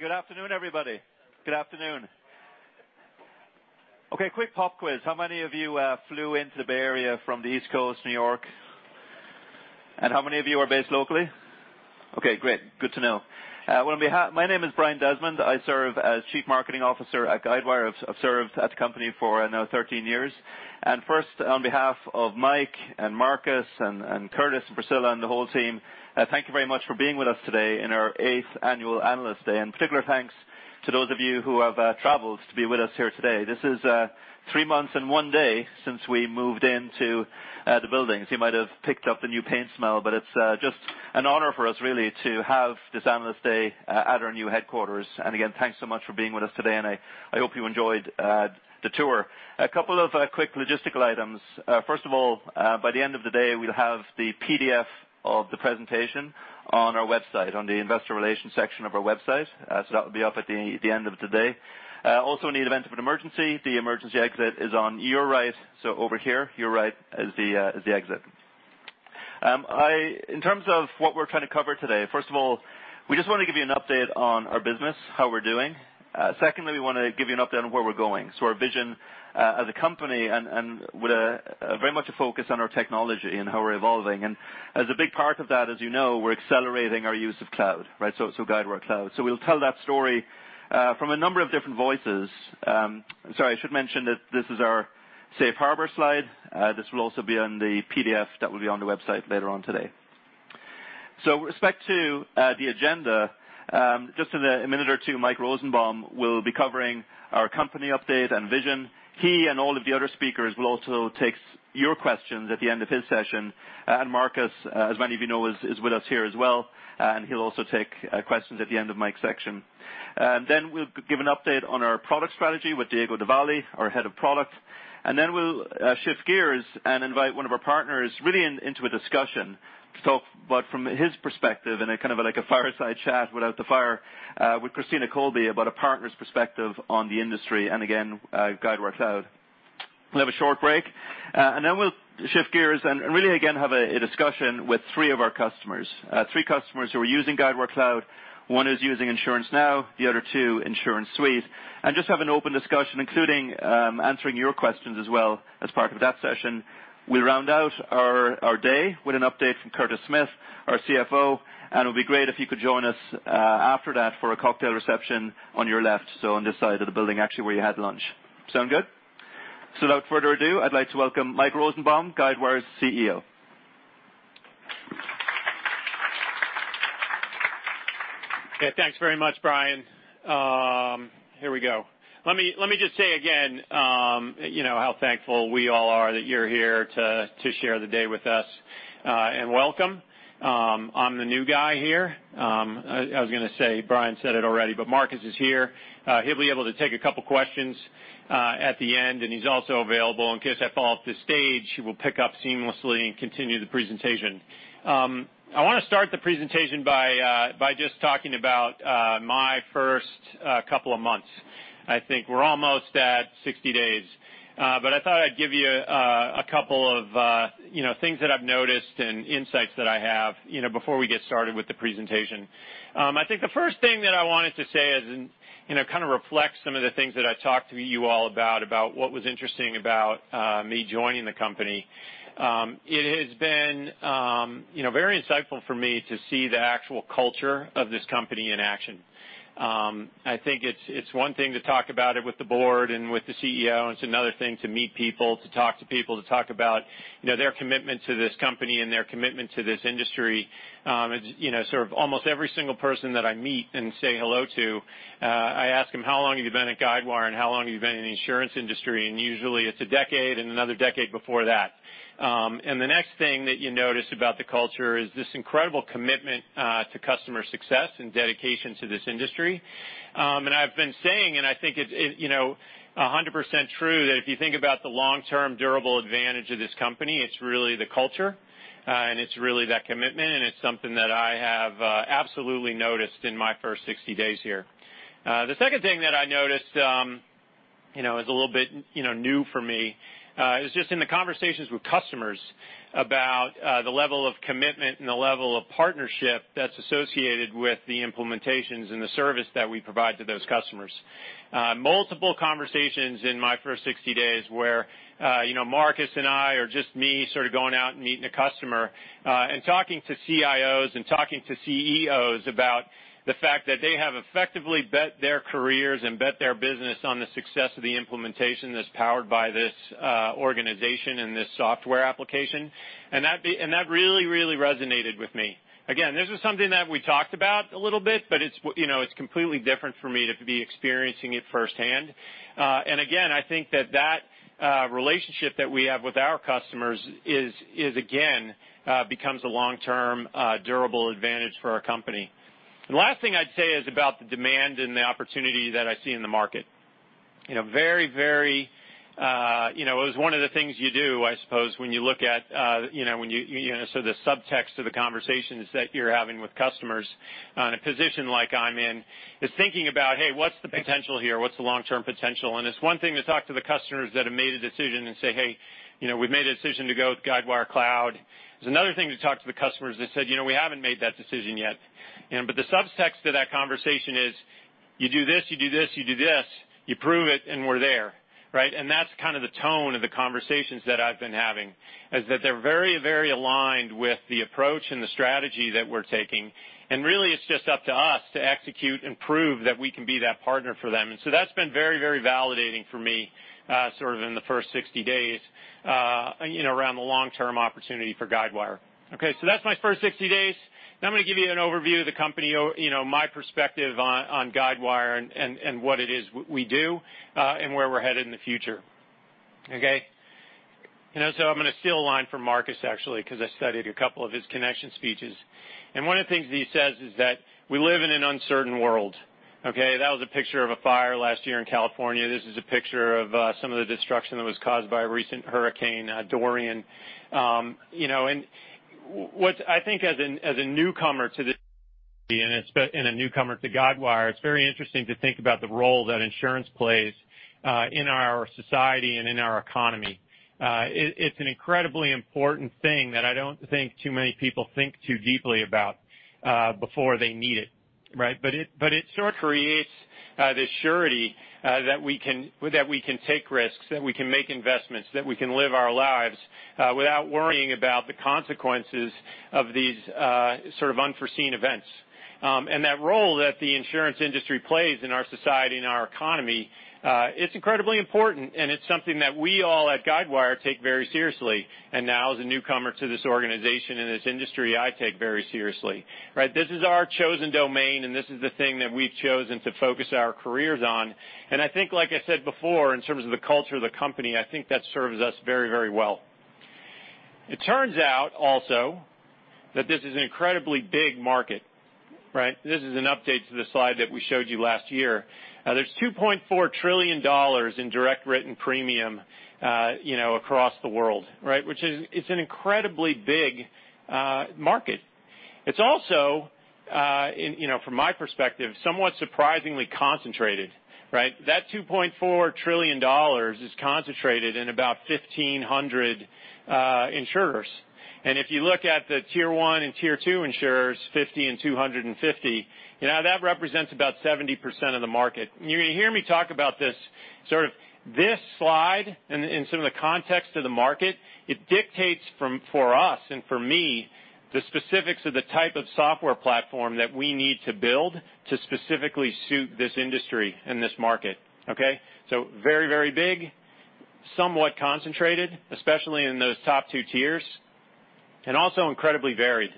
Good afternoon, everybody. Good afternoon. Quick pop quiz. How many of you flew into the Bay Area from the East Coast, New York? How many of you are based locally? Great. Good to know. My name is Brian Desmond. I serve as Chief Marketing Officer at Guidewire. I've served at the company for now 13 years. First, on behalf of Mike and Marcus and Curtis and Priscilla and the whole team, thank you very much for being with us today in our eighth annual Analyst Day. Particular thanks to those of you who have traveled to be with us here today. This is three months and one day since we moved into the building. You might have picked up the new paint smell, but it's just an honor for us really to have this Analyst Day at our new headquarters. Thanks so much for being with us today, and I hope you enjoyed the tour. A couple of quick logistical items. First of all, by the end of the day, we'll have the PDF of the presentation on our website, on the investor relations section of our website. That will be up at the end of today. Also, in the event of an emergency, the emergency exit is on your right, so over here. Your right is the exit. In terms of what we're trying to cover today, first of all, we just want to give you an update on our business, how we're doing. Secondly, we want to give you an update on where we're going. Our vision as a company and with very much a focus on our technology and how we're evolving. As a big part of that, as you know, we're accelerating our use of cloud, right? Guidewire Cloud. We'll tell that story from a number of different voices. Sorry, I should mention that this is our safe harbor slide. This will also be on the PDF that will be on the website later on today. With respect to the agenda, just in a minute or two, Mike Rosenbaum will be covering our company update and vision. He and all of the other speakers will also take your questions at the end of his session. Marcus, as many of you know, is with us here as well, and he'll also take questions at the end of Mike's section. We'll give an update on our product strategy with Diego Devalle, our Head of Product. We'll shift gears and invite one of our partners really into a discussion. But from his perspective and kind of like a fireside chat without the fire, with Christina Colby about a partner's perspective on the industry, and again, Guidewire Cloud. We'll have a short break, and then we'll shift gears and really again have a discussion with three of our customers. Three customers who are using Guidewire Cloud. One is using InsuranceNow, the other two, InsuranceSuite, and just have an open discussion, including answering your questions as well as part of that session. We'll round out our day with an update from Curtis Smith, our CFO, and it'll be great if you could join us after that for a cocktail reception on your left, so on this side of the building, actually, where you had lunch. Sound good? Without further ado, I'd like to welcome Mike Rosenbaum, Guidewire's CEO. Okay, thanks very much, Brian. Here we go. Let me just say again how thankful we all are that you're here to share the day with us. Welcome. I'm the new guy here. I was going to say, Brian said it already, but Marcus is here. He'll be able to take a couple questions at the end, and he's also available in case I fall off the stage. He will pick up seamlessly and continue the presentation. I want to start the presentation by just talking about my first couple of months. I think we're almost at 60 days. I thought I'd give you a couple of things that I've noticed and insights that I have before we get started with the presentation. I think the first thing that I wanted to say kind of reflects some of the things that I talked to you all about what was interesting about me joining the company. It has been very insightful for me to see the actual culture of this company in action. I think it's one thing to talk about it with the board and with the CEO. It's another thing to meet people, to talk to people, to talk about their commitment to this company and their commitment to this industry. Sort of almost every single person that I meet and say hello to, I ask them, "How long have you been at Guidewire, and how long have you been in the insurance industry?" Usually, it's a decade and another decade before that. The next thing that you notice about the culture is this incredible commitment to customer success and dedication to this industry. I've been saying, and I think it's 100% true that if you think about the long-term durable advantage of this company, it's really the culture, and it's really that commitment, and it's something that I have absolutely noticed in my first 60 days here. The second thing that I noticed is a little bit new for me, is just in the conversations with customers about the level of commitment and the level of partnership that's associated with the implementations and the service that we provide to those customers. Multiple conversations in my first 60 days where Marcus and I or just me sort of going out and meeting a customer, and talking to CIOs and talking to CEOs about the fact that they have effectively bet their careers and bet their business on the success of the implementation that's powered by this organization and this software application. That really resonated with me. Again, this is something that we talked about a little bit, but it's completely different for me to be experiencing it firsthand. Again, I think that relationship that we have with our customers again becomes a long-term durable advantage for our company. The last thing I'd say is about the demand and the opportunity that I see in the market. It was one of the things you do, I suppose, when you look at sort of subtext to the conversations that you're having with customers in a position like I'm in, is thinking about, hey, what's the potential here? What's the long-term potential? It's one thing to talk to the customers that have made a decision and say, "Hey, we've made a decision to go with Guidewire Cloud." It's another thing to talk to the customers that said, "We haven't made that decision yet." The subtext to that conversation is, you do this, you do this, you do this, you prove it, and we're there. Right? That's kind of the tone of the conversations that I've been having, is that they're very aligned with the approach and the strategy that we're taking. Really, it's just up to us to execute and prove that we can be that partner for them. That's been very validating for me sort of in the first 60 days around the long-term opportunity for Guidewire. That's my first 60 days. Now I'm going to give you an overview of the company, my perspective on Guidewire and what it is we do and where we're headed in the future. Okay? I'm going to steal a line from Marcus, actually, because I studied a couple of his Connections speeches. One of the things that he says is that we live in an uncertain world. Okay? That was a picture of a fire last year in California. This is a picture of some of the destruction that was caused by a recent hurricane, Dorian. What I think as a newcomer to this industry and a newcomer to Guidewire, it's very interesting to think about the role that insurance plays in our society and in our economy. It's an incredibly important thing that I don't think too many people think too deeply about before they need it, right? It sort of creates this surety that we can take risks, that we can make investments, that we can live our lives without worrying about the consequences of these sort of unforeseen events. That role that the insurance industry plays in our society and our economy, it's incredibly important, and it's something that we all at Guidewire take very seriously. Now, as a newcomer to this organization and this industry, I take very seriously, right? This is our chosen domain, and this is the thing that we've chosen to focus our careers on. I think, like I said before, in terms of the culture of the company, I think that serves us very well. It turns out also that this is an incredibly big market, right? This is an update to the slide that we showed you last year. There's $2.4 trillion in direct written premium across the world. Right? Which is an incredibly big market. It's also, from my perspective, somewhat surprisingly concentrated, right? That $2.4 trillion is concentrated in about 1,500 insurers. If you look at the tier 1 and tier 2 insurers, 50 and 250, that represents about 70% of the market. You're going to hear me talk about this sort of this slide and some of the context of the market, it dictates for us and for me, the specifics of the type of software platform that we need to build to specifically suit this industry and this market. Okay. Very big, somewhat concentrated, especially in those top 2 tiers, and also incredibly varied.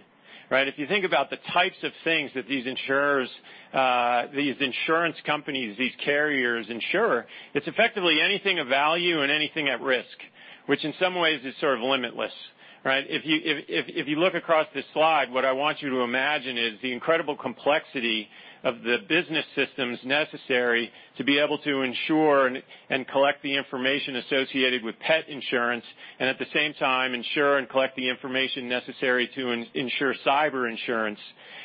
Right. If you think about the types of things that these insurers, these insurance companies, these carriers insure, it's effectively anything of value and anything at risk, which in some ways is sort of limitless. Right. If you look across this slide, what I want you to imagine is the incredible complexity of the business systems necessary to be able to insure and collect the information associated with pet insurance, and at the same time, insure and collect the information necessary to insure cyber insurance.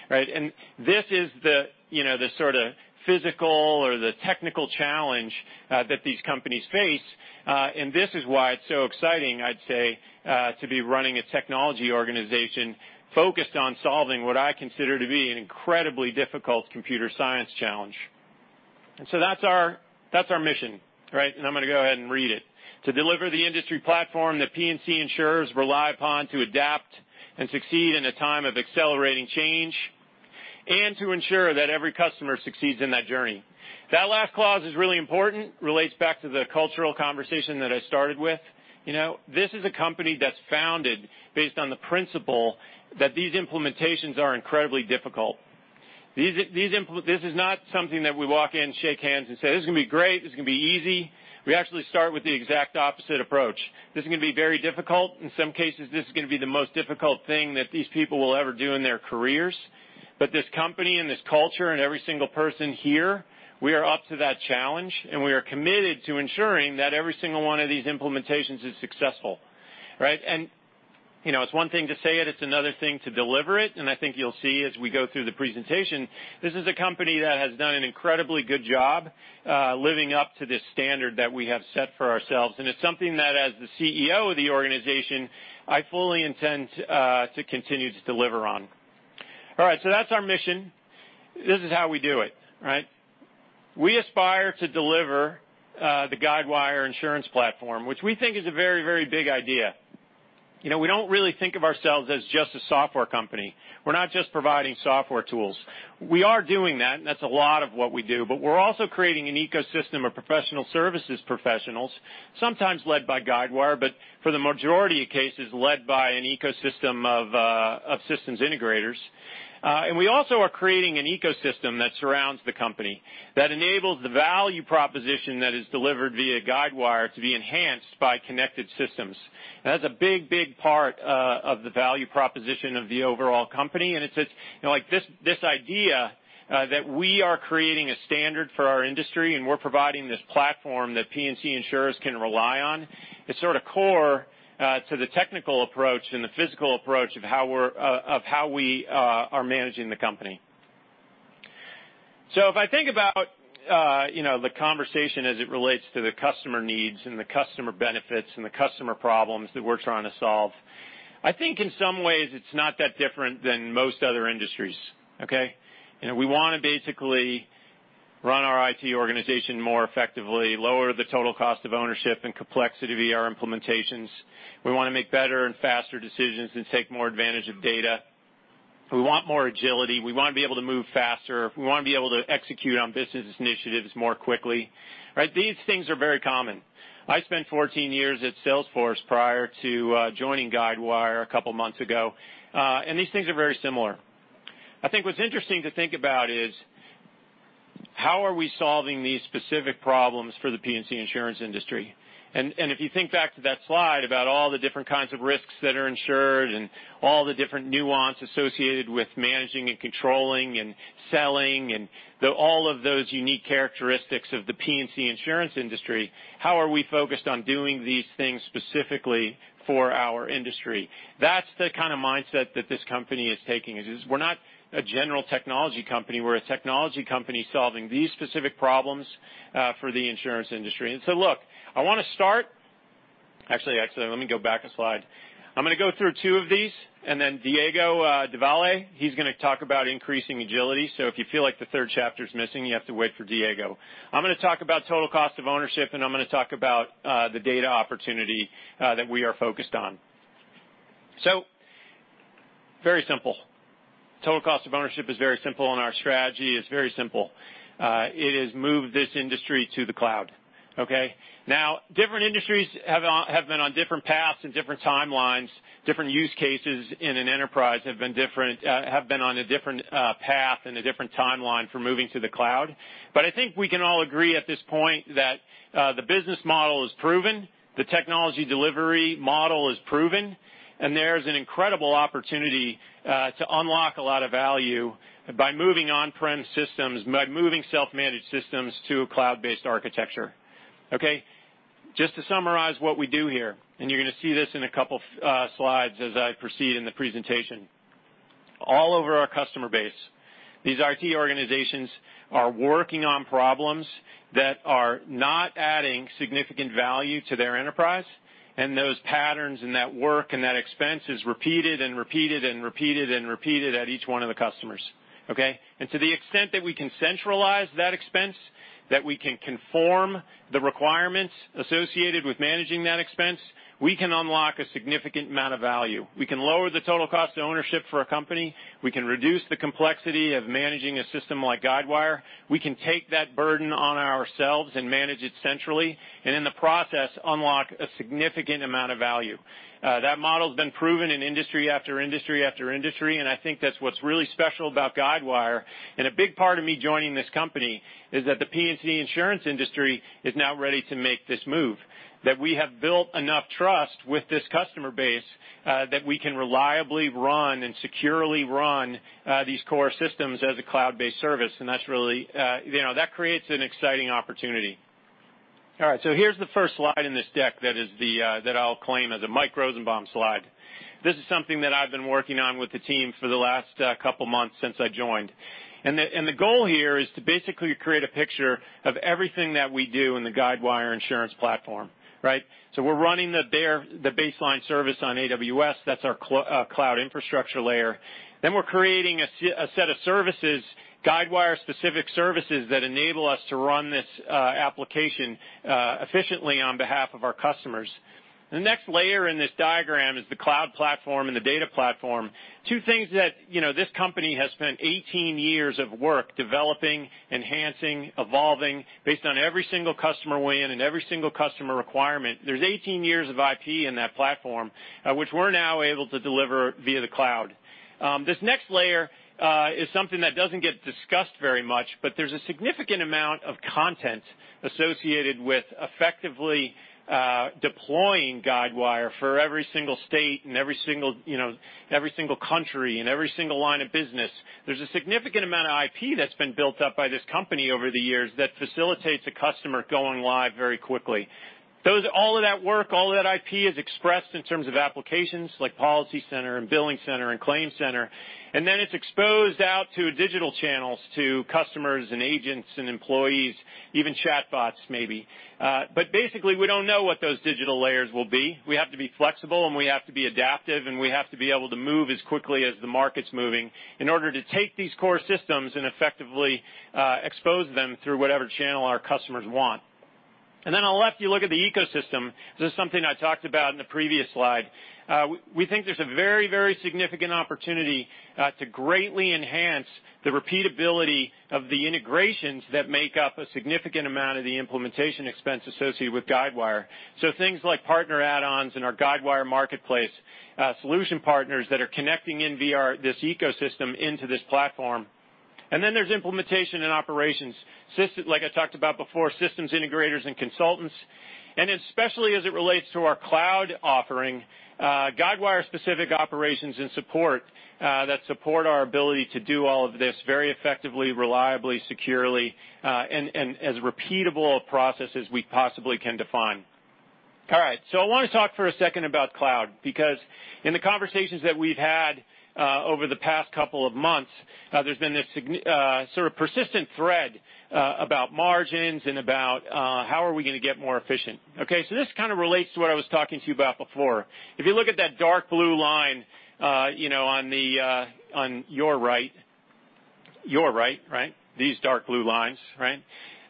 Right? This is the sort of physical or the technical challenge that these companies face. This is why it's so exciting, I'd say, to be running a technology organization focused on solving what I consider to be an incredibly difficult computer science challenge. That's our mission, right? I'm going to go ahead and read it. To deliver the industry platform that P&C insurers rely upon to adapt and succeed in a time of accelerating change, and to ensure that every customer succeeds in that journey. That last clause is really important, relates back to the cultural conversation that I started with. This is a company that's founded based on the principle that these implementations are incredibly difficult. This is not something that we walk in, shake hands and say, "This is going to be great. This is going to be easy. We actually start with the exact opposite approach. This is going to be very difficult. In some cases, this is going to be the most difficult thing that these people will ever do in their careers. This company and this culture and every single person here, we are up to that challenge, and we are committed to ensuring that every single one of these implementations is successful. Right? It's one thing to say it's another thing to deliver it. I think you'll see as we go through the presentation, this is a company that has done an incredibly good job living up to this standard that we have set for ourselves. It's something that, as the CEO of the organization, I fully intend to continue to deliver on. All right, that's our mission. This is how we do it, right? We aspire to deliver the Guidewire Insurance Platform, which we think is a very big idea. We don't really think of ourselves as just a software company. We're not just providing software tools. We are doing that, and that's a lot of what we do, but we're also creating an ecosystem of professional services professionals, sometimes led by Guidewire, but for the majority of cases, led by an ecosystem of systems integrators. We also are creating an ecosystem that surrounds the company that enables the value proposition that is delivered via Guidewire to be enhanced by connected systems. That's a big part of the value proposition of the overall company, and it's this idea that we are creating a standard for our industry, and we're providing this platform that P&C insurers can rely on. It's sort of core to the technical approach and the physical approach of how we are managing the company. If I think about the conversation as it relates to the customer needs and the customer benefits and the customer problems that we're trying to solve, I think in some ways it's not that different than most other industries, okay? We want to basically run our IT organization more effectively, lower the total cost of ownership and complexity of ERP implementations. We want to make better and faster decisions and take more advantage of data. We want more agility. We want to be able to move faster. We want to be able to execute on business initiatives more quickly, right? These things are very common. I spent 14 years at Salesforce prior to joining Guidewire a couple of months ago. These things are very similar. I think what's interesting to think about is how are we solving these specific problems for the P&C insurance industry? If you think back to that slide about all the different kinds of risks that are insured and all the different nuance associated with managing and controlling and selling and all of those unique characteristics of the P&C insurance industry, how are we focused on doing these things specifically for our industry? That's the kind of mindset that this company is taking, is we're not a general technology company. We're a technology company solving these specific problems for the insurance industry. Look, I want to start. Actually, let me go back a slide. I'm going to go through two of these and then Diego Davale, he's going to talk about increasing agility. If you feel like the third chapter is missing, you have to wait for Diego. I'm going to talk about total cost of ownership, and I'm going to talk about the data opportunity that we are focused on. Very simple. Total cost of ownership is very simple, and our strategy is very simple. It is move this industry to the cloud. Okay. Different industries have been on different paths and different timelines. Different use cases in an enterprise have been on a different path and a different timeline for moving to the cloud. I think we can all agree at this point that the business model is proven, the technology delivery model is proven, and there's an incredible opportunity to unlock a lot of value by moving on-prem systems, by moving self-managed systems to a cloud-based architecture. Okay. Just to summarize what we do here, and you're going to see this in a couple of slides as I proceed in the presentation. All over our customer base, these IT organizations are working on problems that are not adding significant value to their enterprise, and those patterns and that work and that expense is repeated at each one of the customers. Okay? To the extent that we can centralize that expense, that we can conform the requirements associated with managing that expense, we can unlock a significant amount of value. We can lower the total cost of ownership for a company. We can reduce the complexity of managing a system like Guidewire. We can take that burden on ourselves and manage it centrally, and in the process, unlock a significant amount of value. That model's been proven in industry after industry after industry, I think that's what's really special about Guidewire. A big part of me joining this company is that the P&C insurance industry is now ready to make this move. That we have built enough trust with this customer base that we can reliably run and securely run these core systems as a cloud-based service, that creates an exciting opportunity. All right. Here's the first slide in this deck that I'll claim as a Mike Rosenbaum slide. This is something that I've been working on with the team for the last couple of months since I joined. The goal here is to basically create a picture of everything that we do in the Guidewire Insurance Platform. Right? We're running the baseline service on AWS. That's our cloud infrastructure layer. We're creating a set of services, Guidewire-specific services that enable us to run this application efficiently on behalf of our customers. The next layer in this diagram is the cloud platform and the data platform. Two things that this company has spent 18 years of work developing, enhancing, evolving based on every single customer win and every single customer requirement. There's 18 years of IP in that platform, which we're now able to deliver via the cloud. This next layer is something that doesn't get discussed very much, but there's a significant amount of content associated with effectively deploying Guidewire for every single state and every single country and every single line of business. There's a significant amount of IP that's been built up by this company over the years that facilitates a customer going live very quickly. All of that work, all of that IP is expressed in terms of applications like PolicyCenter and BillingCenter and ClaimCenter, and then it's exposed out to digital channels to customers and agents and employees, even chatbots maybe. Basically, we don't know what those digital layers will be. We have to be flexible and we have to be adaptive, and we have to be able to move as quickly as the market's moving in order to take these core systems and effectively expose them through whatever channel our customers want. On the left, you look at the ecosystem. This is something I talked about in the previous slide. We think there's a very, very significant opportunity to greatly enhance the repeatability of the integrations that make up a significant amount of the implementation expense associated with Guidewire. Things like partner add-ons in our Guidewire Marketplace, solution partners that are connecting in via this ecosystem into this platform. There's implementation and operations. Like I talked about before, systems integrators and consultants. Especially as it relates to our cloud offering, Guidewire-specific operations and support that support our ability to do all of this very effectively, reliably, securely, and as repeatable a process as we possibly can define. All right. I want to talk for a second about cloud, because in the conversations that we've had over the past couple of months, there's been this sort of persistent thread about margins and about how are we going to get more efficient. Okay, this kind of relates to what I was talking to you about before. If you look at that dark blue line on your right. These dark blue lines.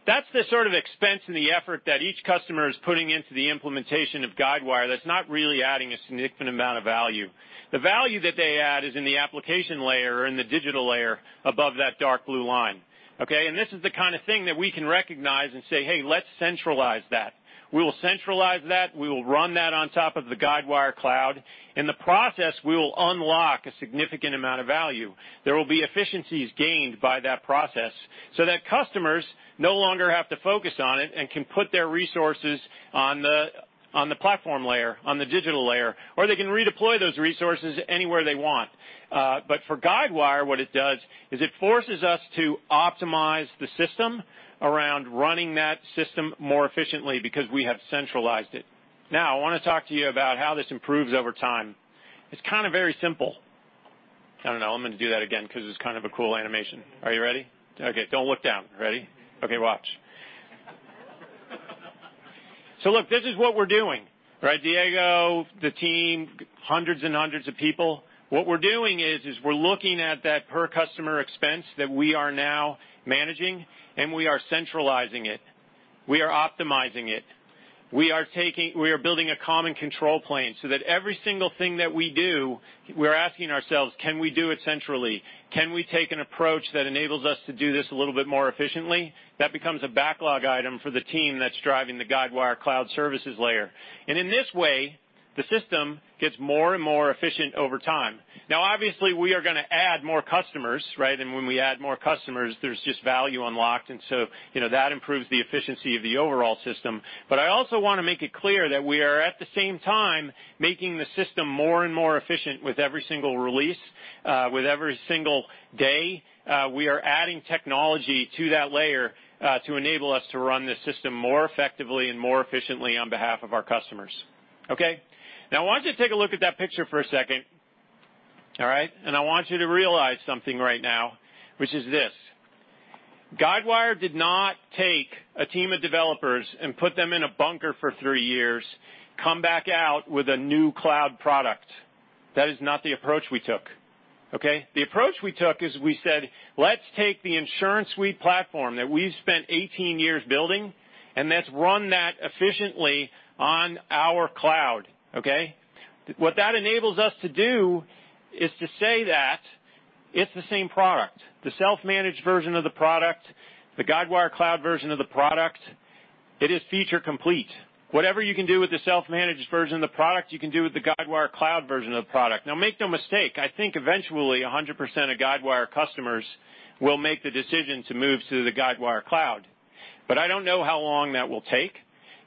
That's the sort of expense and the effort that each customer is putting into the implementation of Guidewire that's not really adding a significant amount of value. The value that they add is in the application layer or in the digital layer above that dark blue line. Okay. This is the kind of thing that we can recognize and say, "Hey, let's centralize that." We will centralize that. We will run that on top of the Guidewire Cloud. In the process, we will unlock a significant amount of value. There will be efficiencies gained by that process so that customers no longer have to focus on it and can put their resources on the platform layer, on the digital layer, or they can redeploy those resources anywhere they want. For Guidewire, what it does is it forces us to optimize the system around running that system more efficiently because we have centralized it. I want to talk to you about how this improves over time. It's kind of very simple. I don't know. I'm going to do that again because it's kind of a cool animation. Are you ready? Okay, don't look down. Ready? Okay, watch. Look, this is what we're doing. Diego, the team, hundreds and hundreds of people. What we're doing is we're looking at that per-customer expense that we are now managing, and we are centralizing it. We are optimizing it. We are building a common control plane so that every single thing that we do, we are asking ourselves, "Can we do it centrally? Can we take an approach that enables us to do this a little bit more efficiently? That becomes a backlog item for the team that's driving the Guidewire Cloud services layer. In this way, the system gets more and more efficient over time. Obviously, we are going to add more customers. When we add more customers, there's just value unlocked. That improves the efficiency of the overall system. I also want to make it clear that we are, at the same time, making the system more and more efficient with every single release, with every single day. We are adding technology to that layer to enable us to run the system more effectively and more efficiently on behalf of our customers. Okay? I want you to take a look at that picture for a second. All right? I want you to realize something right now, which is this: Guidewire did not take a team of developers and put them in a bunker for three years, come back out with a new cloud product. That is not the approach we took. Okay? The approach we took is we said, "Let's take the InsuranceSuite platform that we've spent 18 years building, and let's run that efficiently on our cloud." Okay? What that enables us to do is to say that it's the same product. The self-managed version of the product, the Guidewire Cloud version of the product, it is feature complete. Whatever you can do with the self-managed version of the product, you can do with the Guidewire Cloud version of the product. Make no mistake, I think eventually 100% of Guidewire customers will make the decision to move to the Guidewire Cloud. I don't know how long that will take,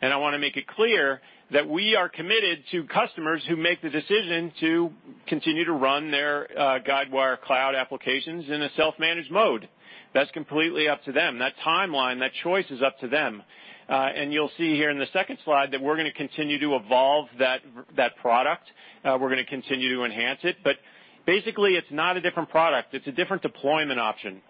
and I want to make it clear that we are committed to customers who make the decision to continue to run their Guidewire Cloud applications in a self-managed mode. That's completely up to them. That timeline, that choice is up to them. You'll see here in the second slide that we're going to continue to evolve that product. We're going to continue to enhance it. Basically, it's not a different product. It's a different deployment option.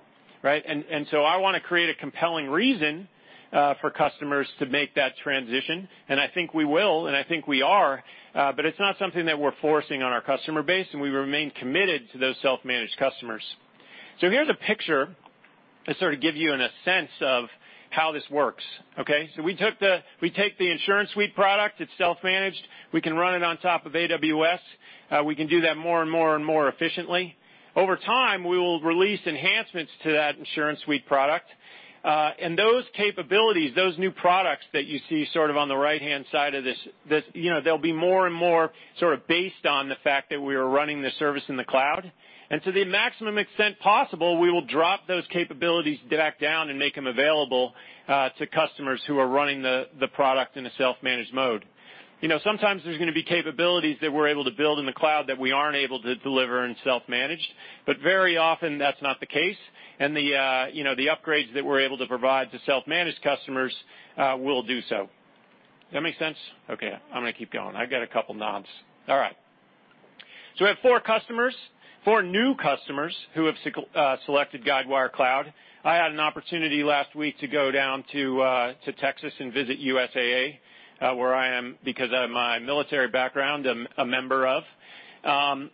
Right? I want to create a compelling reason for customers to make that transition, and I think we will, and I think we are. It's not something that we're forcing on our customer base, and we remain committed to those self-managed customers. Here's a picture to sort of give you a sense of how this works. Okay? We take the InsuranceSuite product. It's self-managed. We can run it on top of AWS. We can do that more and more efficiently. Over time, we will release enhancements to that InsuranceSuite product. Those capabilities, those new products that you see sort of on the right-hand side of this, they'll be more and more sort of based on the fact that we are running the service in the cloud. To the maximum extent possible, we will drop those capabilities back down and make them available to customers who are running the product in a self-managed mode. Sometimes there's going to be capabilities that we're able to build in the cloud that we aren't able to deliver in self-managed. Very often, that's not the case. The upgrades that we're able to provide to self-managed customers, we'll do so. That make sense? Okay, I'm going to keep going. I got a couple nods. All right. We have four customers, four new customers who have selected Guidewire Cloud. I had an opportunity last week to go down to Texas and visit USAA, where I am, because of my military background, a member of.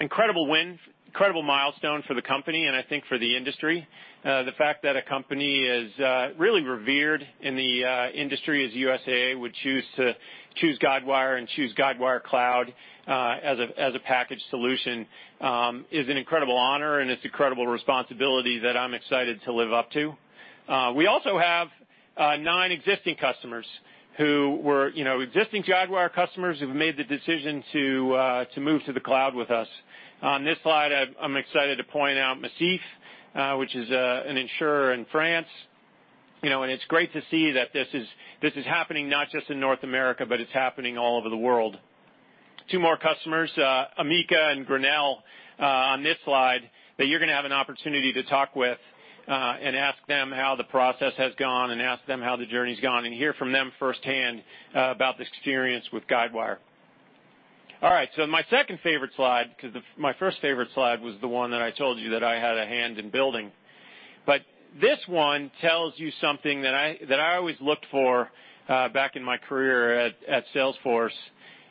Incredible win, incredible milestone for the company and I think for the industry. The fact that a company as really revered in the industry as USAA would choose Guidewire and choose Guidewire Cloud as a packaged solution is an incredible honor, and it's an incredible responsibility that I'm excited to live up to. We also have nine existing customers who were existing Guidewire customers who've made the decision to move to the cloud with us. On this slide, I'm excited to point out Macif, which is an insurer in France. It's great to see that this is happening not just in North America, but it's happening all over the world. Two more customers, Amica and Grinnell, on this slide that you're going to have an opportunity to talk with and ask them how the process has gone and ask them how the journey's gone, and hear from them firsthand about the experience with Guidewire. All right. My second favorite slide, because my first favorite slide was the one that I told you that I had a hand in building. This one tells you something that I always looked for back in my career at Salesforce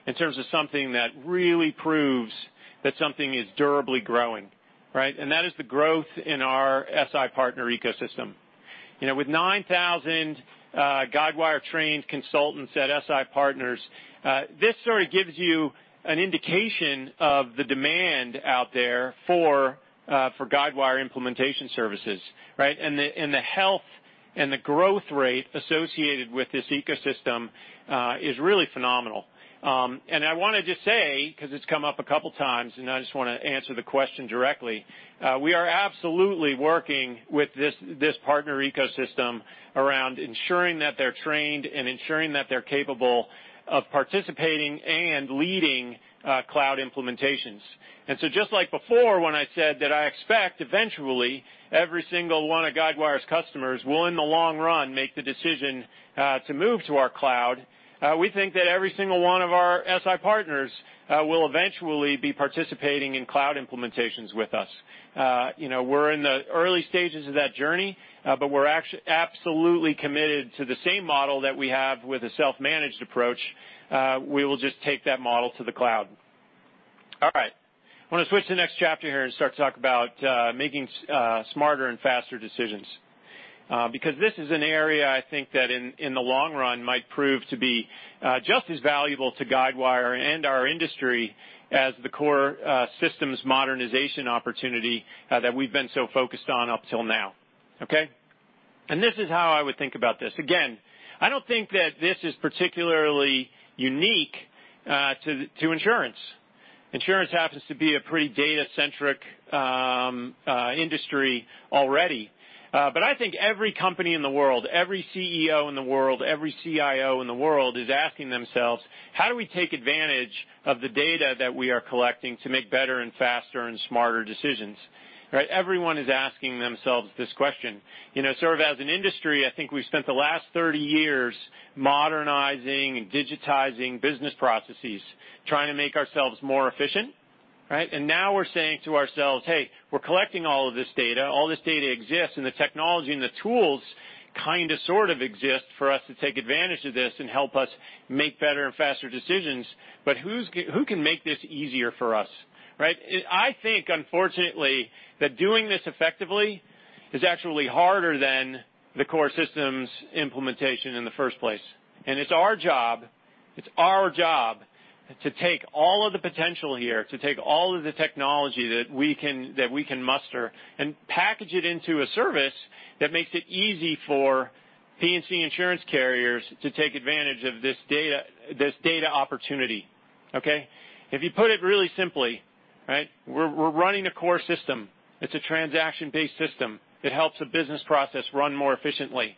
in terms of something that really proves that something is durably growing, right? That is the growth in our SI partner ecosystem. With 9,000 Guidewire-trained consultants at SI Partners, this sort of gives you an indication of the demand out there for Guidewire implementation services, right? The health and the growth rate associated with this ecosystem is really phenomenal. I want to just say, because it's come up a couple of times, I just want to answer the question directly. We are absolutely working with this partner ecosystem around ensuring that they're trained and ensuring that they're capable of participating and leading cloud implementations. Just like before, when I said that I expect eventually every single one of Guidewire's customers will, in the long run, make the decision to move to our cloud, we think that every single one of our SI partners will eventually be participating in cloud implementations with us. We're in the early stages of that journey, but we're absolutely committed to the same model that we have with a self-managed approach. We will just take that model to the cloud. All right. I want to switch to the next chapter here and start to talk about making smarter and faster decisions. This is an area I think that in the long run might prove to be just as valuable to Guidewire and our industry as the core systems modernization opportunity that we've been so focused on up till now. Okay? This is how I would think about this. Again, I don't think that this is particularly unique to insurance. Insurance happens to be a pretty data-centric industry already. I think every company in the world, every CEO in the world, every CIO in the world, is asking themselves, "How do we take advantage of the data that we are collecting to make better and faster and smarter decisions?" Right? Everyone is asking themselves this question. Sort of as an industry, I think we've spent the last 30 years modernizing and digitizing business processes, trying to make ourselves more efficient, right? Now we're saying to ourselves, "Hey, we're collecting all of this data. All this data exists, and the technology and the tools kind of, sort of exist for us to take advantage of this and help us make better and faster decisions. Who can make this easier for us?" Right? I think, unfortunately, that doing this effectively is actually harder than the core systems implementation in the first place. It's our job to take all of the potential here, to take all of the technology that we can muster and package it into a service that makes it easy for P&C insurance carriers to take advantage of this data opportunity. Okay? If you put it really simply, right, we're running a core system. It's a transaction-based system. It helps a business process run more efficiently.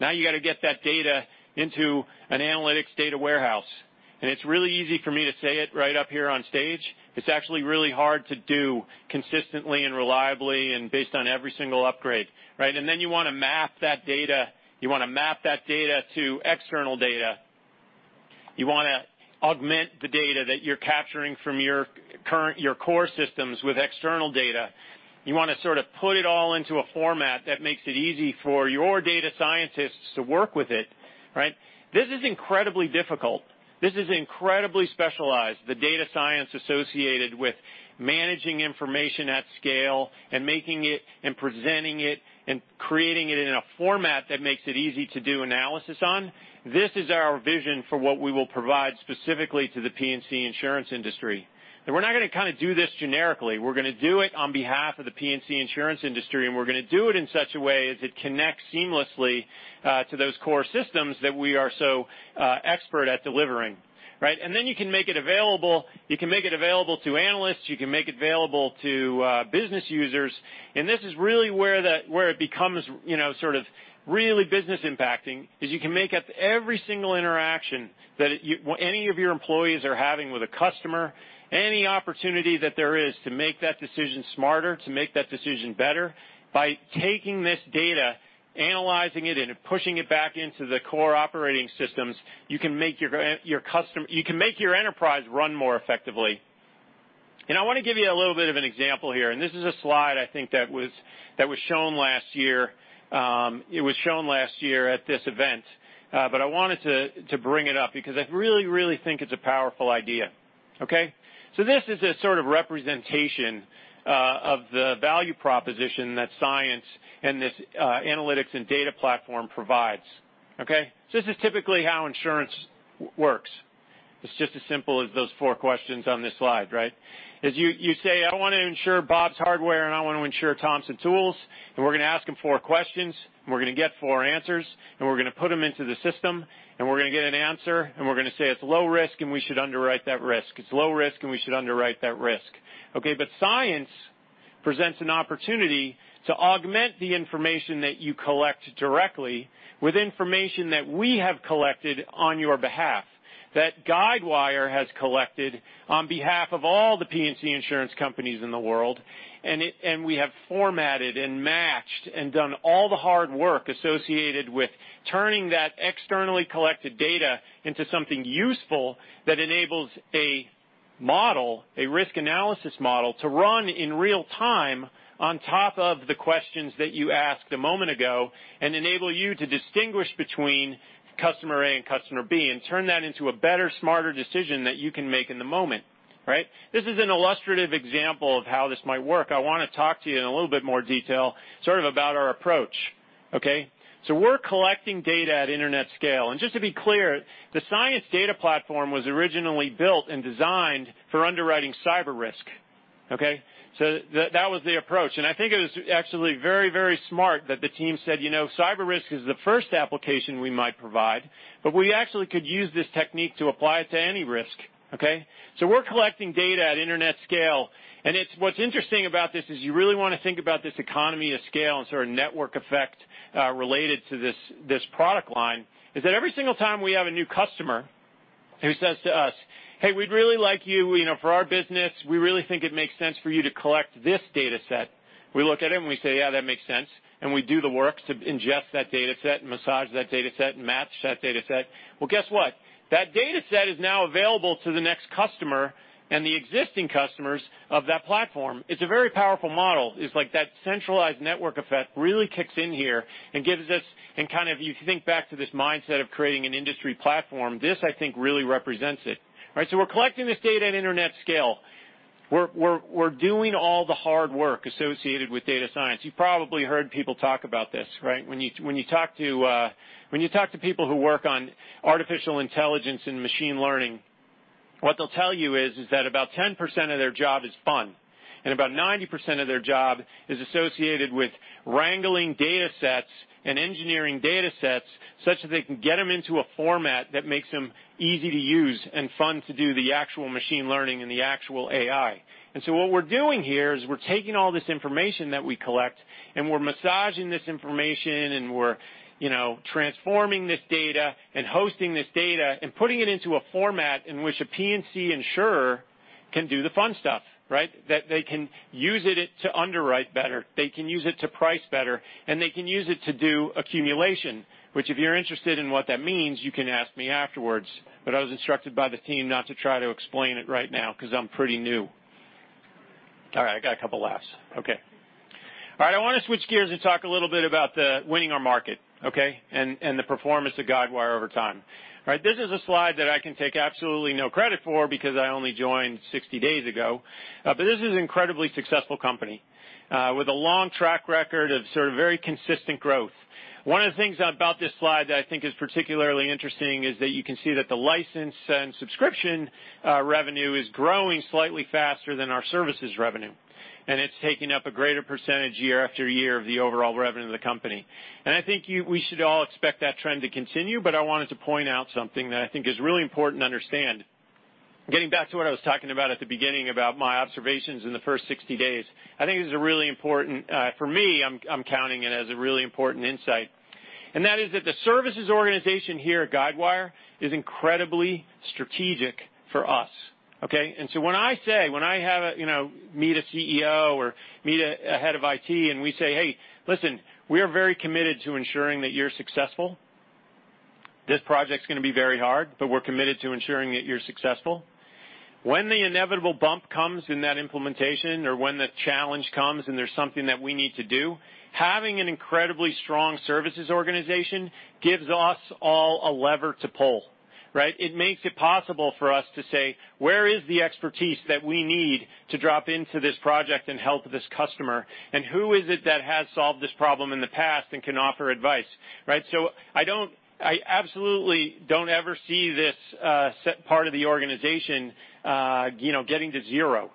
You got to get that data into an analytics data warehouse. It's really easy for me to say it right up here on stage. It's actually really hard to do consistently and reliably and based on every single upgrade, right? Then you want to map that data to external data. You want to augment the data that you're capturing from your core systems with external data. You want to sort of put it all into a format that makes it easy for your data scientists to work with it, right? This is incredibly difficult. This is incredibly specialized, the data science associated with managing information at scale and making it and presenting it and creating it in a format that makes it easy to do analysis on. This is our vision for what we will provide specifically to the P&C insurance industry. We're not going to kind of do this generically. We're going to do it on behalf of the P&C insurance industry, and we're going to do it in such a way as it connects seamlessly to those core systems that we are so expert at delivering, right? You can make it available to analysts, you can make it available to business users. This is really where it becomes sort of really business impacting, is you can make at every single interaction that any of your employees are having with a customer, any opportunity that there is to make that decision smarter, to make that decision better. By taking this data, analyzing it, and pushing it back into the core operating systems, you can make your enterprise run more effectively. I want to give you a little bit of an example here. This is a slide I think that was shown last year. It was shown last year at this event. I wanted to bring it up because I really think it's a powerful idea. Okay? This is a sort of representation of the value proposition that science and this analytics and data platform provides. Okay? This is typically how insurance works. It's just as simple as those four questions on this slide, right? Is you say, "I want to insure Bob's Hardware, and I want to insure Thompson Tools," and we're going to ask them four questions, and we're going to get four answers, and we're going to put them into the system, and we're going to get an answer, and we're going to say, "It's low risk, and we should underwrite that risk." Okay. Science presents an opportunity to augment the information that you collect directly with information that we have collected on your behalf, that Guidewire has collected on behalf of all the P&C insurance companies in the world. We have formatted and matched and done all the hard work associated with turning that externally collected data into something useful that enables a model, a risk analysis model, to run in real time on top of the questions that you asked a moment ago, and enable you to distinguish between customer A and customer B and turn that into a better, smarter decision that you can make in the moment. This is an illustrative example of how this might work. I want to talk to you in a little bit more detail sort of about our approach. We're collecting data at internet scale. Just to be clear, the science data platform was originally built and designed for underwriting cyber risk. That was the approach. I think it was actually very, very smart that the team said, "Cyber risk is the first application we might provide, but we actually could use this technique to apply it to any risk." We're collecting data at internet scale, and what's interesting about this is you really want to think about this economy of scale and sort of network effect, related to this product line, is that every single time we have a new customer who says to us, "Hey, we'd really like you for our business. We really think it makes sense for you to collect this data set." We look at it and we say, "Yeah, that makes sense." We do the work to ingest that data set and massage that data set and match that data set. Guess what? That data set is now available to the next customer and the existing customers of that platform. It's a very powerful model. It's like that centralized network effect really kicks in here and if you think back to this mindset of creating an industry platform, this, I think, really represents it. We're collecting this data at internet scale. We're doing all the hard work associated with data science. You've probably heard people talk about this. When you talk to people who work on artificial intelligence and machine learning, what they'll tell you is that about 10% of their job is fun, and about 90% of their job is associated with wrangling data sets and engineering data sets such that they can get them into a format that makes them easy to use and fun to do the actual machine learning and the actual AI. What we're doing here is we're taking all this information that we collect, and we're massaging this information, and we're transforming this data and hosting this data and putting it into a format in which a P&C insurer can do the fun stuff. That they can use it to underwrite better, they can use it to price better, and they can use it to do accumulation. Which, if you're interested in what that means, you can ask me afterwards, but I was instructed by the team not to try to explain it right now because I'm pretty new. All right. I got a couple laughs. Okay. All right. I want to switch gears and talk a little bit about the winning our market, and the performance of Guidewire over time. This is a slide that I can take absolutely no credit for because I only joined 60 days ago. This is an incredibly successful company, with a long track record of sort of very consistent growth. One of the things about this slide that I think is particularly interesting is that you can see that the license and subscription revenue is growing slightly faster than our services revenue. It's taking up a greater percentage year after year of the overall revenue of the company. I think we should all expect that trend to continue, but I wanted to point out something that I think is really important to understand. Getting back to what I was talking about at the beginning about my observations in the first 60 days. For me, I'm counting it as a really important insight, that is that the services organization here at Guidewire is incredibly strategic for us. When I say, when I meet a CEO or meet a head of IT, and we say, "Hey, listen, we are very committed to ensuring that you're successful. This project's going to be very hard, but we're committed to ensuring that you're successful." When the inevitable bump comes in that implementation or when the challenge comes and there's something that we need to do, having an incredibly strong services organization gives us all a lever to pull. It makes it possible for us to say, where is the expertise that we need to drop into this project and help this customer? Who is it that has solved this problem in the past and can offer advice? I absolutely don't ever see this part of the organization getting to zero.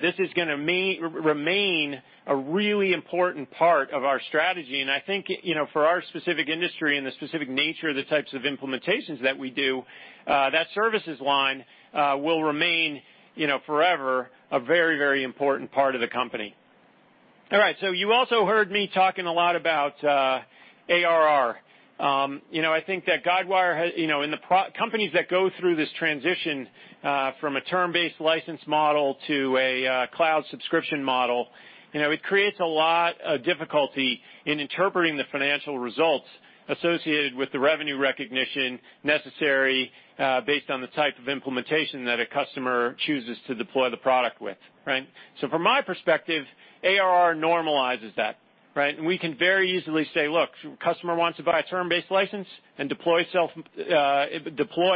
This is going to remain a really important part of our strategy. I think for our specific industry and the specific nature of the types of implementations that we do, that services line will remain forever a very, very important part of the company. All right. You also heard me talking a lot about ARR. In the companies that go through this transition from a term-based license model to a cloud subscription model, it creates a lot of difficulty in interpreting the financial results associated with the revenue recognition necessary, based on the type of implementation that a customer chooses to deploy the product with. From my perspective, ARR normalizes that. We can very easily say, look, customer wants to buy a term-based license and deploy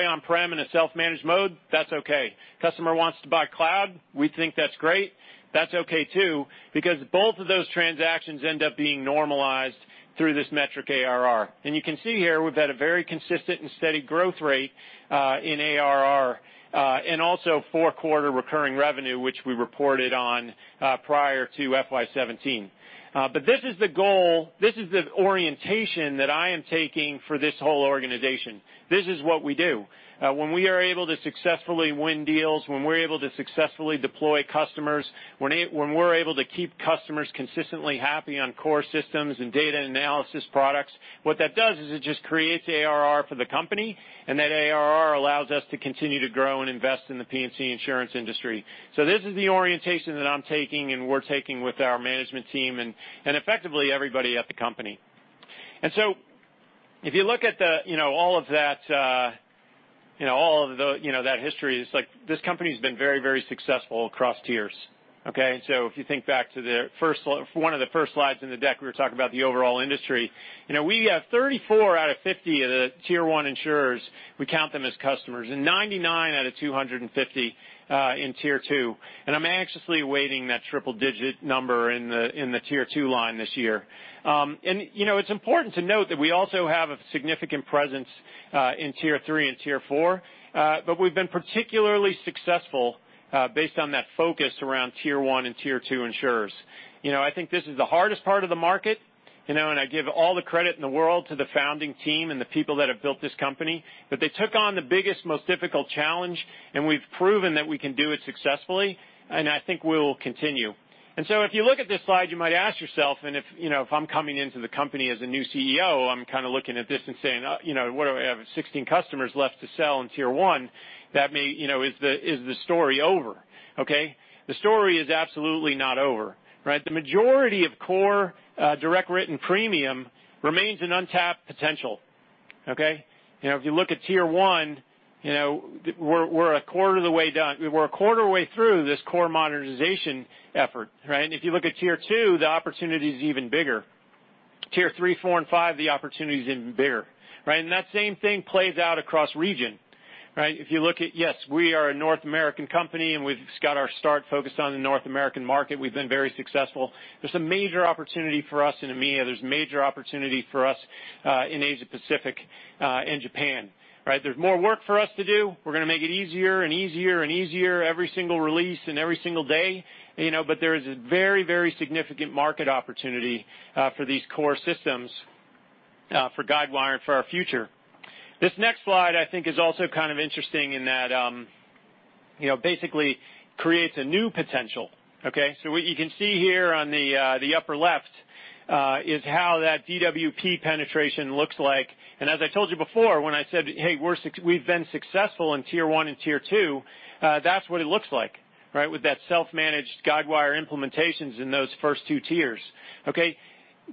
on-prem in a self-managed mode, that's okay. Customer wants to buy cloud, we think that's great. That's okay too, because both of those transactions end up being normalized through this metric ARR. You can see here we've had a very consistent and steady growth rate in ARR. Also four-quarter recurring revenue, which we reported on prior to FY 2017. This is the goal, this is the orientation that I am taking for this whole organization. This is what we do. When we are able to successfully win deals, when we're able to successfully deploy customers, when we're able to keep customers consistently happy on core systems and data analysis products, what that does is it just creates ARR for the company, and that ARR allows us to continue to grow and invest in the P&C insurance industry. This is the orientation that I'm taking and we're taking with our management team and effectively everybody at the company. If you look at all of that history, it's like this company's been very successful across tiers. Okay? If you think back to one of the first slides in the deck, we were talking about the overall industry. We have 34 out of 50 of the Tier 1 insurers, we count them as customers, and 99 out of 250 in Tier 2. I'm anxiously awaiting that triple-digit number in the Tier 2 line this year. It's important to note that we also have a significant presence in Tier 3 and Tier 4, but we've been particularly successful based on that focus around Tier 1 and Tier 2 insurers. I think this is the hardest part of the market, and I give all the credit in the world to the founding team and the people that have built this company, that they took on the biggest, most difficult challenge, and we've proven that we can do it successfully, and I think we will continue. If you look at this slide, you might ask yourself, and if I'm coming into the company as a new CEO, I'm kind of looking at this and saying, "What do I have? 16 customers left to sell in Tier 1. Is the story over? Okay? The story is absolutely not over, right? The majority of core direct written premium remains an untapped potential. Okay? If you look at Tier 1, we're a quarter of the way done. We're a quarter way through this core modernization effort, right? If you look at Tier 2, the opportunity is even bigger. Tier 3, 4, and 5, the opportunity's even bigger, right? That same thing plays out across region. Right? If you look at, yes, we are a North American company, and we've got our start focused on the North American market. We've been very successful. There's a major opportunity for us in EMEA. There's major opportunity for us in Asia-Pacific and Japan. Right? There's more work for us to do. We're going to make it easier and easier every single release and every single day. There is a very significant market opportunity for these core systems for Guidewire and for our future. This next slide, I think, is also kind of interesting in that basically creates a new potential. Okay? What you can see here on the upper left is how that DWP penetration looks like. As I told you before, when I said, "Hey, we've been successful in Tier 1 and Tier 2," that's what it looks like, right? With that self-managed Guidewire implementations in those first 2 tiers. Okay?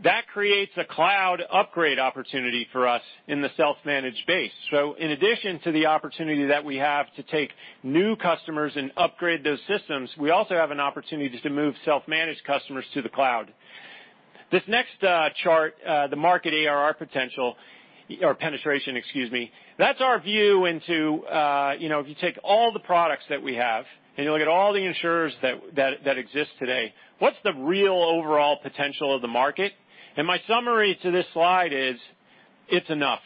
That creates a cloud upgrade opportunity for us in the self-managed base. In addition to the opportunity that we have to take new customers and upgrade those systems, we also have an opportunity to move self-managed customers to the cloud. This next chart, the market ARR potential, or penetration, excuse me. That's our view into if you take all the products that we have and you look at all the insurers that exist today, what's the real overall potential of the market? My summary to this slide is it's enough.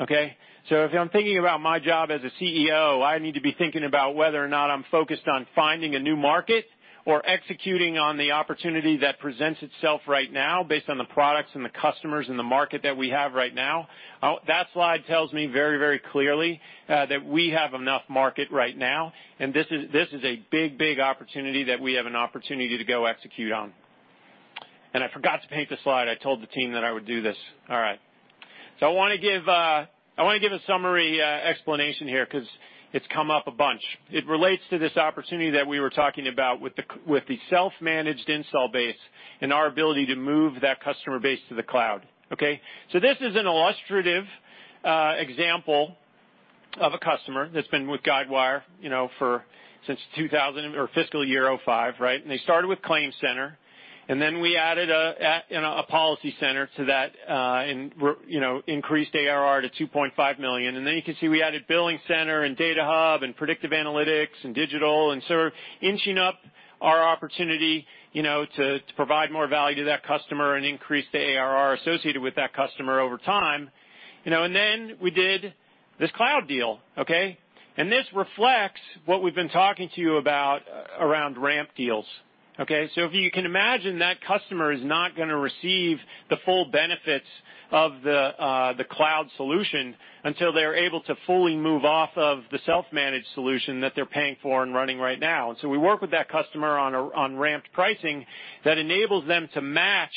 Okay. If I'm thinking about my job as a CEO, I need to be thinking about whether or not I'm focused on finding a new market or executing on the opportunity that presents itself right now based on the products and the customers and the market that we have right now. That slide tells me very clearly, that we have enough market right now, and this is a big opportunity that we have an opportunity to go execute on. I forgot to paint the slide. I told the team that I would do this. All right. I want to give a summary explanation here because it's come up a bunch. It relates to this opportunity that we were talking about with the self-managed install base and our ability to move that customer base to the cloud. Okay? This is an illustrative example of a customer that's been with Guidewire since fiscal year 2005, right? They started with ClaimCenter, then we added a PolicyCenter to that, and increased ARR to $2.5 million. Then you can see we added BillingCenter and DataHub and Guidewire Predict and Guidewire Digital. We're inching up our opportunity to provide more value to that customer and increase the ARR associated with that customer over time. Then we did this cloud deal. Okay? This reflects what we've been talking to you about around ramp deals. Okay? If you can imagine, that customer is not going to receive the full benefits of the cloud solution until they're able to fully move off of the self-managed solution that they're paying for and running right now. We work with that customer on ramped pricing that enables them to match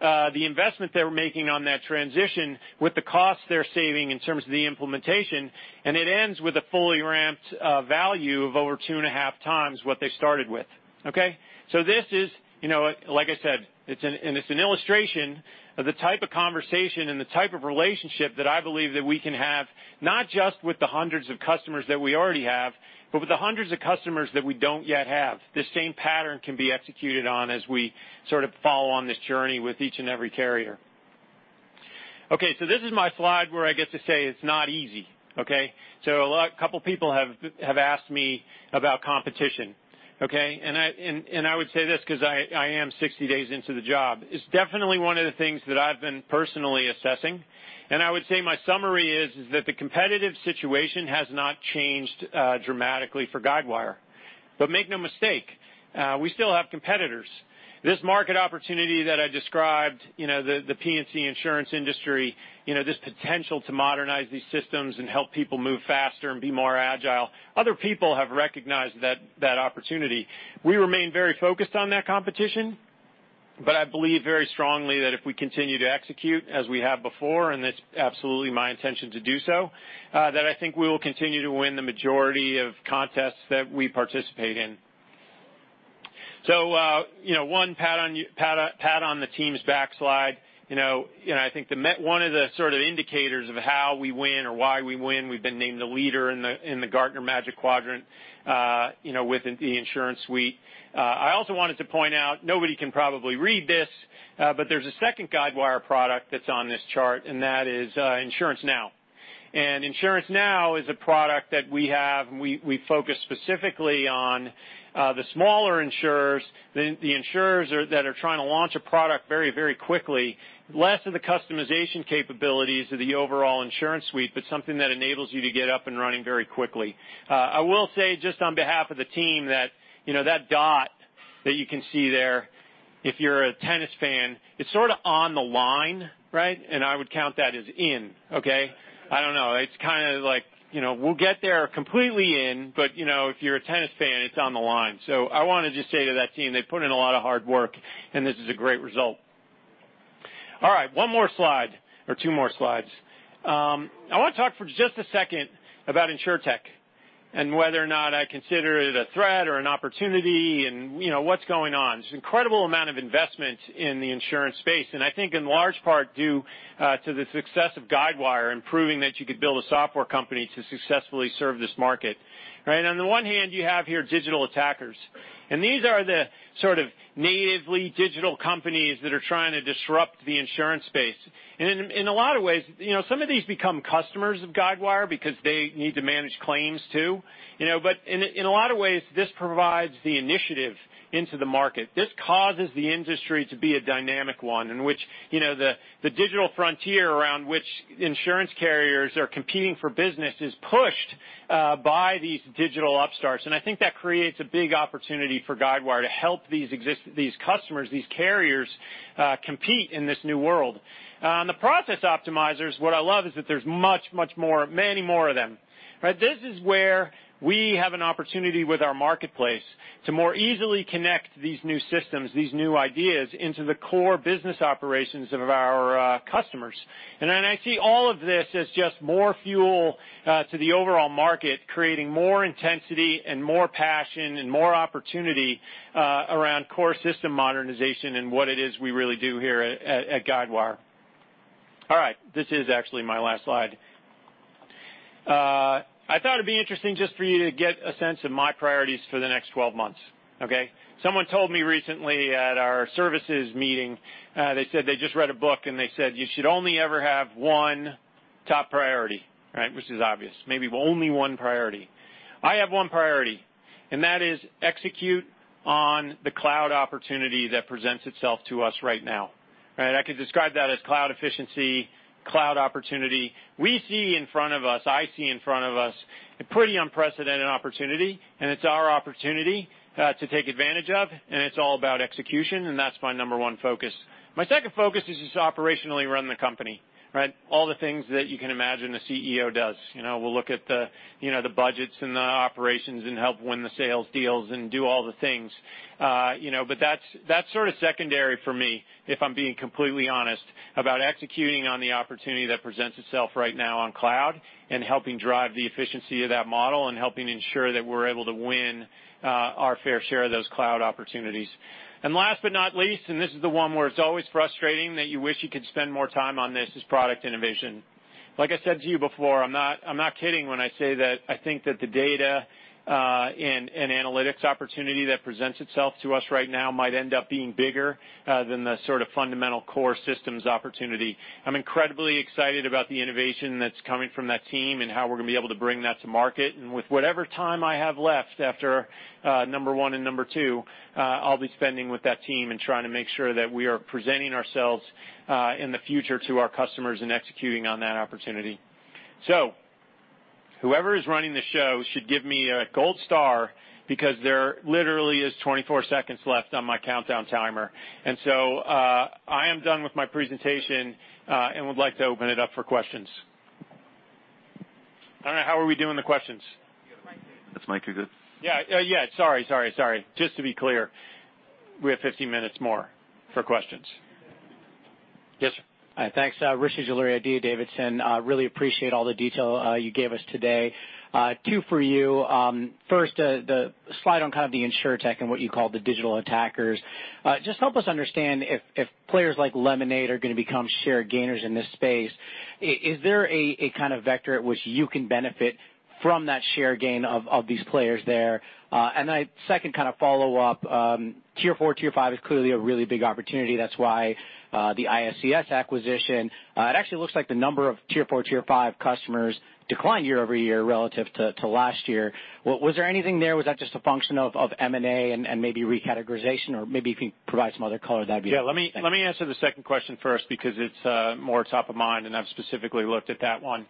the investment they're making on that transition with the cost they're saving in terms of the implementation, and it ends with a fully ramped value of over two and a half times what they started with. Okay. This is, like I said, it's an illustration of the type of conversation and the type of relationship that I believe that we can have, not just with the hundreds of customers that we already have, but with the hundreds of customers that we don't yet have. The same pattern can be executed on as we sort of follow on this journey with each and every carrier. This is my slide where I get to say it's not easy. A couple of people have asked me about competition. I would say this because I am 60 days into the job. It's definitely one of the things that I've been personally assessing, and I would say my summary is that the competitive situation has not changed dramatically for Guidewire. Make no mistake, we still have competitors. This market opportunity that I described, the P&C insurance industry, this potential to modernize these systems and help people move faster and be more agile, other people have recognized that opportunity. We remain very focused on that competition, but I believe very strongly that if we continue to execute as we have before, and it's absolutely my intention to do so, that I think we will continue to win the majority of contests that we participate in. One pat on the team's back slide. I think one of the sort of indicators of how we win or why we win, we've been named the leader in the Gartner Magic Quadrant within the InsuranceSuite. I also wanted to point out, nobody can probably read this, but there's a second Guidewire product that's on this chart, and that is InsuranceNow. InsuranceNow is a product that we have, and we focus specifically on the smaller insurers, the insurers that are trying to launch a product very quickly. Less of the customization capabilities of the overall InsuranceSuite, but something that enables you to get up and running very quickly. I will say, just on behalf of the team, that dot that you can see there, if you're a tennis fan, it's sort of on the line, right? I would count that as in. Okay. I don't know. It's kind of like, we'll get there completely in, but if you're a tennis fan, it's on the line. I want to just say to that team, they've put in a lot of hard work, and this is a great result. All right, one more slide. Two more slides. I want to talk for just a second about Insurtech and whether or not I consider it a threat or an opportunity and what's going on. There's an incredible amount of investment in the insurance space. I think in large part due to the success of Guidewire and proving that you could build a software company to successfully serve this market. Right? On the one hand, you have your digital attackers. These are the sort of natively digital companies that are trying to disrupt the insurance space. In a lot of ways, some of these become customers of Guidewire because they need to manage claims too. In a lot of ways, this provides the initiative into the market. This causes the industry to be a dynamic one in which the digital frontier around which insurance carriers are competing for business is pushed by these digital upstarts. I think that creates a big opportunity for Guidewire to help these customers, these carriers, compete in this new world. On the process optimizers, what I love is that there's much more, many more of them. Right? This is where we have an opportunity with our marketplace to more easily connect these new systems, these new ideas, into the core business operations of our customers. I see all of this as just more fuel to the overall market, creating more intensity and more passion and more opportunity around core system modernization and what it is we really do here at Guidewire. All right. This is actually my last slide. I thought it'd be interesting just for you to get a sense of my priorities for the next 12 months. Okay? Someone told me recently at our services meeting, they said they just read a book, and they said, "You should only ever have one top priority." Right? Which is obvious. Maybe only one priority. I have one priority, and that is execute on the cloud opportunity that presents itself to us right now. Right? I could describe that as cloud efficiency, cloud opportunity. We see in front of us, I see in front of us, a pretty unprecedented opportunity, and it's our opportunity to take advantage of, and it's all about execution, and that's my number one focus. My second focus is just operationally run the company. Right? All the things that you can imagine a CEO does. We'll look at the budgets and the operations and help win the sales deals and do all the things. That's sort of secondary for me, if I'm being completely honest, about executing on the opportunity that presents itself right now on cloud and helping drive the efficiency of that model and helping ensure that we're able to win our fair share of those cloud opportunities. Last but not least, and this is the one where it's always frustrating that you wish you could spend more time on this, is product innovation. Like I said to you before, I'm not kidding when I say that I think that the data and analytics opportunity that presents itself to us right now might end up being bigger than the sort of fundamental core systems opportunity. I'm incredibly excited about the innovation that's coming from that team and how we're going to be able to bring that to market. With whatever time I have left after number one and number two, I'll be spending with that team and trying to make sure that we are presenting ourselves in the future to our customers and executing on that opportunity. Whoever is running the show should give me a gold star because there literally is 24 seconds left on my countdown timer. I am done with my presentation and would like to open it up for questions. I don't know, how are we doing on the questions? You have a mic there. This mic is it? Yeah. Sorry. Just to be clear, we have 15 minutes more for questions. Yes, sir. Thanks. Rishi Jaluria, D.A. Davidson. Really appreciate all the detail you gave us today. Two for you. First, the slide on kind of the Insurtech and what you call the digital attackers. Just help us understand if players like Lemonade are going to become share gainers in this space. Is there a kind of vector at which you can benefit from that share gain of these players there? A second kind of follow-up. Tier 4, Tier 5 is clearly a really big opportunity. That's why the ISCS acquisition. It actually looks like the number of Tier 4, Tier 5 customers declined year-over-year relative to last year. Was there anything there? Was that just a function of M&A and maybe recategorization? Maybe if you can provide some other color, that'd be great. Thank you. Yeah, let me answer the second question first because it's more top of mind, and I've specifically looked at that one.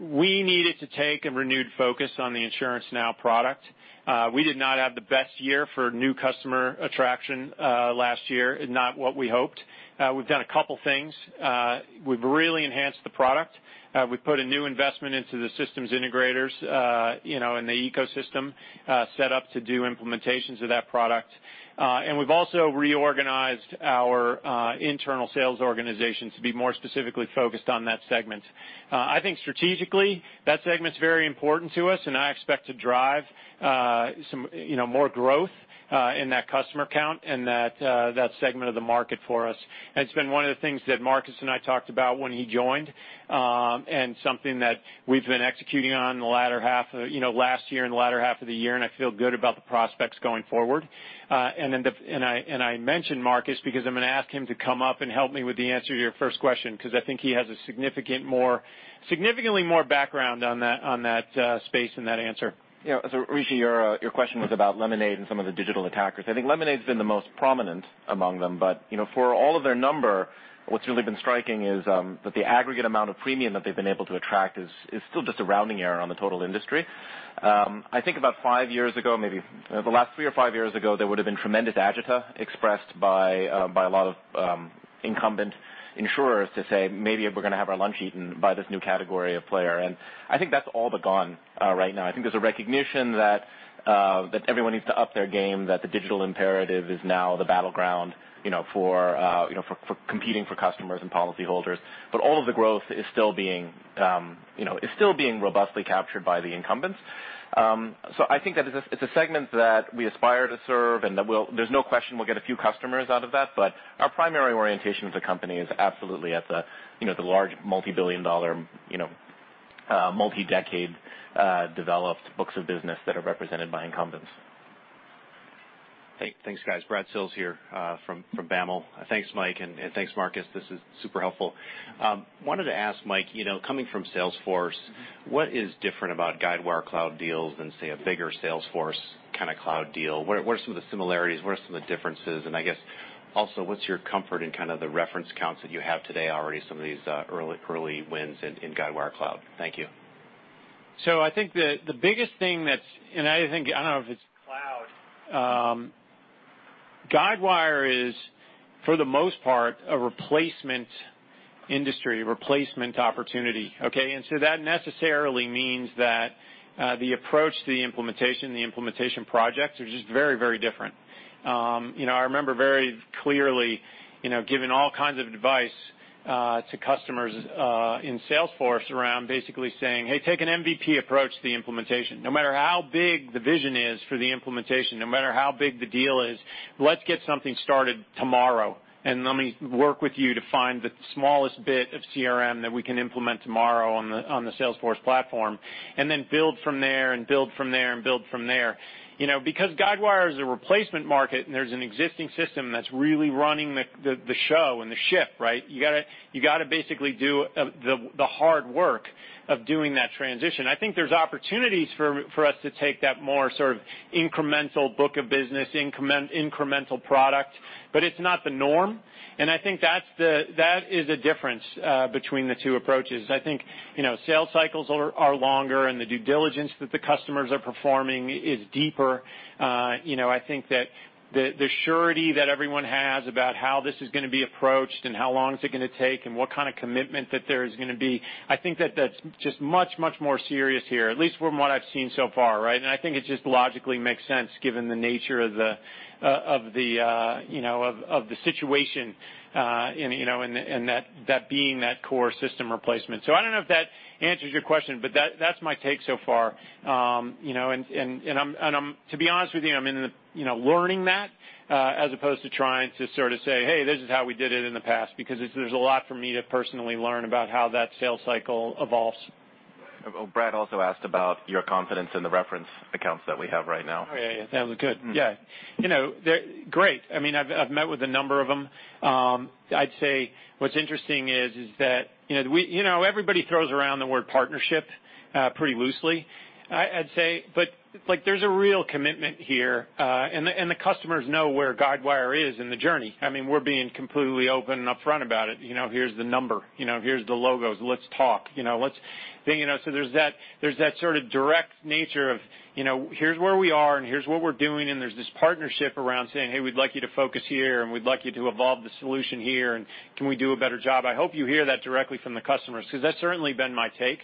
We needed to take a renewed focus on the InsuranceNow product. We did not have the best year for new customer attraction last year. Not what we hoped. We've done a couple of things. We've really enhanced the product. We've put a new investment into the systems integrators in the ecosystem set up to do implementations of that product. We've also reorganized our internal sales organization to be more specifically focused on that segment. I think strategically, that segment's very important to us, and I expect to drive more growth in that customer count and that segment of the market for us. It's been one of the things that Marcus and I talked about when he joined, and something that we've been executing on the latter half of last year, and the latter half of the year, and I feel good about the prospects going forward. I mention Marcus because I'm going to ask him to come up and help me with the answer to your first question, because I think he has a significantly more background on that space and that answer. Yeah. Rishi, your question was about Lemonade and some of the digital attackers. I think Lemonade's been the most prominent among them, but for all of their number, what's really been striking is that the aggregate amount of premium that they've been able to attract is still just a rounding error on the total industry. I think about five years ago, maybe the last three or five years ago, there would've been tremendous agita expressed by a lot of incumbent insurers to say, "Maybe we're going to have our lunch eaten by this new category of player." I think that's all but gone right now. I think there's a recognition that everyone needs to up their game, that the digital imperative is now the battleground competing for customers and policyholders, but all of the growth is still being robustly captured by the incumbents. I think that it's a segment that we aspire to serve, and that there's no question we'll get a few customers out of that, but our primary orientation of the company is absolutely at the large multi-billion dollar, multi-decade developed books of business that are represented by incumbents. Hey, thanks, guys. Brad Sills here from BAML. Thanks, Mike, and thanks, Marcus. This is super helpful. I wanted to ask Mike, coming from Salesforce, what is different about Guidewire Cloud deals than, say, a bigger Salesforce kind of cloud deal? What are some of the similarities? What are some of the differences? I guess, also, what's your comfort in kind of the reference counts that you have today already, some of these early wins in Guidewire Cloud? Thank you. I think the biggest thing, and I don't know if it's cloud. Guidewire is, for the most part, a replacement industry, a replacement opportunity, okay? That necessarily means that the approach to the implementation, the implementation projects, are just very different. I remember very clearly giving all kinds of advice to customers in Salesforce around basically saying, "Hey, take an MVP approach to the implementation. No matter how big the vision is for the implementation, no matter how big the deal is, let's get something started tomorrow, and let me work with you to find the smallest bit of CRM that we can implement tomorrow on the Salesforce platform, and then build from there and build from there." Guidewire is a replacement market, and there's an existing system that's really running the show and the ship, right? You got to basically do the hard work of doing that transition. I think there's opportunities for us to take that more sort of incremental book of business, incremental product, but it's not the norm. I think that is a difference between the two approaches. I think sales cycles are longer, and the due diligence that the customers are performing is deeper. I think that the surety that everyone has about how this is going to be approached, and how long is it going to take, and what kind of commitment that there is going to be, I think that that's just much more serious here, at least from what I've seen so far, right? I think it just logically makes sense given the nature of the situation, and that being that core system replacement. I don't know if that answers your question, but that's my take so far. To be honest with you, I'm in the learning that, as opposed to trying to sort of say, "Hey, this is how we did it in the past." There's a lot for me to personally learn about how that sales cycle evolves. Brad also asked about your confidence in the reference accounts that we have right now. Oh, yeah. That was good. Yeah. Great. I've met with a number of them. I'd say what's interesting is that everybody throws around the word partnership pretty loosely. I'd say, there's a real commitment here, and the customers know where Guidewire is in the journey. We're being completely open and upfront about it. Here's the number. Here's the logos. Let's talk. There's that sort of direct nature of here's where we are and here's what we're doing, and there's this partnership around saying, "Hey, we'd like you to focus here, and we'd like you to evolve the solution here, and can we do a better job?" I hope you hear that directly from the customers, because that's certainly been my take.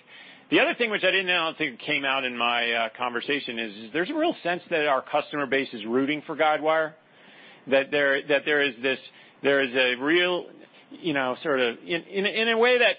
The other thing, which I don't think came out in my conversation, is there's a real sense that our customer base is rooting for Guidewire. That there is a real sort of in a way that,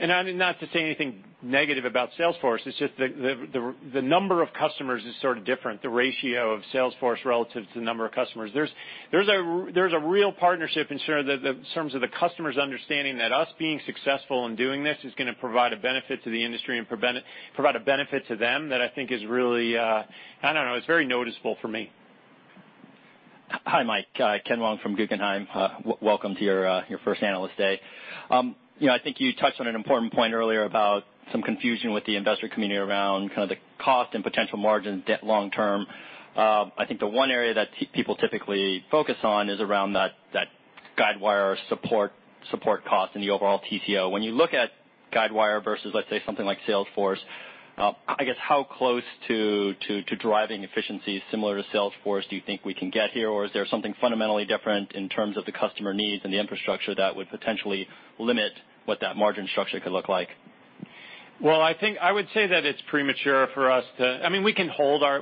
and not to say anything negative about Salesforce, it's just the number of customers is sort of different. The ratio of Salesforce relative to the number of customers. There's a real partnership in terms of the customers understanding that us being successful in doing this is going to provide a benefit to the industry and provide a benefit to them that I think is really, I don't know, it's very noticeable for me. Hi, Mike. Kenneth Wong from Guggenheim. Welcome to your first Analyst Day. I think you touched on an important point earlier about some confusion with the investor community around kind of the cost and potential margin long term. I think the one area that people typically focus on is around that Guidewire support cost and the overall TCO. When you look at Guidewire versus, let's say, something like Salesforce, I guess how close to driving efficiencies similar to Salesforce do you think we can get here? Is there something fundamentally different in terms of the customer needs and the infrastructure that would potentially limit what that margin structure could look like? Well, I think I would say that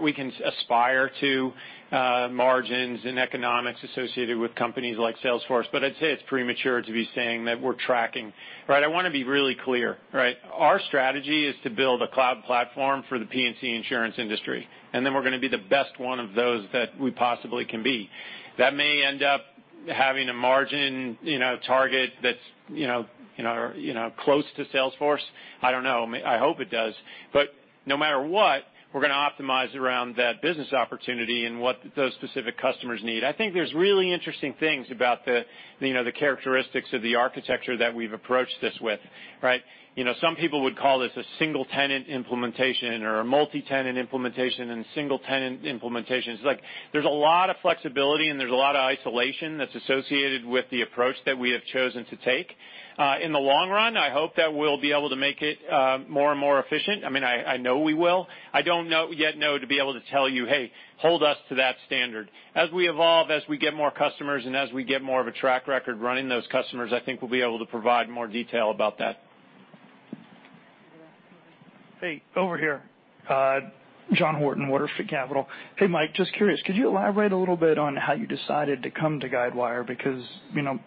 We can aspire to margins and economics associated with companies like Salesforce, but I'd say it's premature to be saying that we're tracking. I want to be really clear. Our strategy is to build a cloud platform for the P&C insurance industry, and then we're going to be the best one of those that we possibly can be. That may end up having a margin target that's close to Salesforce. I don't know. I hope it does. No matter what, we're going to optimize around that business opportunity and what those specific customers need. I think there's really interesting things about the characteristics of the architecture that we've approached this with. Some people would call this a single-tenant implementation or a multi-tenant implementation. Single-tenant implementation is like there's a lot of flexibility, and there's a lot of isolation that's associated with the approach that we have chosen to take. In the long run, I hope that we'll be able to make it more and more efficient. I know we will. I don't yet know to be able to tell you, "Hey, hold us to that standard." As we evolve, as we get more customers, as we get more of a track record running those customers, I think we'll be able to provide more detail about that. Hey, over here. John Horton, Water Street Capital. Hey, Mike, just curious, could you elaborate a little bit on how you decided to come to Guidewire?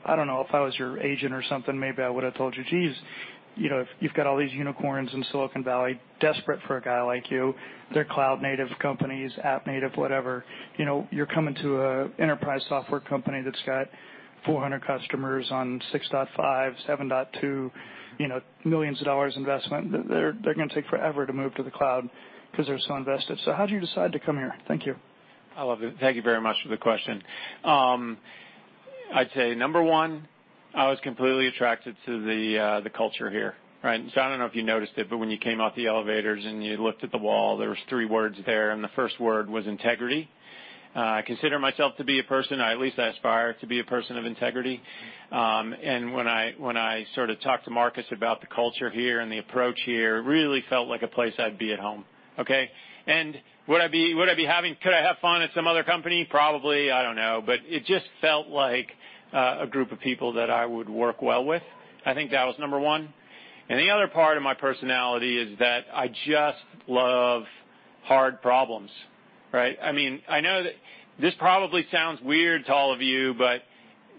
I don't know, if I was your agent or something, maybe I would've told you, geez, you've got all these unicorns in Silicon Valley desperate for a guy like you. They're cloud-native companies, app-native, whatever. You're coming to an enterprise software company that's got 400 customers on 6.5, 7.2, millions of dollars investment. They're going to take forever to move to the cloud because they're so invested. How'd you decide to come here? Thank you. I love it. Thank you very much for the question. I'd say, number one, I was completely attracted to the culture here. I don't know if you noticed it, but when you came out the elevators and you looked at the wall, there was three words there, and the first word was integrity. I consider myself to be a person, or at least I aspire to be a person of integrity. When I sort of talked to Marcus about the culture here and the approach here, it really felt like a place I'd be at home. Okay? Could I have fun at some other company? Probably. I don't know. It just felt like a group of people that I would work well with. I think that was number one. The other part of my personality is that I just love hard problems. I know that this probably sounds weird to all of you, but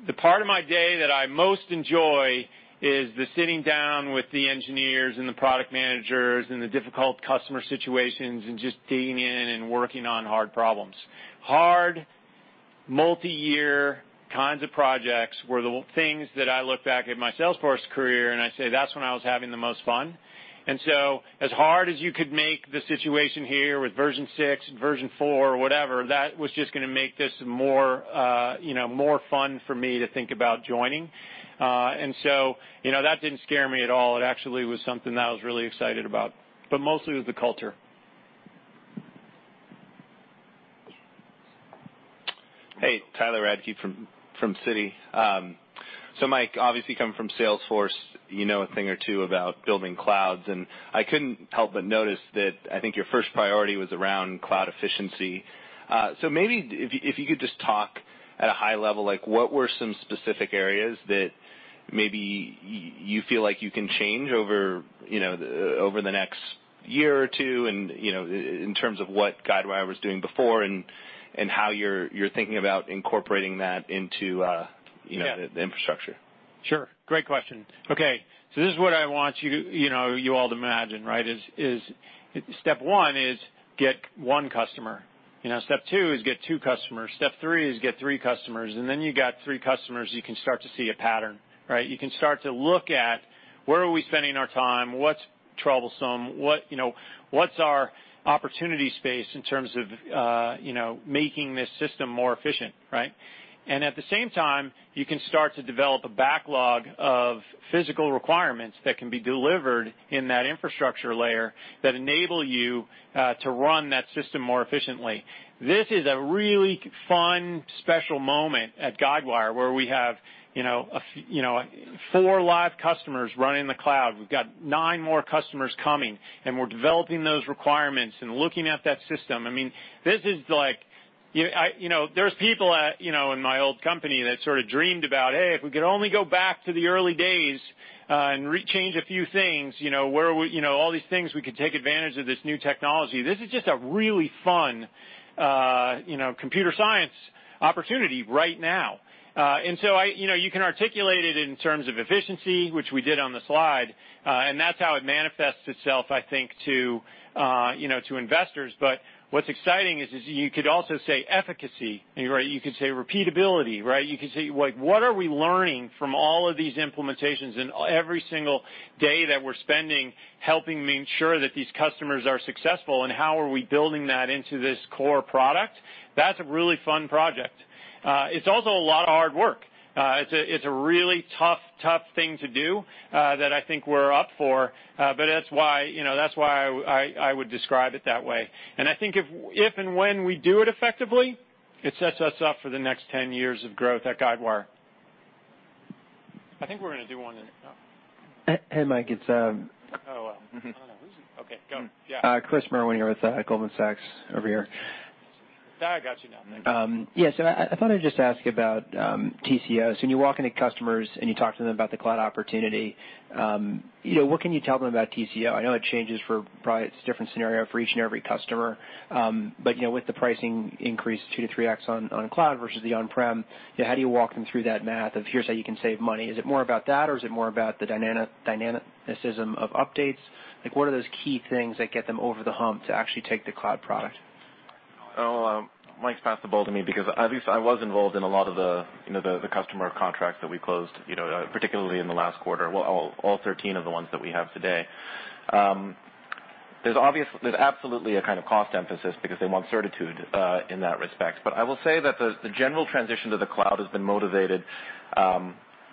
the part of my day that I most enjoy is the sitting down with the engineers and the product managers and the difficult customer situations and just digging in and working on hard problems. Hard, multi-year kinds of projects were the things that I look back at my Salesforce career, and I say, "That's when I was having the most fun." As hard as you could make the situation here with version six, version four or whatever, that was just going to make this more fun for me to think about joining. That didn't scare me at all. It actually was something that I was really excited about, but mostly it was the culture. Hey, Tyler Radke from Citi. Mike, obviously coming from Salesforce, you know a thing or two about building clouds, and I couldn't help but notice that I think your first priority was around cloud efficiency. Maybe if you could just talk at a high level, like what were some specific areas that maybe you feel like you can change over the next year or two in terms of what Guidewire was doing before and how you're thinking about incorporating that. Yeah the infrastructure? Sure. Great question. This is what I want you all to imagine. Step one is get one customer. Step two is get two customers. Step three is get three customers. You got three customers, you can start to see a pattern. You can start to look at where are we spending our time, what's troublesome, what's our opportunity space in terms of making this system more efficient. At the same time, you can start to develop a backlog of physical requirements that can be delivered in that infrastructure layer that enable you to run that system more efficiently. This is a really fun, special moment at Guidewire, where we have four live customers running the cloud. We've got nine more customers coming, we're developing those requirements and looking at that system. There's people in my old company that sort of dreamed about, hey, if we could only go back to the early days and re-change a few things, all these things, we could take advantage of this new technology. This is just a really fun computer science opportunity right now. You can articulate it in terms of efficiency, which we did on the slide, and that's how it manifests itself, I think, to investors. What's exciting is you could also say efficacy. You could say repeatability. You could say, what are we learning from all of these implementations and every single day that we're spending helping ensure that these customers are successful, and how are we building that into this core product? That's a really fun project. It's also a lot of hard work. It's a really tough thing to do that I think we're up for. That's why I would describe it that way. I think if and when we do it effectively, it sets us up for the next 10 years of growth at Guidewire. I think we're going to do one. Hey, Mike. Oh, well. I don't know. Who's it? Okay, go. Yeah. Chris Merwin here with Goldman Sachs over here. No, I got you now. Thank you. Yes. I thought I'd just ask about TCO. When you walk into customers and you talk to them about the cloud opportunity, what can you tell them about TCO? I know it changes for probably it's a different scenario for each and every customer. With the pricing increase 2 to 3x on cloud versus the on-prem, how do you walk them through that math of here's how you can save money? Is it more about that or is it more about the dynamicism of updates? What are those key things that get them over the hump to actually take the cloud product? Mike's passed the ball to me because at least I was involved in a lot of the customer contracts that we closed, particularly in the last quarter. All 13 of the ones that we have today. There's absolutely a kind of cost emphasis because they want certitude in that respect. I will say that the general transition to the cloud has been motivated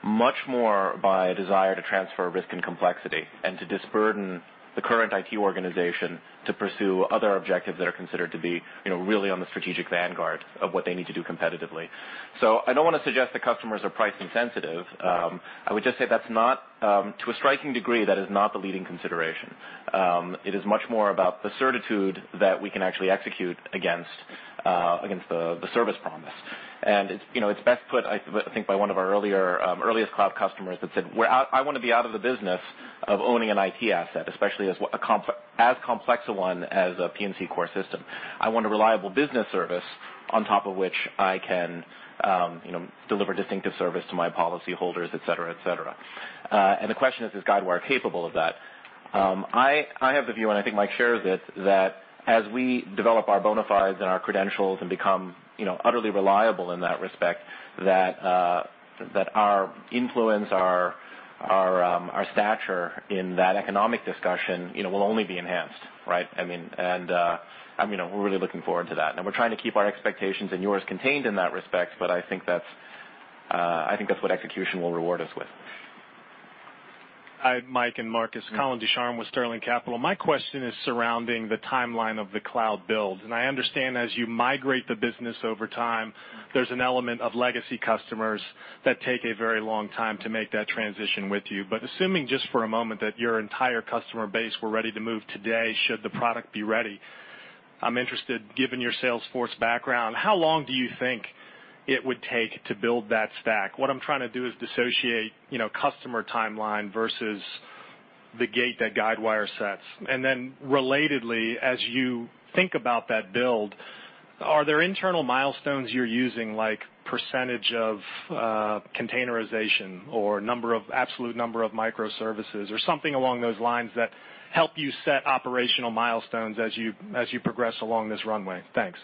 much more by a desire to transfer risk and complexity and to disburden the current IT organization to pursue other objectives that are considered to be really on the strategic vanguard of what they need to do competitively. I don't want to suggest that customers are price insensitive. I would just say to a striking degree, that is not the leading consideration. It is much more about the certitude that we can actually execute against the service promise. It's best put, I think, by one of our earliest cloud customers that said, "I want to be out of the business of owning an IT asset, especially as complex a one as a P&C core system. I want a reliable business service on top of which I can deliver distinctive service to my policyholders, et cetera." The question is Guidewire capable of that? I have the view, and I think Mike shares it, that as we develop our bona fides and our credentials and become utterly reliable in that respect, that our influence, our stature in that economic discussion will only be enhanced, right? We're really looking forward to that. We're trying to keep our expectations and yours contained in that respect, but I think that's what execution will reward us with. Hi, Mike and Marcus. Colin Ducharme with Sterling Capital. My question is surrounding the timeline of the cloud build. I understand as you migrate the business over time, there's an element of legacy customers that take a very long time to make that transition with you. Assuming just for a moment that your entire customer base were ready to move today should the product be ready, I'm interested, given your Salesforce background, how long do you think it would take to build that stack? What I'm trying to do is dissociate customer timeline versus the gate that Guidewire sets. Then relatedly, as you think about that build, are there internal milestones you're using, like percentage of containerization or absolute number of microservices or something along those lines that help you set operational milestones as you progress along this runway? Thanks.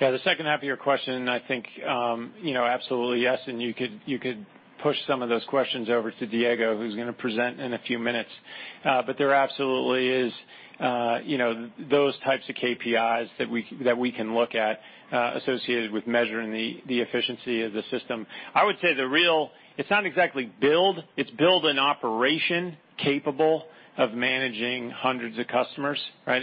Yeah. The second half of your question, I think absolutely yes, and you could push some of those questions over to Diego, who's going to present in a few minutes. There absolutely is those types of KPIs that we can look at associated with measuring the efficiency of the system. I would say it's not exactly build, it's build an operation capable of managing hundreds of customers, right?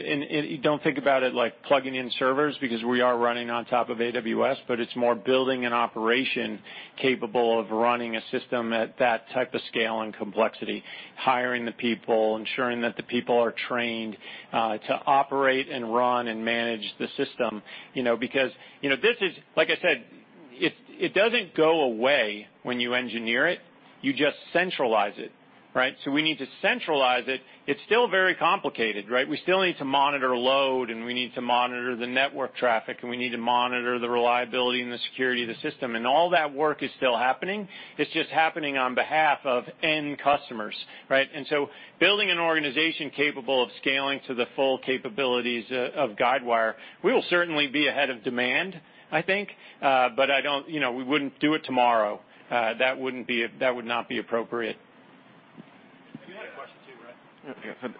Don't think about it like plugging in servers because we are running on top of AWS, but it's more building an operation capable of running a system at that type of scale and complexity. Hiring the people, ensuring that the people are trained to operate and run and manage the system. This is, like I said, it doesn't go away when you engineer it, you just centralize it, right? We need to centralize it. It's still very complicated, right? We still need to monitor load, and we need to monitor the network traffic, and we need to monitor the reliability and the security of the system. All that work is still happening. It's just happening on behalf of end customers, right? Building an organization capable of scaling to the full capabilities of Guidewire, we will certainly be ahead of demand, I think, but we wouldn't do it tomorrow. That would not be appropriate. You had a question too,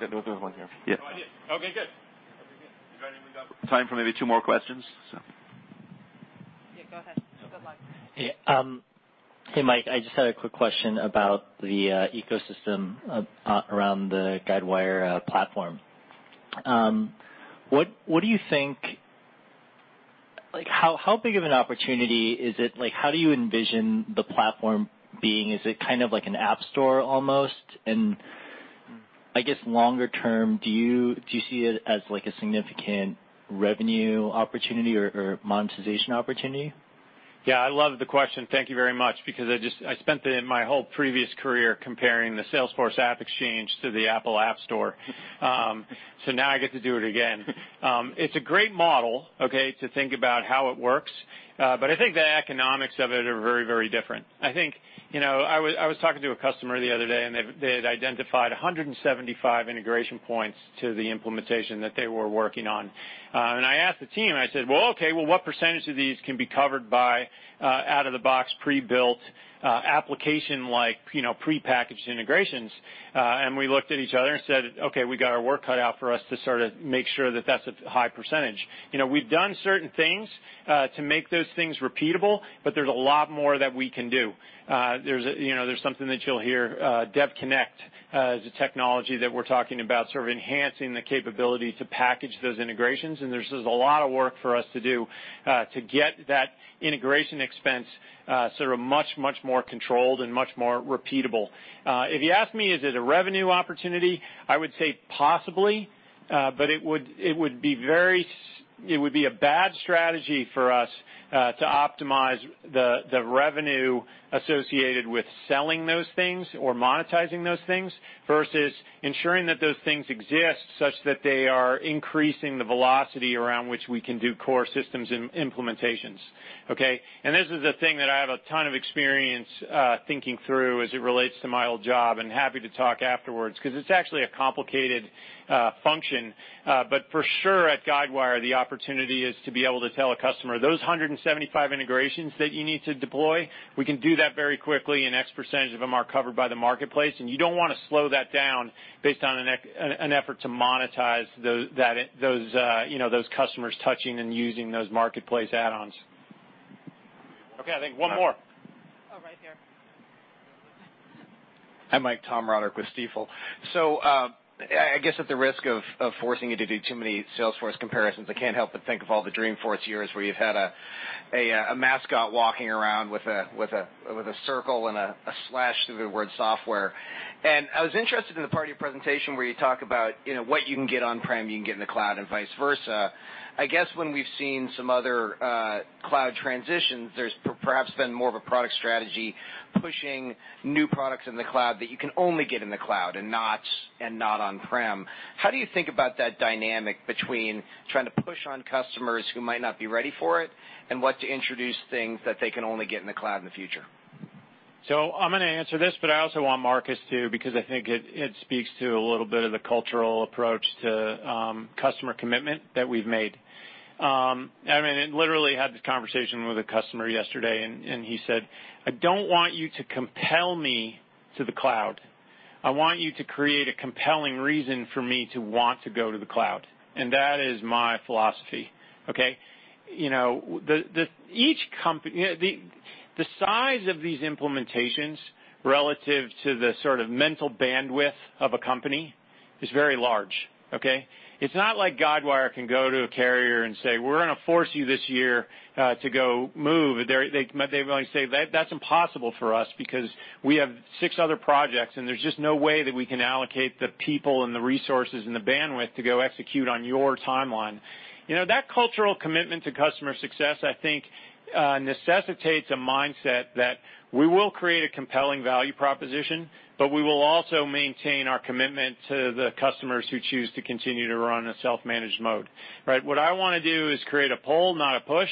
right? There's one here. Yeah. No, I did. Okay, good. We got time for maybe two more questions. Yeah, go ahead. Good luck. Yeah. Hey, Mike, I just had a quick question about the ecosystem around the Guidewire platform. How big of an opportunity is it? How do you envision the platform being? Is it kind of like an app store almost? I guess longer term, do you see it as a significant revenue opportunity or monetization opportunity? Yeah, I love the question. Thank you very much because I spent my whole previous career comparing the Salesforce AppExchange to the Apple App Store. Now I get to do it again. It's a great model, okay, to think about how it works. I think the economics of it are very different. I was talking to a customer the other day, and they had identified 175 integration points to the implementation that they were working on. I asked the team, I said, "Well, okay, well, what % of these can be covered by out-of-the-box prebuilt application like prepackaged integrations?" We looked at each other and said, "Okay, we got our work cut out for us to sort of make sure that's a high %." We've done certain things to make those things repeatable, but there's a lot more that we can do. There's something that you'll hear, DevConnect is a technology that we're talking about sort of enhancing the capability to package those integrations, and there's just a lot of work for us to do to get that integration expense sort of much more controlled and much more repeatable. If you ask me, is it a revenue opportunity? I would say possibly, but it would be very It would be a bad strategy for us to optimize the revenue associated with selling those things or monetizing those things versus ensuring that those things exist such that they are increasing the velocity around which we can do core systems implementations. Okay? This is a thing that I have a ton of experience thinking through as it relates to my old job, and happy to talk afterwards because it's actually a complicated function. For sure, at Guidewire, the opportunity is to be able to tell a customer, those 175 integrations that you need to deploy, we can do that very quickly, and X% of them are covered by the Marketplace, and you don't want to slow that down based on an effort to monetize those customers touching and using those Marketplace add-ons. Okay, I think one more. Oh, right here. Hi, Mike. Tom Roderick with Stifel. I guess at the risk of forcing you to do too many Salesforce comparisons, I can't help but think of all the Dreamforce years where you've had a mascot walking around with a circle and a slash through the word software. I was interested in the part of your presentation where you talk about what you can get on-prem, you can get in the cloud, and vice versa. I guess when we've seen some other cloud transitions, there's perhaps been more of a product strategy pushing new products in the cloud that you can only get in the cloud and not on-prem. How do you think about that dynamic between trying to push on customers who might not be ready for it, and what to introduce things that they can only get in the cloud in the future? I'm going to answer this, but I also want Marcus to, because I think it speaks to a little bit of the cultural approach to customer commitment that we've made. I literally had this conversation with a customer yesterday and he said, "I don't want you to compel me to the cloud. I want you to create a compelling reason for me to want to go to the cloud." That is my philosophy. Okay? The size of these implementations relative to the sort of mental bandwidth of a company is very large. Okay? It's not like Guidewire can go to a carrier and say, "We're going to force you this year to go move." They're going to say, "That's impossible for us because we have six other projects, and there's just no way that we can allocate the people and the resources and the bandwidth to go execute on your timeline." That cultural commitment to customer success, I think, necessitates a mindset that we will create a compelling value proposition, but we will also maintain our commitment to the customers who choose to continue to run a self-managed mode. Right? What I want to do is create a pull, not a push,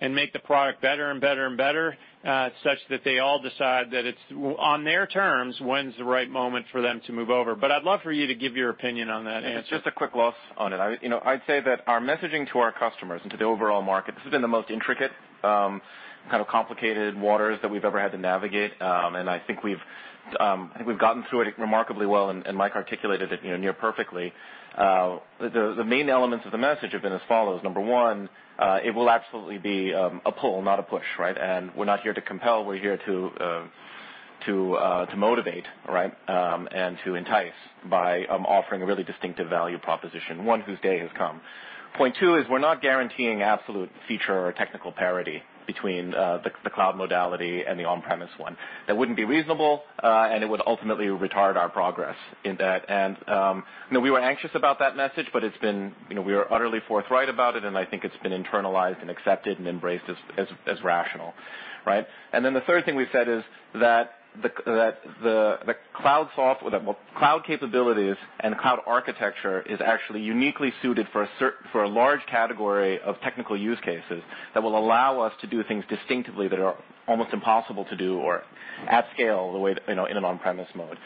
and make the product better and better and better such that they all decide that it's on their terms, when's the right moment for them to move over. I'd love for you to give your opinion on that answer. Just a quick gloss on it. I'd say that our messaging to our customers and to the overall market, this has been the most intricate, kind of complicated waters that we've ever had to navigate. I think we've gotten through it remarkably well, and Mike articulated it near perfectly. The main elements of the message have been as follows. Number one, it will absolutely be a pull, not a push, right? We're not here to compel, we're here to motivate, right, and to entice by offering a really distinctive value proposition, one whose day has come. Point two is we're not guaranteeing absolute feature or technical parity between the cloud modality and the on-premise one. That wouldn't be reasonable, and it would ultimately retard our progress in that. We were anxious about that message, but we are utterly forthright about it, and I think it's been internalized and accepted and embraced as rational. Right? The third thing we said is that the cloud capabilities and cloud architecture is actually uniquely suited for a large category of technical use cases that will allow us to do things distinctively that are almost impossible to do or at scale in an on-premise mode.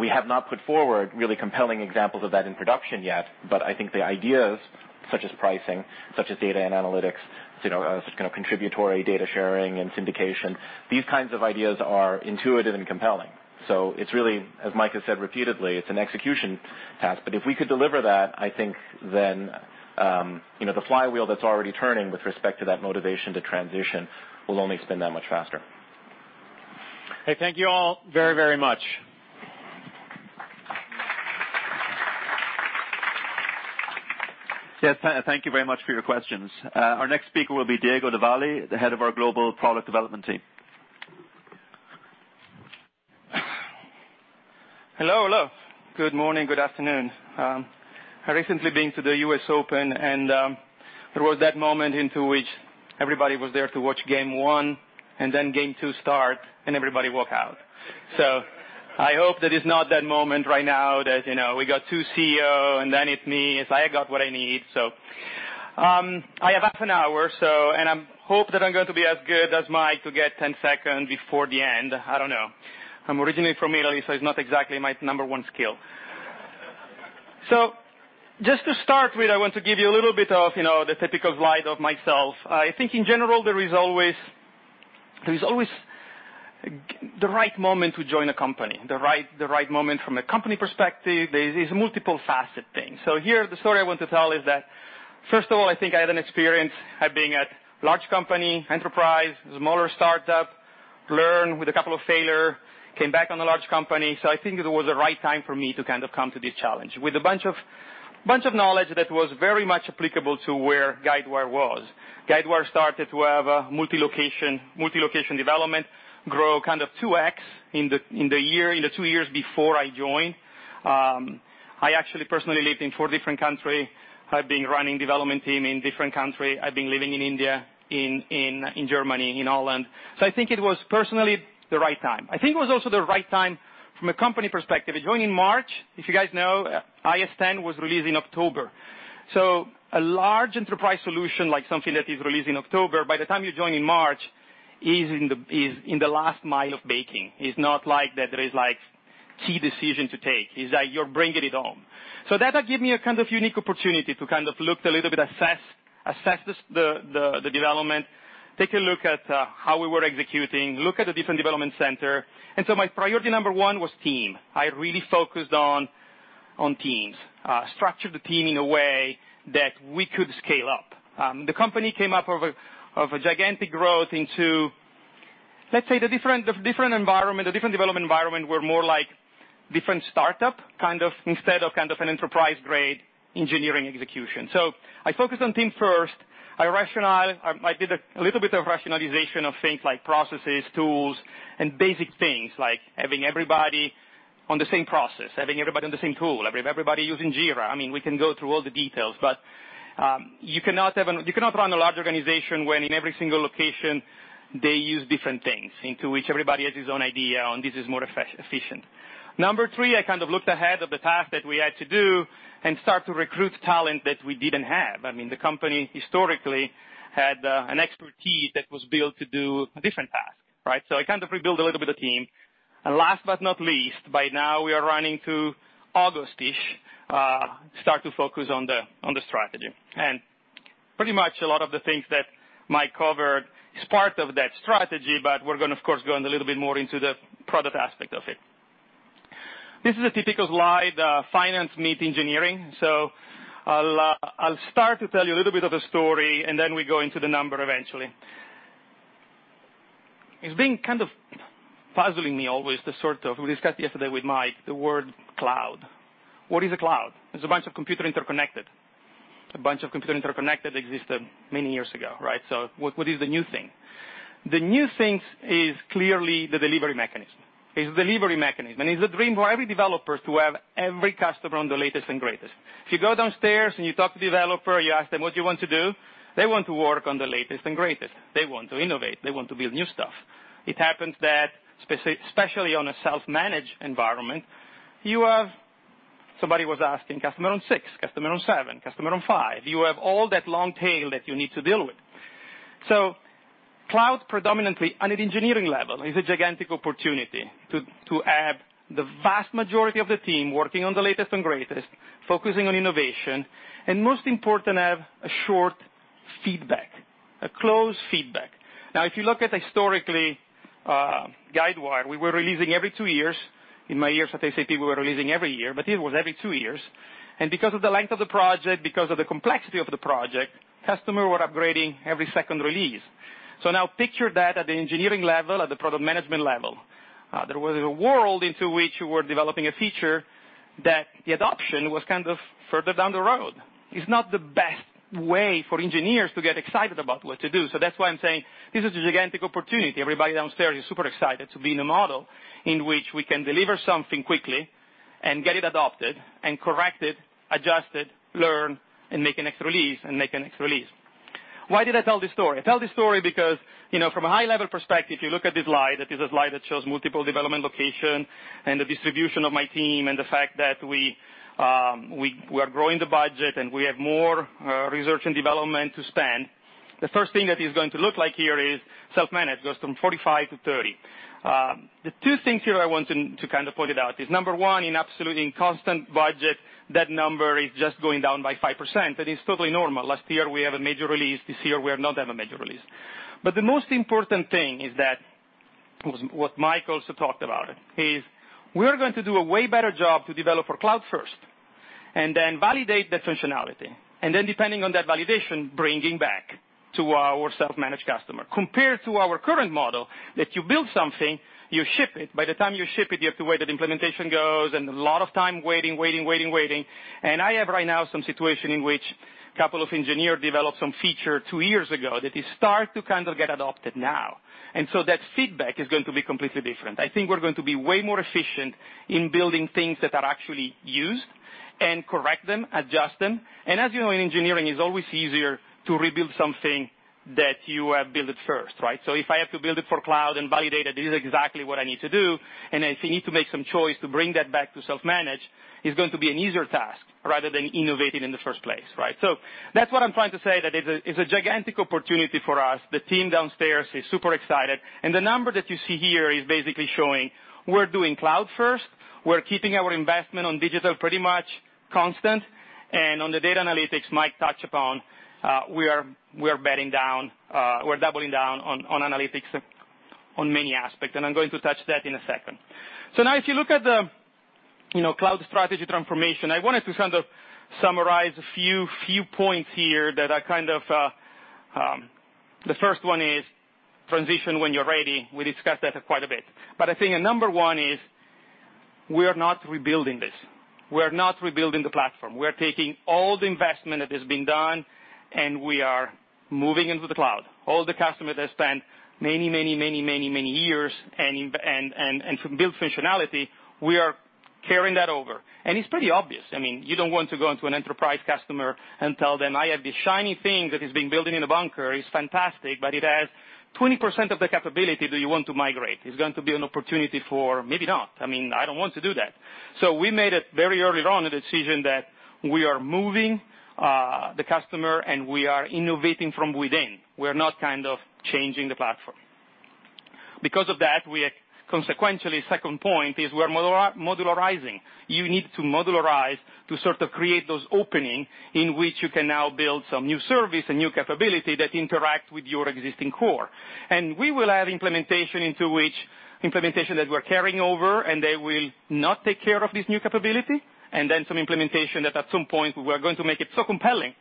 We have not put forward really compelling examples of that in production yet, but I think the ideas such as pricing, such as data and analytics, such kind of contributory data sharing and syndication, these kinds of ideas are intuitive and compelling. It's really, as Mike has said repeatedly, it's an execution task. If we could deliver that, I think then the flywheel that's already turning with respect to that motivation to transition will only spin that much faster. Hey, thank you all very much. Yes. Thank you very much for your questions. Our next speaker will be Diego Devalle, the head of our global product development team. Hello. Good morning, good afternoon. I recently been to the US Open, there was that moment into which everybody was there to watch game one, then game two start, everybody walk out. I hope that it's not that moment right now that we got two CEO then it's me, as I got what I need. I have half an hour, I hope that I'm going to be as good as Mike to get 10 second before the end. I don't know. I'm originally from Italy, it's not exactly my number one skill. Just to start with, I want to give you a little bit of the typical life of myself. I think in general, there is always the right moment to join a company, the right moment from a company perspective. There's multiple facet things. Here, the story I want to tell is that, first of all, I think I had an experience at being at large company, enterprise, smaller startup, learn with a couple of failure, came back on a large company. With a bunch of knowledge that was very much applicable to where Guidewire was. Guidewire started to have a multi-location development, grow kind of 2x in the two years before I joined. I actually personally lived in four different countries. I've been running development team in different country. I've been living in India, in Germany, in Holland. I think it was personally the right time. I think it was also the right time from a company perspective. I joined in March, if you guys know, ISN was released in October. A large enterprise solution like something that is released in October, by the time you join in March, is in the last mile of baking, is not like there is key decision to take. It's like you're bringing it home. That gave me a kind of unique opportunity to kind of look a little bit, assess the development, take a look at how we were executing, look at the different development center. My priority number 1 was team. I really focused on teams, structured the team in a way that we could scale up. The company came up of a gigantic growth into, let's say the different environment, the different development environment were more like different startup kind of instead of kind of an enterprise-grade engineering execution. I focused on team first. I rationalized. I did a little bit of rationalization of things like processes, tools, and basic things like having everybody on the same process, having everybody on the same tool, having everybody using Jira. You cannot run a large organization when in every single location they use different things into which everybody has his own idea on this is more efficient. Number 3, I kind of looked ahead at the task that we had to do and start to recruit talent that we didn't have. The company historically had an expertise that was built to do a different task, right? I kind of rebuild a little bit of team. Last but not least, by now we are running to August-ish, start to focus on the strategy. Pretty much a lot of the things that Mike covered is part of that strategy, but we're going to, of course, go in a little bit more into the product aspect of it. This is a typical slide, finance meet engineering. I'll start to tell you a little bit of a story, and then we go into the number eventually. It's been kind of puzzling me always the sort of, we discussed yesterday with Mike, the word cloud. What is a cloud? It's a bunch of computer interconnected. A bunch of computer interconnected existed many years ago, right? What is the new thing? The new things is clearly the delivery mechanism. It's delivery mechanism, and it's a dream for every developer to have every customer on the latest and greatest. If you go downstairs and you talk to developer, you ask them what you want to do, they want to work on the latest and greatest. They want to innovate. They want to build new stuff. It happens that especially on a self-managed environment, you have somebody was asking customer on 6, customer on 7, customer on 5, you have all that long tail that you need to deal with. Cloud predominantly at an engineering level is a gigantic opportunity to have the vast majority of the team working on the latest and greatest, focusing on innovation, and most important, have a short feedback, a closed feedback. Now, if you look at historically, Guidewire, we were releasing every two years. In my years at SAP, we were releasing every year, but here it was every two years. Because of the length of the project, because of the complexity of the project, customer were upgrading every second release. Now picture that at the engineering level, at the product management level. There was a world into which we were developing a feature that the adoption was kind of further down the road. It's not the best way for engineers to get excited about what to do. That's why I'm saying this is a gigantic opportunity. Everybody downstairs is super excited to be in a model in which we can deliver something quickly and get it adopted and corrected, adjusted, learn, and make a next release. Why did I tell this story? I tell this story because from a high-level perspective, you look at this slide, that is a slide that shows multiple development location and the distribution of my team and the fact that we are growing the budget, and we have more research and development to spend. The first thing that is going to look like here is self-managed goes from 45 to 30. The two things here I want to kind of point it out is number one in absolute in constant budget, that number is just going down by 5%, that is totally normal. Last year we have a major release. This year we have not have a major release. The most important thing is that what Mike also talked about is we are going to do a way better job to develop for cloud first and then validate that functionality, and then depending on that validation, bringing back to our self-managed customer. Compared to our current model that you build something, you ship it. By the time you ship it, you have to wait that implementation goes, and a lot of time waiting. I have right now some situation in which couple of engineer developed some feature 2 years ago that is start to kind of get adopted now. That feedback is going to be completely different. I think we're going to be way more efficient in building things that are actually used and correct them, adjust them. As you know, in engineering, it's always easier to rebuild something that you have built first, right? If I have to build it for cloud and validate that this is exactly what I need to do, and if you need to make some choice to bring that back to self-managed, it's going to be an easier task rather than innovating in the first place, right? That's what I'm trying to say, that it's a gigantic opportunity for us. The team downstairs is super excited, and the number that you see here is basically showing we're doing cloud first, we're keeping our investment on digital pretty much constant, and on the data analytics Mike touched upon, we're betting down, we're doubling down on analytics on many aspect, and I'm going to touch that in a second. Now if you look at the cloud strategy transformation, I wanted to summarize a few points here. The first one is transition when you're ready. We discussed that quite a bit. I think number 1 is we are not rebuilding this. We are not rebuilding the platform. We are taking all the investment that has been done, and we are moving into the cloud. All the customers that spent many years and built functionality, we are carrying that over. It's pretty obvious. You don't want to go into an enterprise customer and tell them, "I have this shiny thing that has been building in a bunker. It's fantastic, but it has 20% of the capability that you want to migrate." It's going to be an opportunity for maybe not. I don't want to do that. We made it very early on a decision that we are moving the customer, and we are innovating from within. We're not changing the platform. Second point is we're modularizing. You need to modularize to sort of create those opening in which you can now build some new service and new capability that interact with your existing core. We will add implementation into which implementation that we're carrying over, and they will not take care of this new capability, and then some implementation that at some point we are going to make it so compelling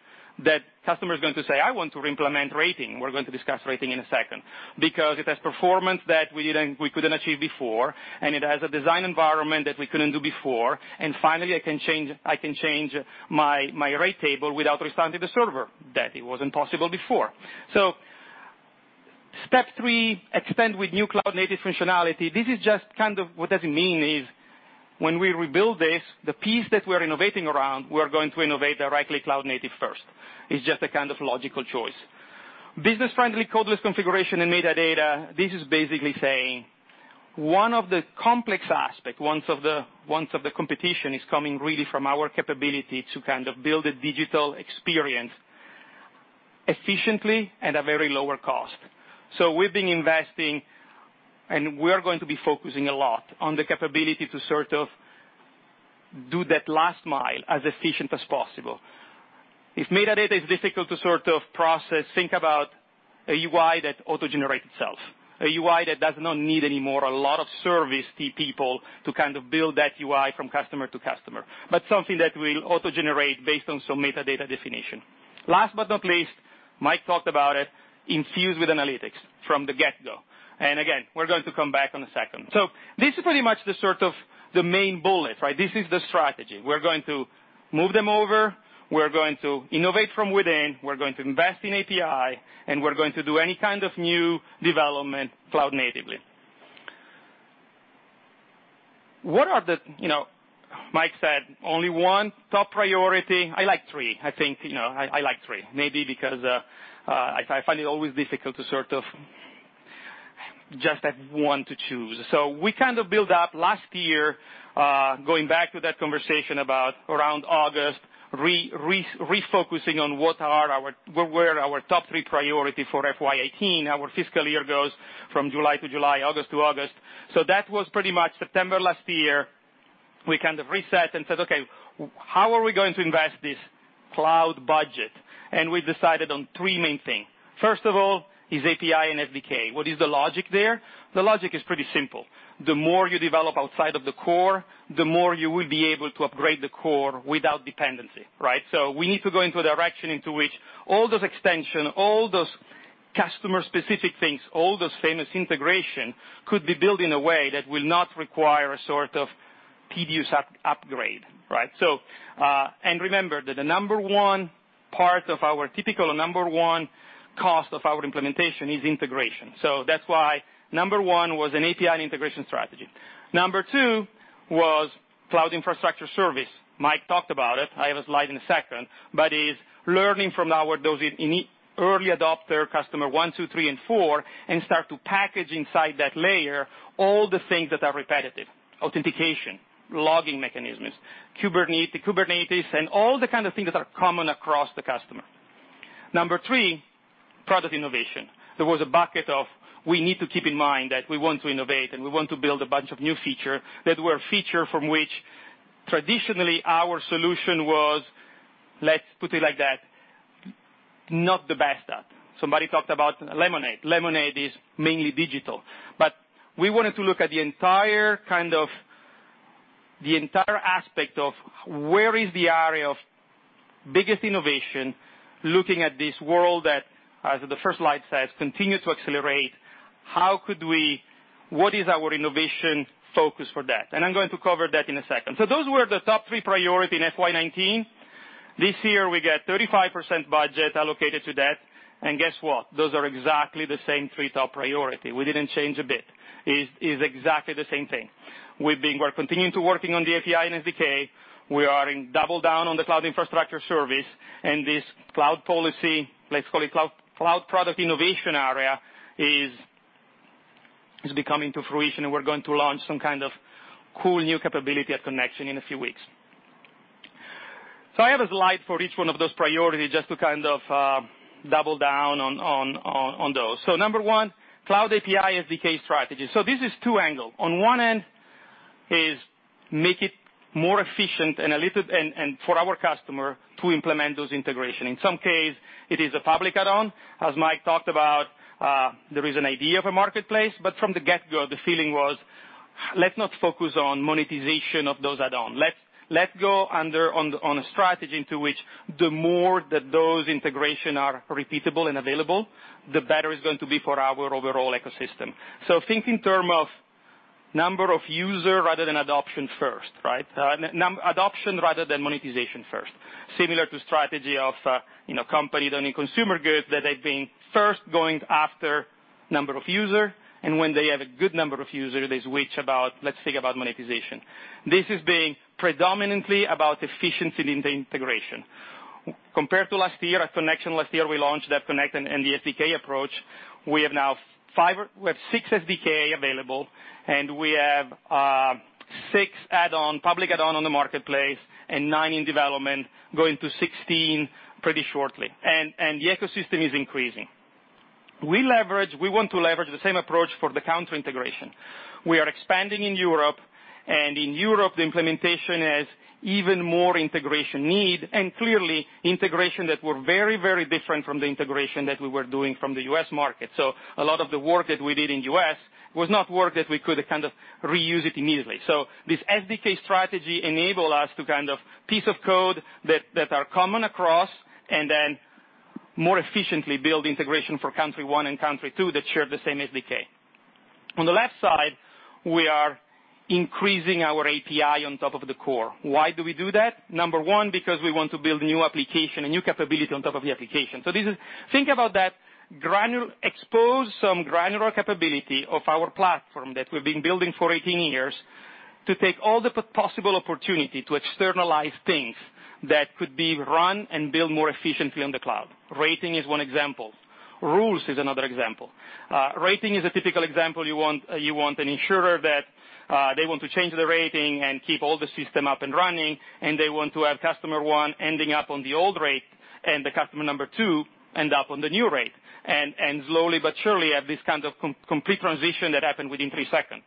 that customer is going to say, "I want to implement rating." We're going to discuss rating in a second. It has performance that we couldn't achieve before, and it has a design environment that we couldn't do before. Finally, I can change my rate table without restarting the server, that it wasn't possible before. Step 3, extend with new cloud-native functionality. What does it mean is when we rebuild this, the piece that we're innovating around, we're going to innovate directly cloud-native first. It's just a kind of logical choice. Business-friendly codeless configuration and metadata. This is basically saying one of the complex aspects, one of the competition is coming really from our capability to build a digital experience efficiently at a very lower cost. We've been investing, and we're going to be focusing a lot on the capability to sort of do that last mile as efficient as possible. If metadata is difficult to sort of process, think about a UI that auto-generates itself, a UI that does not need any more a lot of service people to build that UI from customer to customer, but something that will auto-generate based on some metadata definition. Last but not least, Mike talked about it, infused with analytics from the get-go. Again, we're going to come back on a second. This is pretty much the sort of the main bullet, right? This is the strategy. We're going to move them over. We're going to innovate from within, we're going to invest in API, and we're going to do any kind of new development cloud natively. Mike said only one top priority. I like three. I think I like three. Maybe because I find it always difficult to sort of just have one to choose. We kind of build up last year, going back to that conversation about around August, refocusing on where are our top 3 priority for FY 2018. Our fiscal year goes from July to July, August to August. That was pretty much September last year, we kind of reset and said, "Okay, how are we going to invest this cloud budget?" We decided on 3 main thing. First of all is API and SDK. What is the logic there? The logic is pretty simple. The more you develop outside of the core, the more you will be able to upgrade the core without dependency, right? We need to go into a direction into which all those extension, all those customer-specific things, all those famous integration, could be built in a way that will not require a sort of PDU upgrade, right? Remember that the typical number 1 cost of our implementation is integration. That's why number 1 was an API and integration strategy. Number 2 was cloud infrastructure service. Mike talked about it. I have a slide in a second, but is learning from our those early adopter customer 1, 2, 3, and 4, and start to package inside that layer all the things that are repetitive. Authentication, logging mechanisms, Kubernetes, and all the kind of things that are common across the customer. Number 3, product innovation. We need to keep in mind that we want to innovate and we want to build a bunch of new feature that were from which traditionally our solution was, let's put it like that, not the best at. Somebody talked about Lemonade. Lemonade is mainly digital. We wanted to look at the entire aspect of where is the area of biggest innovation, looking at this world that, as the first slide says, continue to accelerate. What is our innovation focus for that? I'm going to cover that in a second. Those were the top three priority in FY 2019. This year we get 35% budget allocated to that. Guess what? Those are exactly the same three top priority. We didn't change a bit. Is exactly the same thing. We're continuing to working on the API and SDK. We are in double down on the cloud infrastructure service, and this cloud policy, let's call it cloud product innovation area, is coming to fruition, and we're going to launch some kind of cool new capability at Connections in a few weeks. I have a slide for each one of those priorities just to kind of double down on those. Number 1, Cloud API SDK strategy. This is two angles. On one end is to make it more efficient for our customers to implement those integrations. In some cases, it is a public add-on. As Mike talked about, there is an idea of a Marketplace, from the get-go, the feeling was, let's not focus on monetization of those add-ons. Let's go on a strategy into which the more that those integrations are repeatable and available, the better it's going to be for our overall ecosystem. Think in terms of number of users rather than adoption first, right? Adoption rather than monetization first. Similar to strategy of company doing consumer goods that they've been first going after Number of user, and when they have a good number of user, they switch about, let's think about monetization. This is being predominantly about efficiency in the integration. Compared to last year, at Connections last year, we launched DevConnect and the SDK approach. We have six SDK available, and we have six public add-on on the Guidewire Marketplace and nine in development, going to 16 pretty shortly. The ecosystem is increasing. We want to leverage the same approach for the core integration. We are expanding in Europe, and in Europe, the implementation has even more integration need, and clearly, integration that were very, very different from the integration that we were doing from the U.S. market. A lot of the work that we did in U.S. was not work that we could kind of reuse it immediately. This SDK strategy enable us to kind of piece of code that are common across, and then more efficiently build integration for country 1 and country 2 that share the same SDK. On the left side, we are increasing our API on top of the core. Why do we do that? Number 1, because we want to build new application, a new capability on top of the application. Think about that, expose some granular capability of our platform that we've been building for 18 years to take all the possible opportunity to externalize things that could be run and build more efficiently on the cloud. Rating is one example. Rules is another example. Rating is a typical example. You want an insurer that they want to change the rating and keep all the system up and running, and they want to have customer 1 ending up on the old rate and the customer number 2 end up on the new rate. Slowly but surely, have this kind of complete transition that happen within three seconds.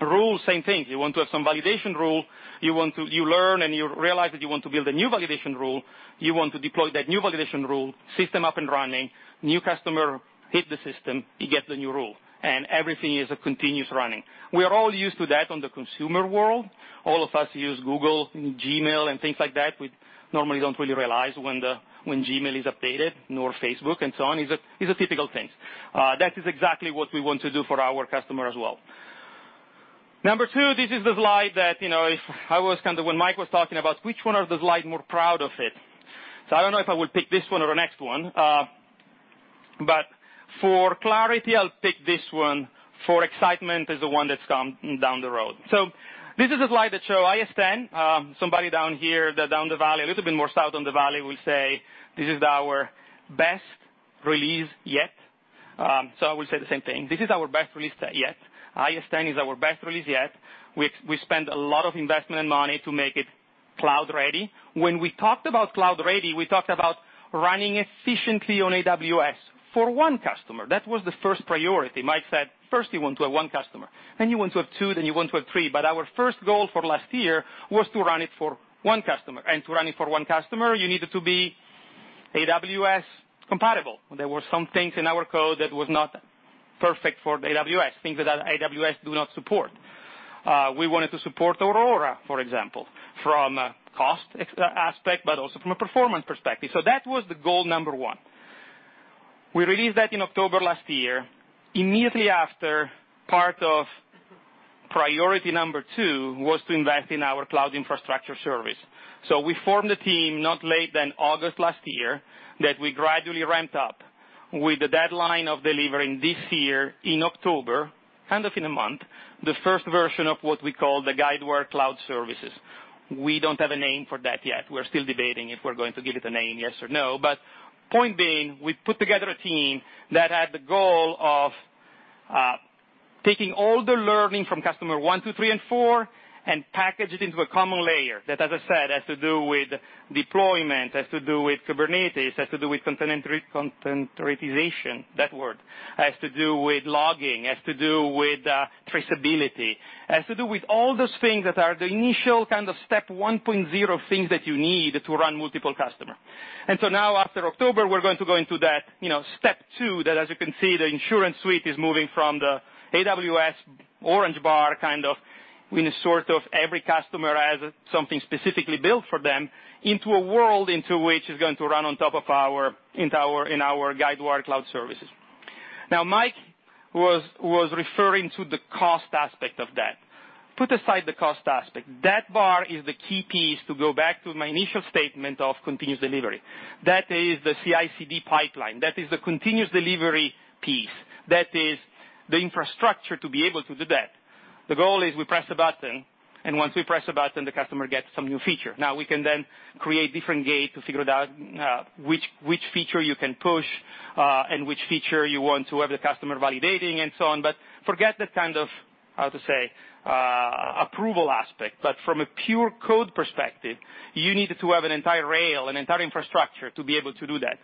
Rules, same thing. You want to have some validation rule. You learn and you realize that you want to build a new validation rule. You want to deploy that new validation rule, system up and running, new customer hit the system, he gets the new rule, and everything is a continuous running. We are all used to that on the consumer world. All of us use Google and Gmail and things like that. We normally don't really realize when Gmail is updated, nor Facebook and so on. These are typical things. That is exactly what we want to do for our customer as well. Number two, this is the slide that if I was when Mike was talking about which one of the slide more proud of it. I don't know if I would pick this one or the next one. For clarity, I'll pick this one. For excitement is the one that's come down the road. This is a slide that show IS 10. Somebody down here, down the valley, a little bit more south on the valley will say, "This is our best release yet." I will say the same thing. This is our best release yet. IS 10 is our best release yet. We spent a lot of investment and money to make it cloud-ready. When we talked about cloud-ready, we talked about running efficiently on AWS for one customer. That was the first priority. Mike said, first he want to have one customer, then you want to have two, then you want to have three. Our first goal for last year was to run it for one customer. To run it for one customer, you needed to be AWS compatible. There were some things in our code that was not perfect for the AWS, things that AWS do not support. We wanted to support Aurora, for example, from a cost aspect, but also from a performance perspective. That was the goal number one. We released that in October last year. Immediately after, part of priority number two was to invest in our cloud infrastructure service. We formed a team not late than August last year, that we gradually ramped up with the deadline of delivering this year in October, kind of in a month, the first version of what we call the Guidewire Cloud Services. We don't have a name for that yet. We're still debating if we're going to give it a name, yes or no. Point being, we put together a team that had the goal of taking all the learning from customer 1, 2, 3, and 4, and package it into a common layer that, as I said, has to do with deployment, has to do with Kubernetes, has to do with containerization. That word. Has to do with logging, has to do with traceability, has to do with all those things that are the initial kind of step 1.0 things that you need to run multiple customer. Now after October, we're going to go into that step 2, that as you can see, the InsuranceSuite is moving from the AWS orange bar, kind of in a sort of every customer has something specifically built for them, into a world into which is going to run on top of our, in our Guidewire Cloud Services. Mike was referring to the cost aspect of that. Put aside the cost aspect. That bar is the key piece to go back to my initial statement of continuous delivery. That is the CI/CD pipeline. That is the continuous delivery piece. That is the infrastructure to be able to do that. The goal is we press a button, and once we press a button, the customer gets some new feature. We can then create different gate to figure it out which feature you can push, and which feature you want to have the customer validating, and so on. Forget the kind of, how to say, approval aspect. From a pure code perspective, you needed to have an entire rail, an entire infrastructure to be able to do that.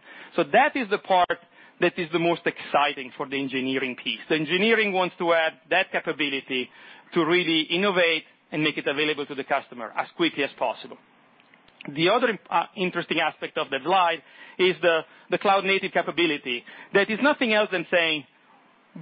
That is the part that is the most exciting for the engineering piece. The engineering wants to have that capability to really innovate and make it available to the customer as quickly as possible. The other interesting aspect of the slide is the cloud-native capability. That is nothing else than saying,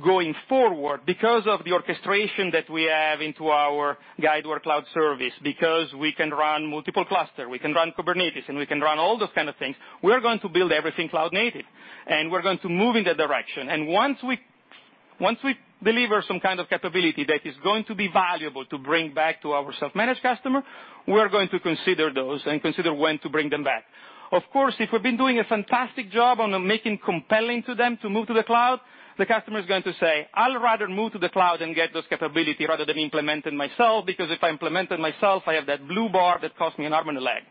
going forward, because of the orchestration that we have into our Guidewire Cloud Service, because we can run multiple cluster, we can run Kubernetes, and we can run all those kind of things, we're going to build everything cloud native. We're going to move in that direction. Once we deliver some kind of capability that is going to be valuable to bring back to our self-managed customer, we're going to consider those and consider when to bring them back. Of course, if we've been doing a fantastic job on making compelling to them to move to the cloud, the customer is going to say, "I'll rather move to the cloud and get this capability rather than implement it myself, because if I implement it myself, I have that blue bar that costs me an arm and a leg."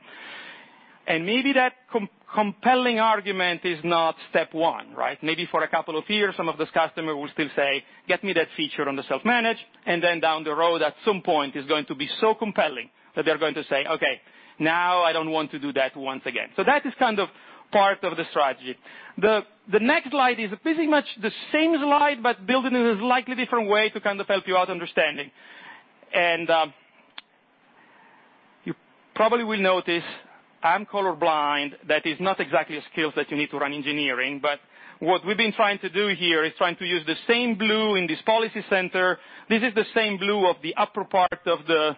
Maybe that compelling argument is not step one, right? Maybe for a couple of years, some of these customers will still say, "Get me that feature on the self-managed," and then down the road, at some point, it's going to be so compelling that they're going to say, "Okay, now I don't want to do that once again." That is kind of part of the strategy. The next slide is pretty much the same slide, but built in a slightly different way to kind of help you out understanding. You probably will notice, I'm color blind. That is not exactly a skill that you need to run engineering. What we've been trying to do here is trying to use the same blue in this PolicyCenter. This is the same blue of the upper part of the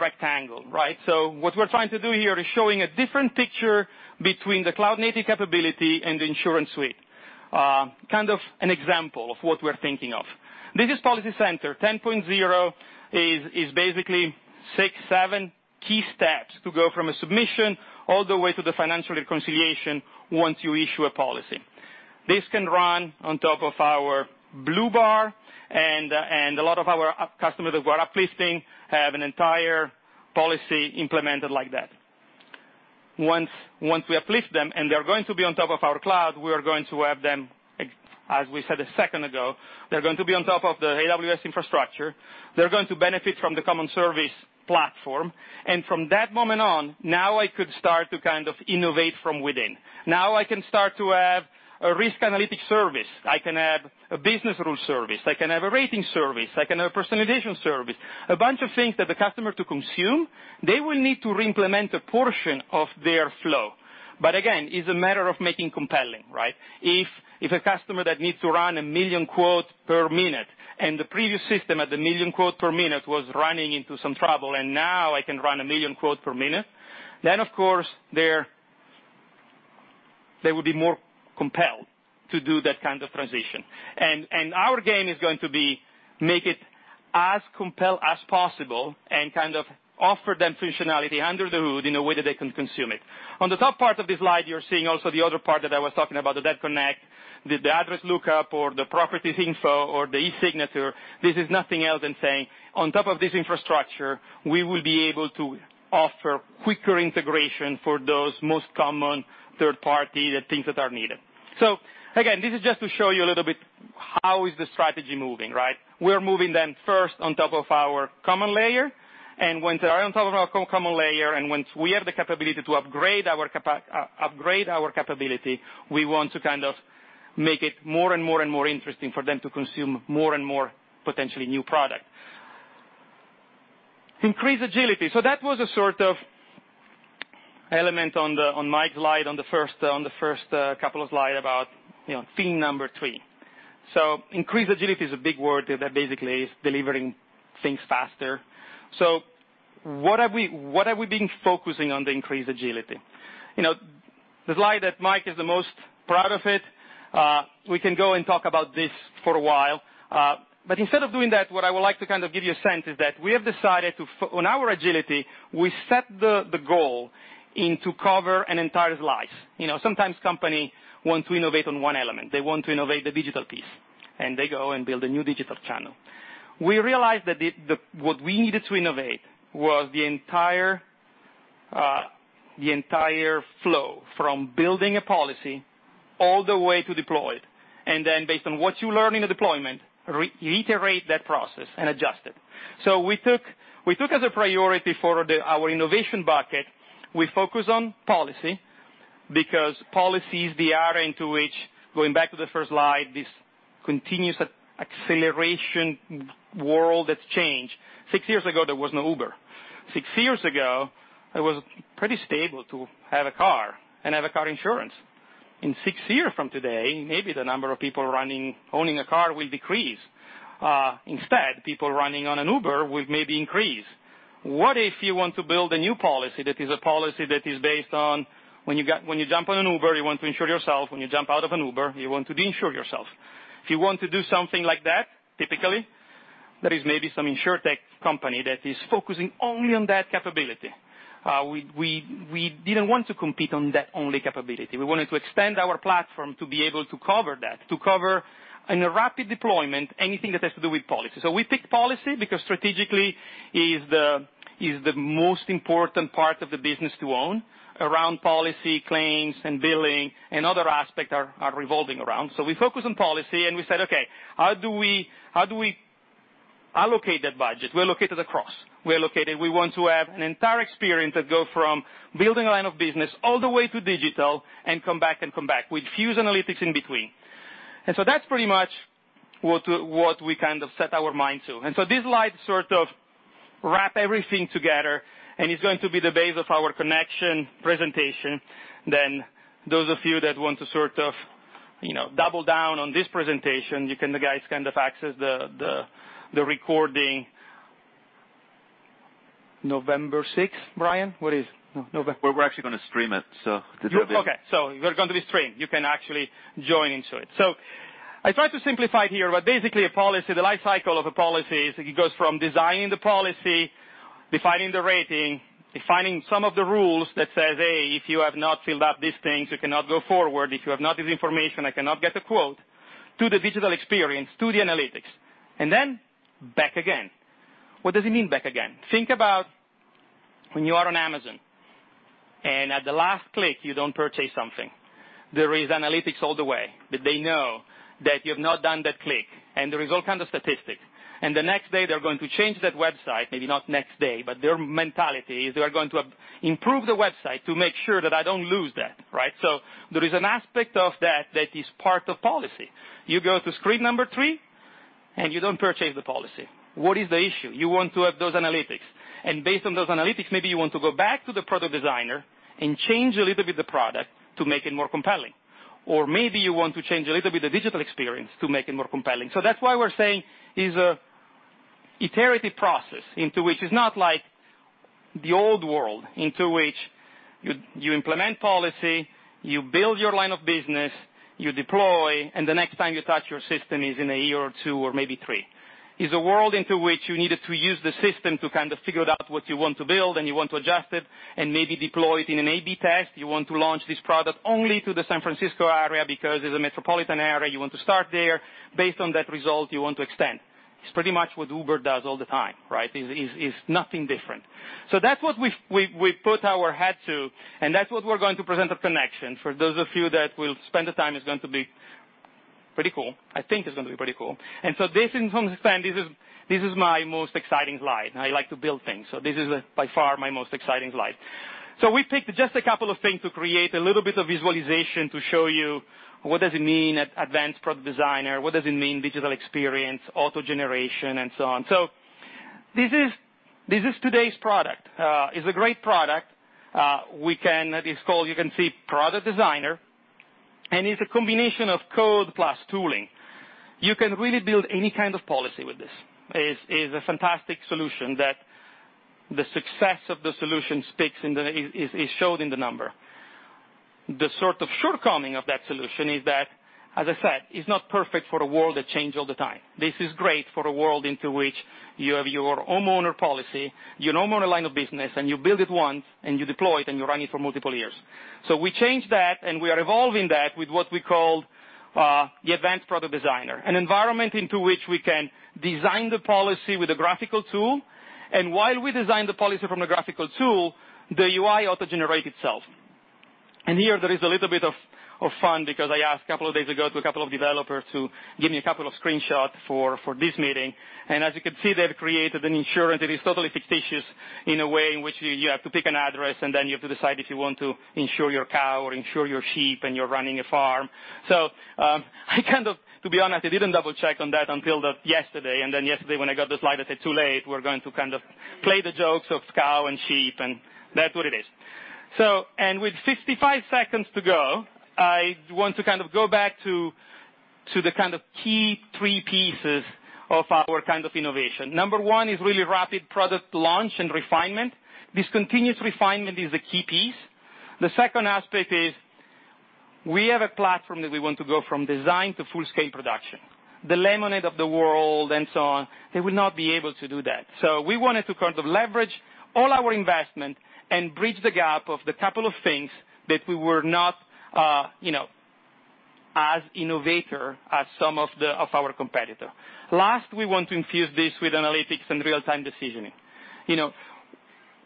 rectangle, right? What we're trying to do here is showing a different picture between the cloud-native capability and the InsuranceSuite. Kind of an example of what we're thinking of. This is PolicyCenter 10.0 is basically six, seven key steps to go from a submission all the way to the financial reconciliation once you issue a policy. This can run on top of our blue bar, and a lot of our customers that we're up-listing have an entire policy implemented like that. Once we uplift them, and they're going to be on top of our cloud, we are going to have them, as we said a second ago, they're going to be on top of the AWS infrastructure. They're going to benefit from the common service platform. From that moment on, now I could start to kind of innovate from within. Now I can start to have a risk analytic service. I can have a business rule service. I can have a rating service. I can have a personalization service. A bunch of things that the customer to consume, they will need to re-implement a portion of their flow. Again, it's a matter of making compelling, right? If a customer that needs to run 1 million quotes per minute, and the previous system at the 1 million quote per minute was running into some trouble, and now I can run 1 million quotes per minute, then, of course, they will be more compelled to do that kind of transition. Our game is going to be make it as compelled as possible and kind of offer them functionality under the hood in a way that they can consume it. On the top part of this slide, you're seeing also the other part that I was talking about, the DevConnect, the address lookup, or the properties info, or the e-signature. This is nothing else than saying, on top of this infrastructure, we will be able to offer quicker integration for those most common third party, the things that are needed. Again, this is just to show you a little bit how is the strategy moving, right? We're moving them first on top of our common layer. Once they're on top of our common layer, and once we have the capability to upgrade our capability, we want to kind of make it more and more interesting for them to consume more and more potentially new product. Increase agility. That was a sort of element on Mike's slide on the first couple of slide about theme number 3. Increase agility is a big word that basically is delivering things faster. What have we been focusing on the increased agility? The slide that Mike is the most proud of it, we can go and talk about this for a while. Instead of doing that, what I would like to kind of give you a sense is that we have decided on our agility, we set the goal into cover an entire life. Sometimes company want to innovate on one element. They want to innovate the digital piece, and they go and build a new digital channel. We realized that what we needed to innovate was the entire flow, from building a policy all the way to deploy it, and then based on what you learn in the deployment, reiterate that process and adjust it. We took as a priority for our innovation bucket, we focus on policy because policy is the area into which, going back to the first slide, this continuous acceleration world that's changed. Six years ago, there was no Uber. Six years ago, it was pretty stable to have a car and have a car insurance. In six years from today, maybe the number of people owning a car will decrease. Instead, people riding on an Uber will maybe increase. What if you want to build a new policy that is a policy that is based on when you jump on an Uber, you want to insure yourself, when you jump out of an Uber, you want to de-insure yourself. If you want to do something like that, typically, there is maybe some InsurTech company that is focusing only on that capability. We didn't want to compete on that only capability. We wanted to extend our platform to be able to cover that, to cover in a rapid deployment, anything that has to do with policy. We picked policy because strategically is the most important part of the business to own around policy claims and billing and other aspect are revolving around. We focus on policy, and we said, okay, how do we allocate that budget? We allocate it across. We want to have an entire experience that go from building a line of business all the way to digital and come back with fuse analytics in between. That's pretty much what we kind of set our mind to. This slide sort of wrap everything together, and it's going to be the base of our Connections presentation. Those of you that want to sort of double down on this presentation, you can kind of access the recording November 6th, Brian? We're actually going to stream it. Okay. We're going to be streamed. You can actually join into it. I tried to simplify it here, but basically, the life cycle of a policy is, it goes from designing the policy, defining the rating, defining some of the rules that says, "Hey, if you have not filled out these things, you cannot go forward. If you have not this information, I cannot get the quote," to the digital experience, to the analytics, and then back again. What does it mean back again? Think about when you are on Amazon, at the last click, you don't purchase something. There is analytics all the way, that they know that you've not done that click, there is all kind of statistics. The next day, they're going to change that website. Maybe not next day, their mentality is they are going to improve the website to make sure that I don't lose that. Right? There is an aspect of that that is part of policy. You go to screen number 3 and you don't purchase the policy. What is the issue? You want to have those analytics. Based on those analytics, maybe you want to go back to the Product Designer and change a little bit the product to make it more compelling. Maybe you want to change a little bit the digital experience to make it more compelling. That's why we're saying is a iterative process into which it's not like the old world, into which you implement policy, you build your line of business, you deploy, and the next time you touch your system is in a year or two, or maybe three. Is a world into which you needed to use the system to kind of figure it out what you want to build and you want to adjust it and maybe deploy it in an A/B test. You want to launch this product only to the San Francisco area because it's a metropolitan area. You want to start there. Based on that result, you want to extend. It's pretty much what Uber does all the time, right? It's nothing different. That's what we put our head to, and that's what we're going to present at Connections. For those of you that will spend the time, it's going to be pretty cool. I think it's going to be pretty cool. This, in some sense, this is my most exciting slide. I like to build things, so this is by far my most exciting slide. We picked just a couple of things to create a little bit of visualization to show you what does it mean, Advanced Product Designer, what does it mean, digital experience, auto generation, and so on. This is today's product. It's a great product. It is called, you can see, Product Designer, and it's a combination of code plus tooling. You can really build any kind of policy with this. It is a fantastic solution that the success of the solution is showed in the number. The sort of shortcoming of that solution is that, as I said, it's not perfect for a world that change all the time. This is great for a world into which you have your homeowner policy, your homeowner line of business, and you build it once and you deploy it and you run it for multiple years. We changed that, and we are evolving that with what we called the Advanced Product Designer, an environment into which we can design the policy with a graphical tool. While we design the policy from a graphical tool, the UI auto-generate itself. Here there is a little bit of fun because I asked two days ago to two developers to give me two screenshots for this meeting. As you can see, they've created an insurance that is totally fictitious in a way in which you have to pick an address, then you have to decide if you want to insure your cow or insure your sheep and you're running a farm. To be honest, I didn't double-check on that until yesterday. Yesterday when I got the slide, I said, "Too late. We're going to kind of play the jokes of cow and sheep," and that's what it is. With 55 seconds to go, I want to kind of go back to the kind of key three pieces of our kind of innovation. Number one is really rapid product launch and refinement. This continuous refinement is a key piece. The second aspect is we have a platform that we want to go from design to full-scale production. The Lemonade of the world and so on, they will not be able to do that. We wanted to kind of leverage all our investment and bridge the gap of the couple of things that we were not as innovator as some of our competitor. Last, we want to infuse this with analytics and real-time decisioning.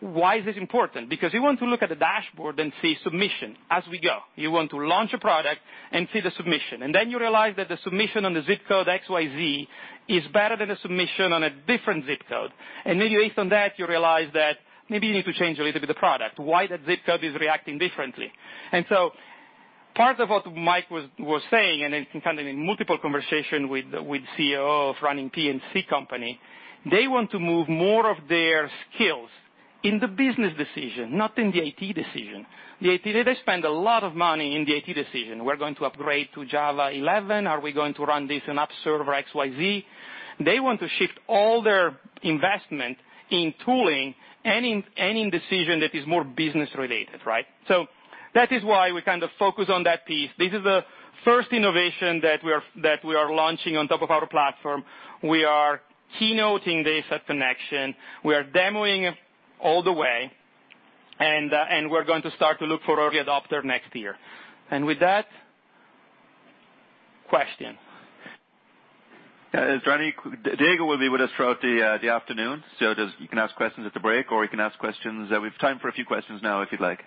Why is this important? You want to look at the dashboard and see submission as we go. You want to launch a product and see the submission. You realize that the submission on the zip code XYZ is better than a submission on a different zip code. Maybe based on that, you realize that maybe you need to change a little bit the product. Why that zip code is reacting differently? Part of what Mike was saying, and it's kind of in multiple conversation with CEO of running P&C company, they want to move more of their skills in the business decision, not in the IT decision. They spend a lot of money in the IT decision. We're going to upgrade to Java 11. Are we going to run this on App Server XYZ? They want to shift all their investment in tooling and in decision that is more business related, right? That is why we kind of focus on that piece. This is the first innovation that we are launching on top of our platform. We are keynoting this at Connections. We are demoing all the way, and we're going to start to look for early adopter next year. With that, question. Diego will be with us throughout the afternoon. You can ask questions at the break or you can ask questions. We have time for a few questions now if you'd like.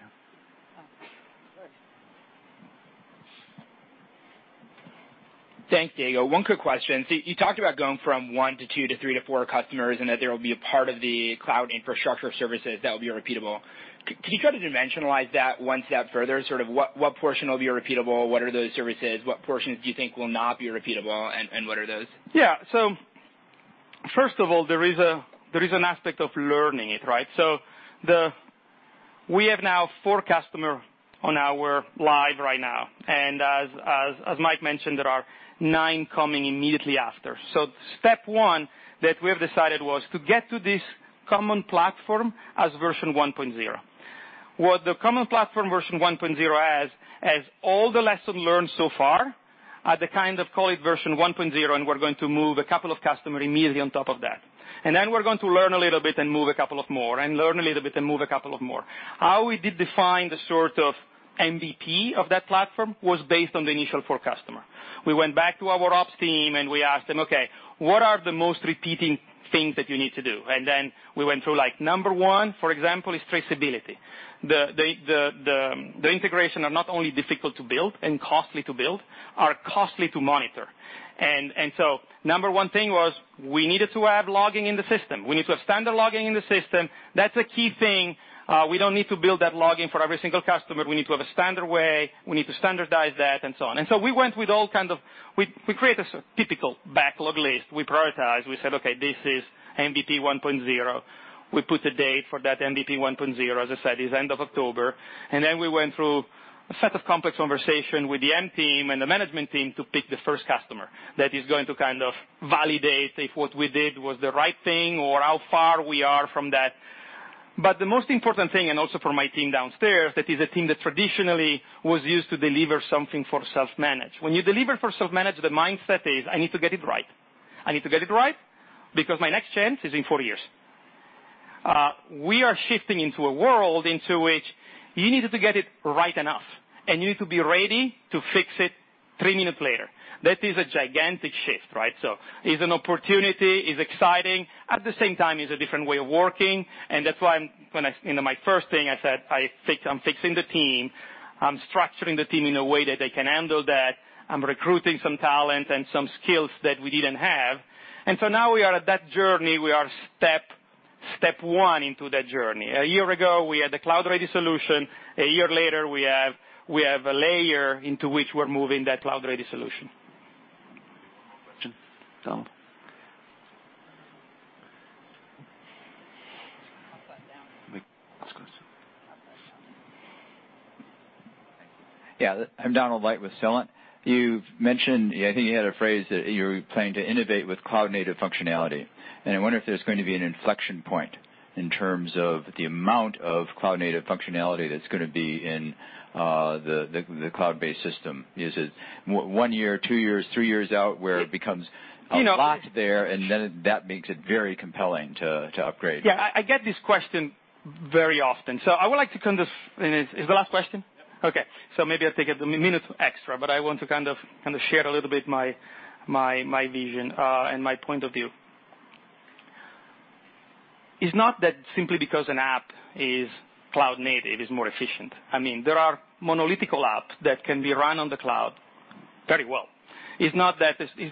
Thanks, Diego. One quick question. You talked about going from one to two to three to four customers, and that there will be a part of the cloud infrastructure services that will be repeatable. Can you try to dimensionalize that one step further? Sort of what portion will be repeatable? What are those services? What portions do you think will not be repeatable, and what are those? Yeah. First of all, there is an aspect of learning it, right? We have now four customers on our live right now. As Mike mentioned, there are nine coming immediately after. Step one that we have decided was to get to this common platform as version 1.0. What the common platform version 1.0 has all the lessons learned so far, at the kind of call it version 1.0, and we're going to move a couple of customer immediately on top of that. Then we're going to learn a little bit and move a couple of more and learn a little bit and move a couple of more. How we did define the sort of MVP of that platform was based on the initial four customer. We went back to our Ops team. We asked them, "Okay, what are the most repeating things that you need to do?" Then we went through like number 1, for example, is traceability. The integration are not only difficult to build and costly to build, are costly to monitor. So number 1 thing was we needed to have logging in the system. We need to have standard logging in the system. That's a key thing. We don't need to build that logging for every single customer. We need to have a standard way. We need to standardize that and so on. So we created a typical backlog list. We prioritize, we said, okay, this is MVP 1.0. We put a date for that MVP 1.0, as I said, is end of October. We went through a set of complex conversation with the M team and the management team to pick the first customer that is going to kind of validate if what we did was the right thing or how far we are from that. The most important thing, and also for my team downstairs, that is a team that traditionally was used to deliver something for self-manage. When you deliver for self-manage, the mindset is, I need to get it right. I need to get it right because my next chance is in four years. We are shifting into a world into which you needed to get it right enough, and you need to be ready to fix it three minutes later. That is a gigantic shift, right? It's an opportunity, is exciting. At the same time, it's a different way of working, and that's why my first thing I said, I'm fixing the team. I'm structuring the team in a way that they can handle that. I'm recruiting some talent and some skills that we didn't have. Now we are at that journey. We are step 1 into that journey. A year ago, we had a cloud-ready solution. A year later, we have a layer into which we're moving that cloud-ready solution. Donald. Up or down? Let's go this way. Up that side. Yeah. I'm Donald Light with Celent. You've mentioned, I think you had a phrase that you're planning to innovate with cloud-native functionality. I wonder if there's going to be an inflection point in terms of the amount of cloud-native functionality that's going to be in the cloud-based system. Is it one year, two years, three years out where it becomes-? You know. a lot there, and then that makes it very compelling to upgrade. Yeah. I get this question very often. It's the last question? Yeah. Okay. Maybe I'll take a minute extra, but I want to kind of share a little bit my vision and my point of view. It's not that simply because an app is cloud-native, it is more efficient. There are monolithic apps that can be run on the cloud very well. It's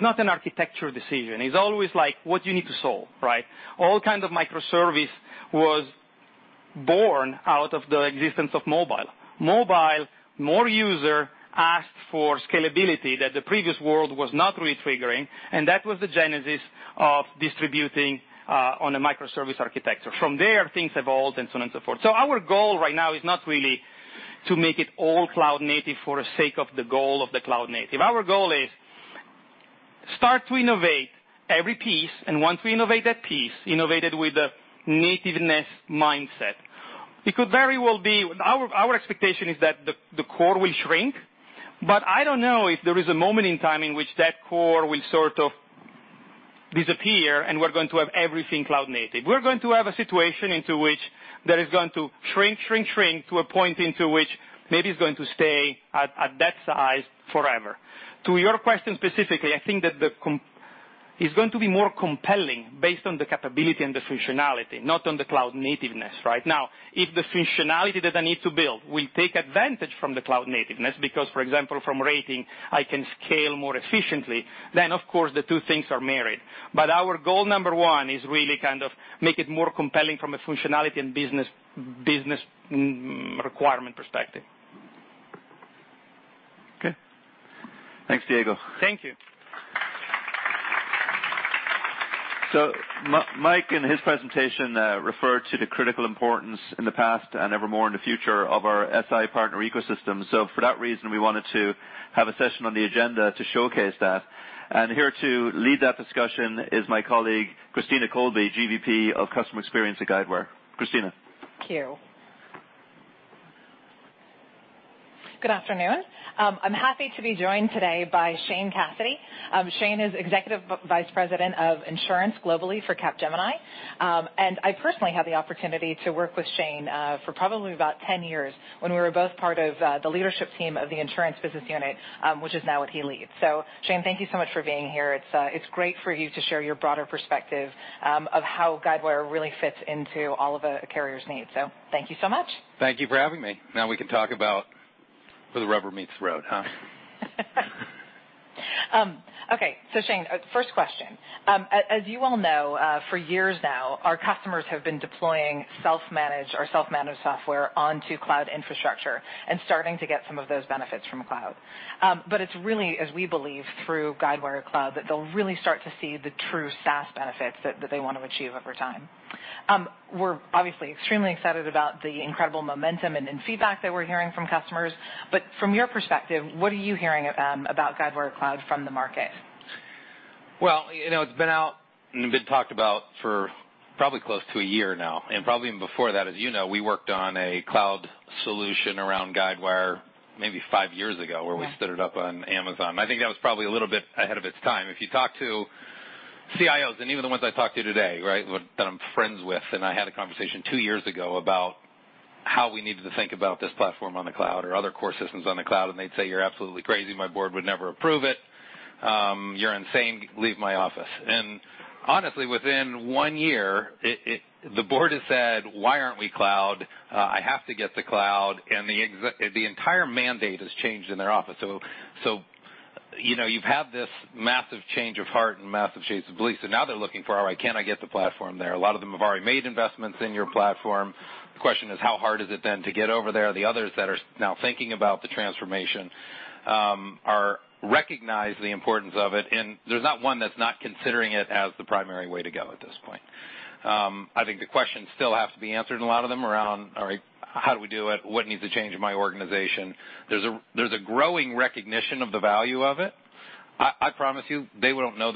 not an architecture decision. It's always like what you need to solve, right? All kind of microservice was born out of the existence of mobile. Mobile, more users asked for scalability that the previous world was not really triggering, and that was the genesis of distributing on a microservice architecture. From there, things evolved and so on and so forth. Our goal right now is not really to make it all cloud-native for the sake of the goal of the cloud-native. Our goal is start to innovate every piece, and once we innovate that piece, innovate it with a nativeness mindset. Our expectation is that the core will shrink, but I don't know if there is a moment in time in which that core will sort of disappear, and we're going to have everything cloud-native. We're going to have a situation into which that is going to shrink, shrink to a point into which maybe it's going to stay at that size forever. To your question specifically, I think that it's going to be more compelling based on the capability and the functionality, not on the cloud nativeness. Right now, if the functionality that I need to build will take advantage from the cloud nativeness, because for example from rating, I can scale more efficiently, then of course the two things are married. Our goal number one is really kind of make it more compelling from a functionality and business requirement perspective. Okay. Thanks, Diego. Thank you. Mike, in his presentation, referred to the critical importance in the past and evermore in the future of our SI partner ecosystem. For that reason, we wanted to have a session on the agenda to showcase that. Here to lead that discussion is my colleague, Christina Colby, GVP of Customer Experience at Guidewire. Christina. Thank you. Good afternoon. I'm happy to be joined today by Shane Cassidy. Shane is Executive Vice President of Insurance globally for Capgemini. I personally had the opportunity to work with Shane, for probably about 10 years when we were both part of the leadership team of the insurance business unit, which is now what he leads. Shane, thank you so much for being here. It's great for you to share your broader perspective, of how Guidewire really fits into all of a carrier's needs. Thank you so much. Thank you for having me. Now we can talk about where the rubber meets the road, huh? Shane, first question. As you all know, for years now, our customers have been deploying self-managed or self-managed software onto cloud infrastructure and starting to get some of those benefits from cloud. It's really, as we believe, through Guidewire Cloud, that they'll really start to see the true SaaS benefits that they want to achieve over time. We're obviously extremely excited about the incredible momentum and feedback that we're hearing from customers. From your perspective, what are you hearing about Guidewire Cloud from the market? Well, it's been out and been talked about for probably close to a year now, and probably even before that. As you know, we worked on a cloud solution around Guidewire maybe five years ago. Yeah where we stood it up on Amazon. I think that was probably a little bit ahead of its time. If you talk to CIOs and even the ones I talked to today that I'm friends with, and I had a conversation two years ago about how we needed to think about this platform on the cloud or other core systems on the cloud, and they'd say, "You're absolutely crazy. My board would never approve it. You're insane. Leave my office." Honestly, within one year, the board has said, "Why aren't we cloud? I have to get to cloud." The entire mandate has changed in their office. You've had this massive change of heart and massive change of belief. Now they're looking for, "All right, can I get the platform there?" A lot of them have already made investments in your platform. The question is, how hard is it then to get over there? The others that are now thinking about the transformation recognize the importance of it, and there's not one that's not considering it as the primary way to go at this point. I think the questions still have to be answered, and a lot of them around, all right, how do we do it? What needs to change in my organization? There's a growing recognition of the value of it. I promise you, they won't know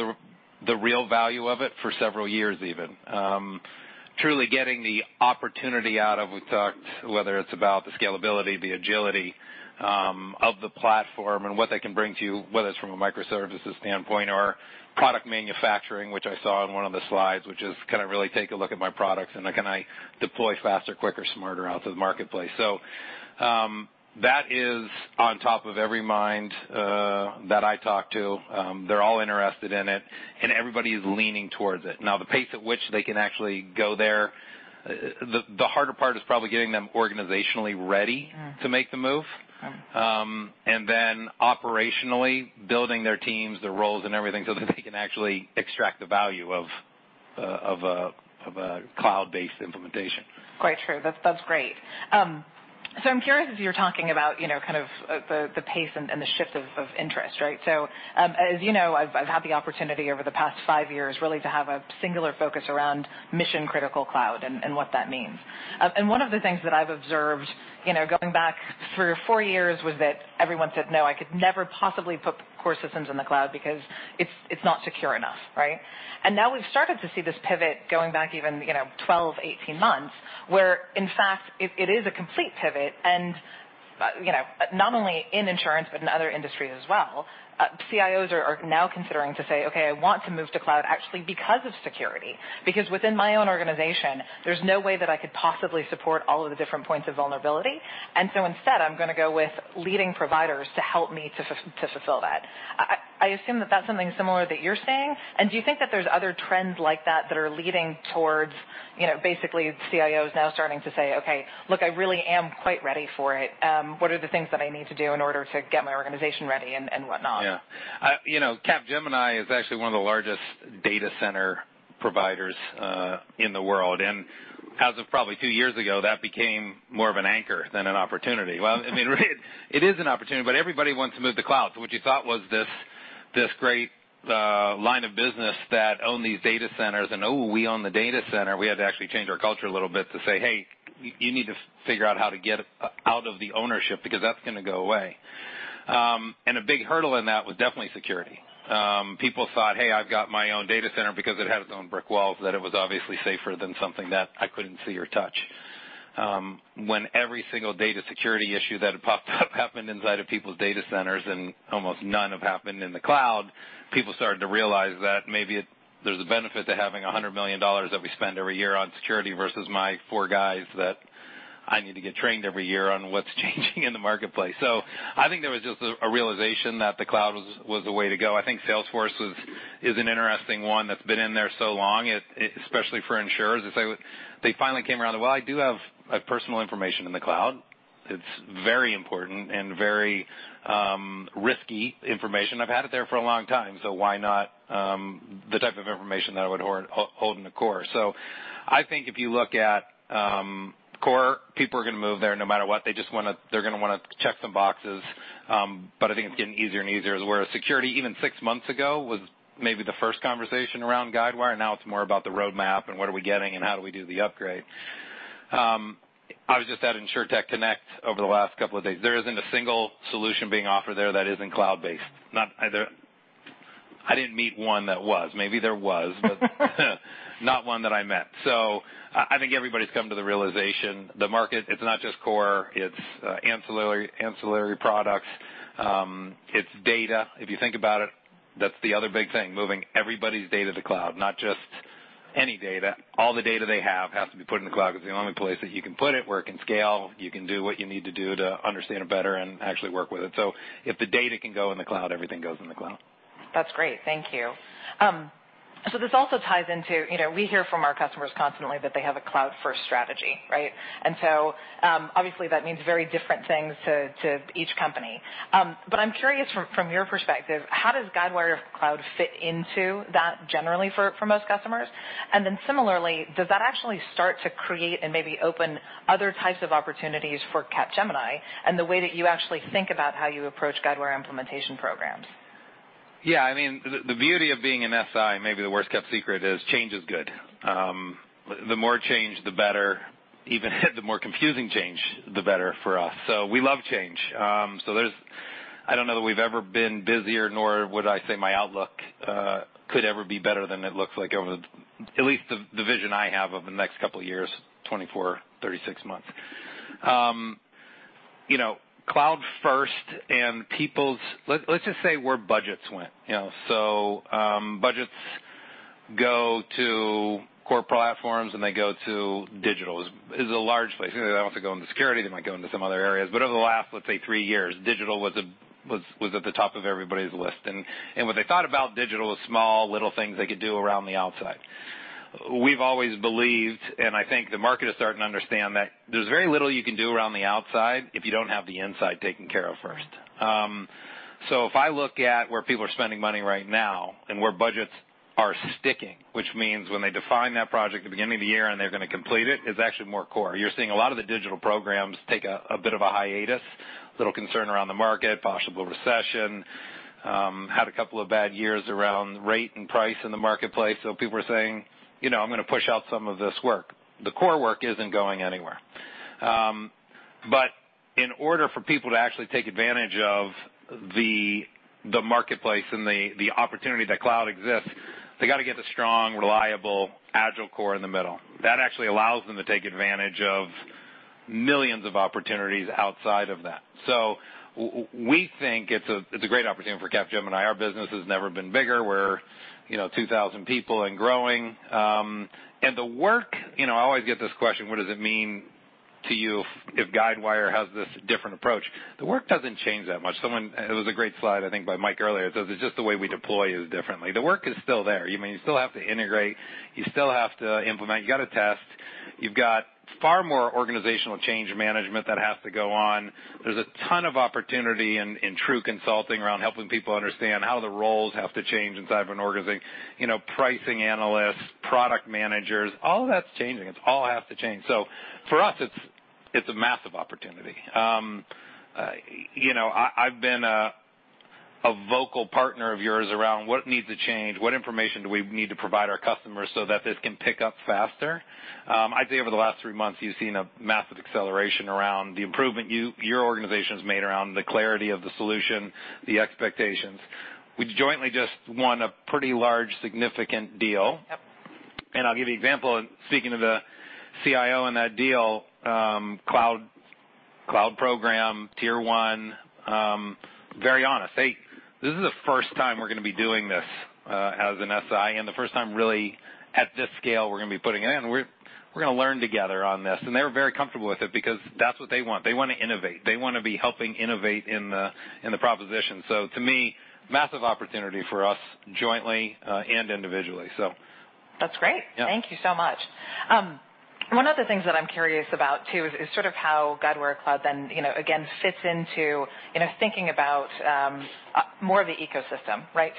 the real value of it for several years even. Truly getting the opportunity out of, we talked, whether it's about the scalability, the agility of the platform and what that can bring to you, whether it's from a microservices standpoint or product manufacturing, which I saw in one of the slides, which is, can I really take a look at my products and can I deploy faster, quicker, smarter out to the marketplace? That is on top of every mind that I talk to. They're all interested in it, and everybody is leaning towards it. The pace at which they can actually go there, the harder part is probably getting them organizationally ready. to make the move. Sure. Operationally building their teams, their roles, and everything so that they can actually extract the value of a cloud-based implementation. Quite true. That's great. I'm curious, as you're talking about the pace and the shift of interest. As you know, I've had the opportunity over the past five years really to have a singular focus around mission-critical cloud and what that means. One of the things that I've observed, going back three or four years, was that everyone said, "No, I could never possibly put core systems in the cloud because it's not secure enough." Now we've started to see this pivot going back even 12, 18 months, where in fact, it is a complete pivot and, not only in insurance, but in other industries as well. CIOs are now considering to say, "Okay, I want to move to cloud actually because of security, because within my own organization, there's no way that I could possibly support all of the different points of vulnerability. Instead, I'm going to go with leading providers to help me to fulfill that." I assume that that's something similar that you're seeing, and do you think that there's other trends like that that are leading towards basically CIOs now starting to say, "Okay, look, I really am quite ready for it. What are the things that I need to do in order to get my organization ready and whatnot? Yeah. Capgemini is actually one of the largest data center providers in the world. As of probably two years ago, that became more of an anchor than an opportunity. Well, it is an opportunity, everybody wants to move to cloud. What you thought was this great line of business that own these data centers and oh, we own the data center, we had to actually change our culture a little bit to say, "Hey, you need to figure out how to get out of the ownership because that's going to go away." A big hurdle in that was definitely security. People thought, hey, I've got my own data center because it had its own brick walls, that it was obviously safer than something that I couldn't see or touch. When every single data security issue that had popped up happened inside of people's data centers and almost none have happened in the cloud, people started to realize that maybe there's a benefit to having $100 million that we spend every year on security versus my four guys that I need to get trained every year on what's changing in the marketplace. I think there was just a realization that the cloud was the way to go. I think Salesforce is an interesting one that's been in there so long, especially for insurers. They finally came around that, well, I do have personal information in the cloud. It's very important and very risky information. I've had it there for a long time, so why not the type of information that I would hold in the core? I think if you look at core, people are going to move there no matter what. They're going to want to check some boxes. I think it's getting easier and easier, whereas security, even six months ago, was maybe the first conversation around Guidewire, and now it's more about the roadmap and what are we getting and how do we do the upgrade. I was just at InsurTech Connect over the last couple of days. There isn't a single solution being offered there that isn't cloud-based. I didn't meet one that was. Maybe there was. Not one that I met. I think everybody's come to the realization, the market, it's not just core, it's ancillary products. It's data. If you think about it, that's the other big thing, moving everybody's data to the cloud, not just any data. All the data they have has to be put in the cloud because the only place that you can put it where it can scale, you can do what you need to do to understand it better and actually work with it. If the data can go in the cloud, everything goes in the cloud. That's great. Thank you. This also ties into, we hear from our customers constantly that they have a cloud-first strategy. Obviously, that means very different things to each company. I'm curious from your perspective, how does Guidewire Cloud fit into that generally for most customers? Similarly, does that actually start to create and maybe open other types of opportunities for Capgemini and the way that you actually think about how you approach Guidewire implementation programs? Yeah. The beauty of being an SI, maybe the worst-kept secret is change is good. The more change, the better. Even the more confusing change, the better for us. We love change. I don't know that we've ever been busier, nor would I say my outlook could ever be better than it looks like, at least the vision I have of the next couple of years, 24, 36 months. Cloud first and let's just say where budgets went. Budgets go to core platforms and they go to digital. It's a large place. They might also go into security, they might go into some other areas. Over the last, let's say, three years, digital was at the top of everybody's list. What they thought about digital was small little things they could do around the outside. We've always believed, and I think the market is starting to understand that there's very little you can do around the outside if you don't have the inside taken care of first. If I look at where people are spending money right now and where budgets are sticking, which means when they define that project at the beginning of the year and they're going to complete it is actually more core. You're seeing a lot of the digital programs take a bit of a hiatus, a little concern around the market, possible recession, had a couple of bad years around rate and price in the marketplace. People are saying, "I'm going to push out some of this work." The core work isn't going anywhere. In order for people to actually take advantage of the marketplace and the opportunity that cloud exists, they got to get a strong, reliable, agile core in the middle. That actually allows them to take advantage of millions of opportunities outside of that. We think it's a great opportunity for Capgemini. Our business has never been bigger. We're 2,000 people and growing. The work, I always get this question, what does it mean to you if Guidewire has this different approach? The work doesn't change that much. It was a great slide, I think, by Mike earlier. It says it's just the way we deploy is differently. The work is still there. You still have to integrate, you still have to implement, you got to test. You've got far more organizational change management that has to go on. There's a ton of opportunity in true consulting around helping people understand how the roles have to change inside of an organization. Pricing analysts, product managers, all of that's changing. It all has to change. For us, it's a massive opportunity. I've been a vocal partner of yours around what needs to change, what information do we need to provide our customers so that this can pick up faster. I'd say over the last three months, you've seen a massive acceleration around the improvement your organization's made around the clarity of the solution, the expectations. We jointly just won a pretty large, significant deal. Yep. I'll give you an example. Speaking to the CIO in that deal, cloud program, tier 1, very honest. This is the first time we're going to be doing this as an SI, and the first time really at this scale we're going to be putting it in. We're going to learn together on this. They were very comfortable with it because that's what they want. They want to innovate. They want to be helping innovate in the proposition. To me, massive opportunity for us jointly and individually. That's great. Yeah. Thank you so much. One of the things that I'm curious about too is sort of how Guidewire Cloud then again fits into thinking about more of the ecosystem, right?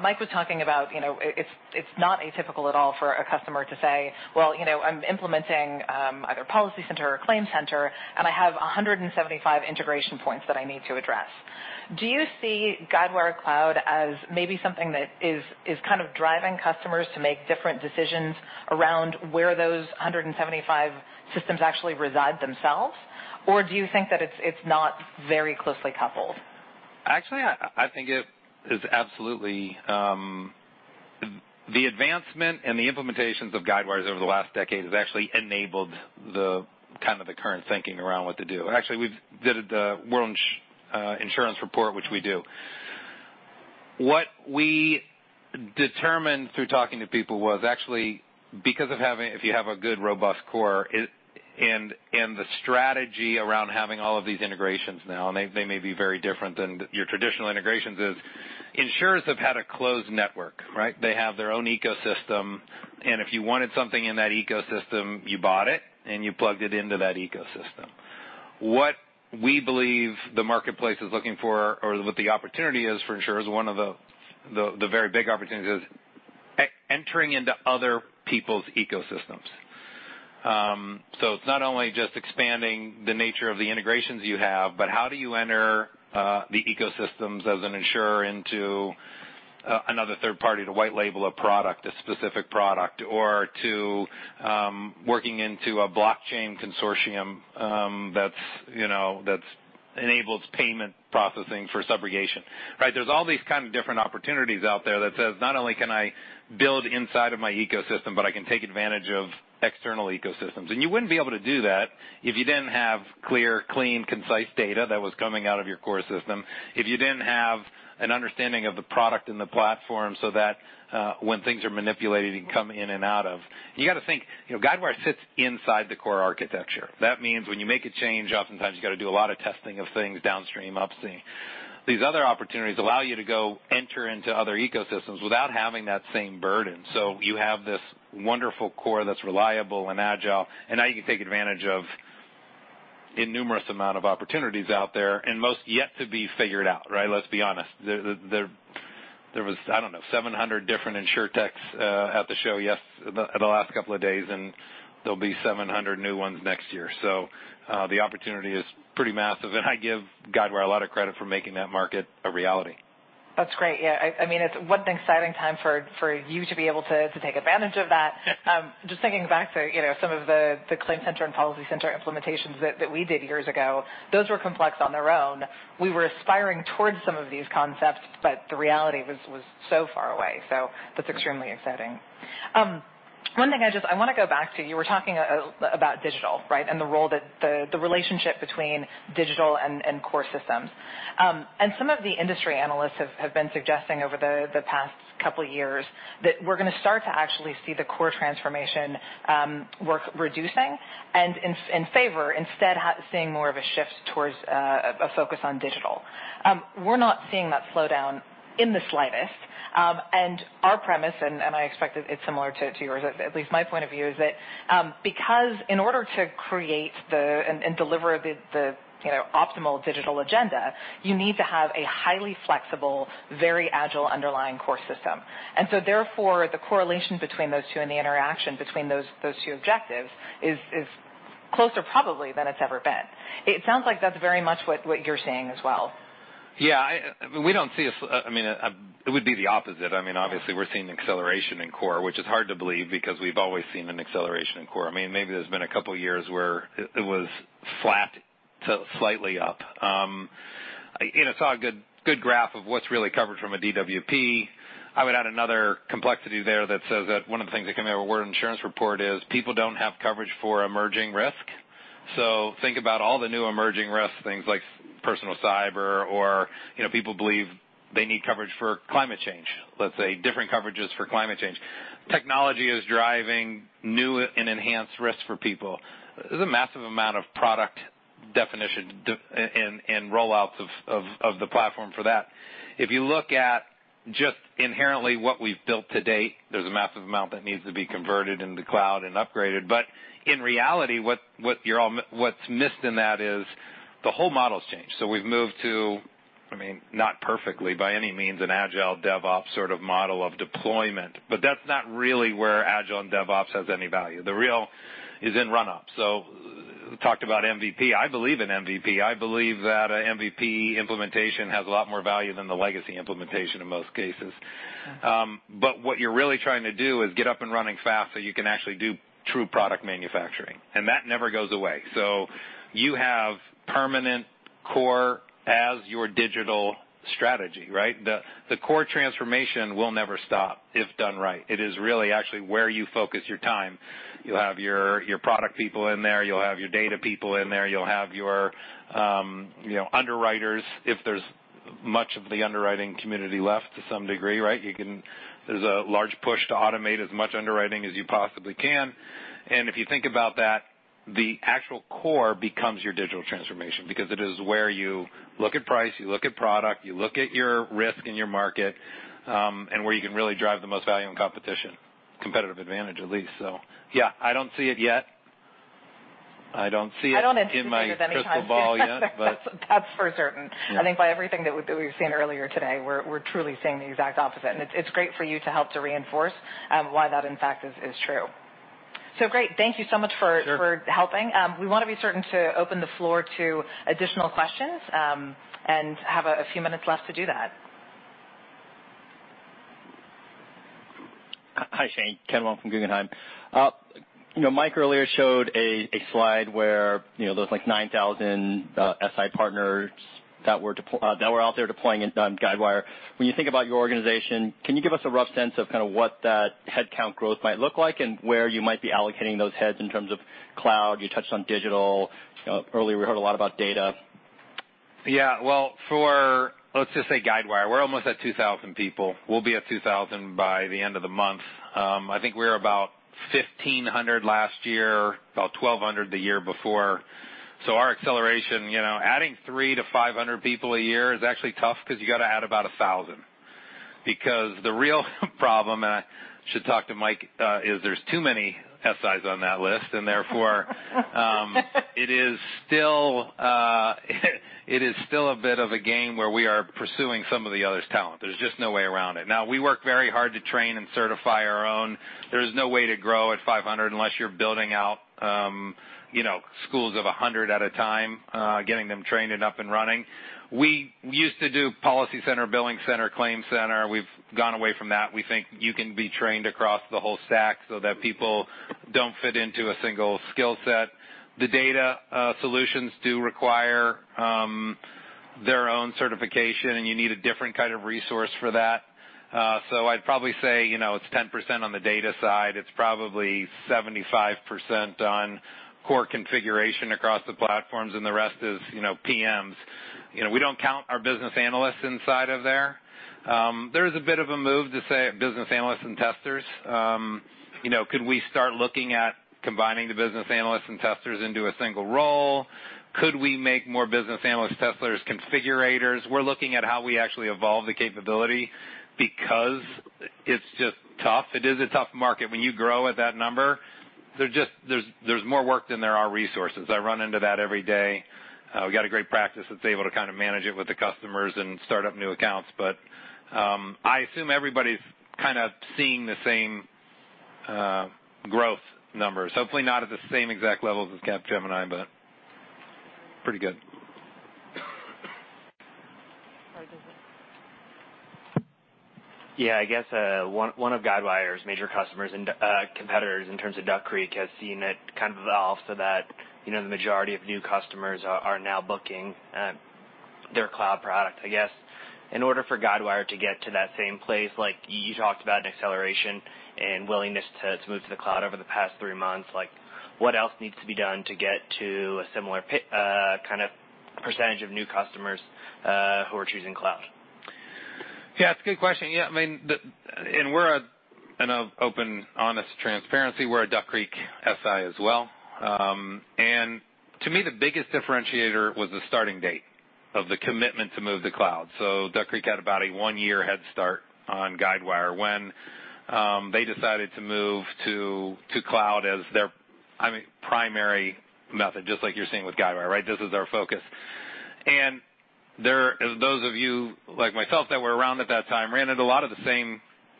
Mike was talking about it's not atypical at all for a customer to say, "Well, I'm implementing either PolicyCenter or ClaimCenter, and I have 175 integration points that I need to address." Do you see Guidewire Cloud as maybe something that is kind of driving customers to make different decisions around where those 175 systems actually reside themselves? Do you think that it's not very closely coupled? Actually, I think it is absolutely. The advancement and the implementations of Guidewire over the last decade has actually enabled kind of the current thinking around what to do. Actually, we did the World Insurance Report, which we do. What we determined through talking to people was actually because if you have a good, robust core and the strategy around having all of these integrations now, and they may be very different than your traditional integrations is insurers have had a closed network, right? They have their own ecosystem, and if you wanted something in that ecosystem, you bought it and you plugged it into that ecosystem. What we believe the marketplace is looking for or what the opportunity is for insurers, one of the very big opportunities is entering into other people's ecosystems. It's not only just expanding the nature of the integrations you have, but how do you enter the ecosystems as an insurer into another third party to white label a product, a specific product, or to working into a blockchain consortium that enables payment processing for subrogation, right? There's all these kind of different opportunities out there that says, not only can I build inside of my ecosystem, but I can take advantage of external ecosystems. You wouldn't be able to do that if you didn't have clear, clean, concise data that was coming out of your core system, if you didn't have an understanding of the product and the platform so that when things are manipulated, it can come in and out of. You got to think, Guidewire sits inside the core architecture. That means when you make a change, oftentimes you got to do a lot of testing of things downstream, upstream. These other opportunities allow you to go enter into other ecosystems without having that same burden. You have this wonderful core that's reliable and agile, and now you can take advantage of innumerous amount of opportunities out there and most yet to be figured out, right? Let's be honest. There was, I don't know, 700 different insurtechs at the show the last couple of days, and there'll be 700 new ones next year. The opportunity is pretty massive, and I give Guidewire a lot of credit for making that market a reality. That's great. Yeah. It's what an exciting time for you to be able to take advantage of that. Yeah. Just thinking back to some of the ClaimCenter and PolicyCenter implementations that we did years ago, those were complex on their own. We were aspiring towards some of these concepts, but the reality was so far away. That's extremely exciting. One thing I want to go back to, you were talking about digital, right? The relationship between digital and core systems. Some of the industry analysts have been suggesting over the past couple of years that we're going to start to actually see the core transformation work reducing, and in favor, instead, seeing more of a shift towards a focus on digital. We're not seeing that slowdown in the slightest. Our premise, and I expect it's similar to yours, at least my point of view, is that because in order to create and deliver the optimal digital agenda, you need to have a highly flexible, very agile underlying core system. Therefore, the correlation between those two and the interaction between those two objectives is closer probably than it's ever been. It sounds like that's very much what you're seeing as well. Yeah. It would be the opposite. Obviously, we're seeing acceleration in core, which is hard to believe because we've always seen an acceleration in core. Maybe there's been a couple of years where it was flat to slightly up. I saw a good graph of what's really covered from a DWP. I would add another complexity there that says that one of the things that came out of a World Insurance Report is people don't have coverage for emerging risk. Think about all the new emerging risk things like personal cyber or people believe they need coverage for climate change, let's say, different coverages for climate change. Technology is driving new and enhanced risks for people. There's a massive amount of product definition and roll-outs of the platform for that. If you look at just inherently what we've built to date, there's a massive amount that needs to be converted into cloud and upgraded. In reality, what's missed in that is the whole model's changed. We've moved to, not perfectly by any means, an agile DevOps sort of model of deployment, but that's not really where agile and DevOps has any value. The real is in run-up. So talked about MVP. I believe in MVP. I believe that a MVP implementation has a lot more value than the legacy implementation in most cases. Yeah. What you're really trying to do is get up and running fast so you can actually do true product manufacturing, and that never goes away. You have permanent core as your digital strategy, right? The core transformation will never stop if done right. It is really actually where you focus your time. You'll have your product people in there, you'll have your data people in there, you'll have your underwriters, if there's much of the underwriting community left to some degree, right? There's a large push to automate as much underwriting as you possibly can. If you think about that, the actual core becomes your digital transformation because it is where you look at price, you look at product, you look at your risk in your market, and where you can really drive the most value and competition, competitive advantage, at least. yeah, I don't see it yet. I don't anticipate it any time soon. -in my crystal ball yet, but- That's for certain. Yeah. I think by everything that we've seen earlier today, we're truly seeing the exact opposite, and it's great for you to help to reinforce why that, in fact, is true. Great. Thank you so much for- Sure helping. We want to be certain to open the floor to additional questions, have a few minutes left to do that. Hi, Shane. Kenneth Wong from Guggenheim. Mike earlier showed a slide where there's like 9,000 SI partners that were out there deploying on Guidewire. When you think about your organization, can you give us a rough sense of kind of what that head count growth might look like and where you might be allocating those heads in terms of cloud? You touched on digital. Earlier we heard a lot about data. Yeah. Well, let's just say Guidewire, we're almost at 2,000 people. We'll be at 2,000 by the end of the month. I think we were about 1,500 last year, about 1,200 the year before. Our acceleration, adding three to 500 people a year is actually tough because you got to add about 1,000. The real problem, and I should talk to Mike, is there's too many SIs on that list. It is still a bit of a game where we are pursuing some of the other's talent. There's just no way around it. Now, we work very hard to train and certify our own. There's no way to grow at 500 unless you're building out schools of 100 at a time, getting them trained and up and running. We used to do PolicyCenter, BillingCenter, ClaimCenter. We've gone away from that. We think you can be trained across the whole stack so that people don't fit into a single skill set. The data solutions do require their own certification, and you need a different kind of resource for that. I'd probably say it's 10% on the data side, it's probably 75% on core configuration across the platforms, and the rest is PMs. We don't count our business analysts inside of there. There is a bit of a move to say business analysts and testers. Could we start looking at combining the business analysts and testers into a single role? Could we make more business analysts, testers, configurators? We're looking at how we actually evolve the capability. It's just tough. It is a tough market. When you grow at that number, there's more work than there are resources. I run into that every day. We've got a great practice that's able to kind of manage it with the customers and start up new accounts. I assume everybody's kind of seeing the same growth numbers. Hopefully not at the same exact levels as Capgemini, but pretty good. I guess one of Guidewire's major competitors in terms of Duck Creek, has seen it kind of evolve so that the majority of new customers are now booking their cloud product. I guess, in order for Guidewire to get to that same place, like you talked about an acceleration and willingness to move to the cloud over the past three months. What else needs to be done to get to a similar kind of percentage of new customers who are choosing cloud? Yeah, it's a good question. In an open, honest transparency, we're a Duck Creek SI as well. To me, the biggest differentiator was the starting date of the commitment to move to the cloud. Duck Creek had about a one-year head start on Guidewire when they decided to move to cloud as their primary method, just like you're seeing with Guidewire, right? This is our focus. Those of you, like myself, that were around at that time ran into a lot of the same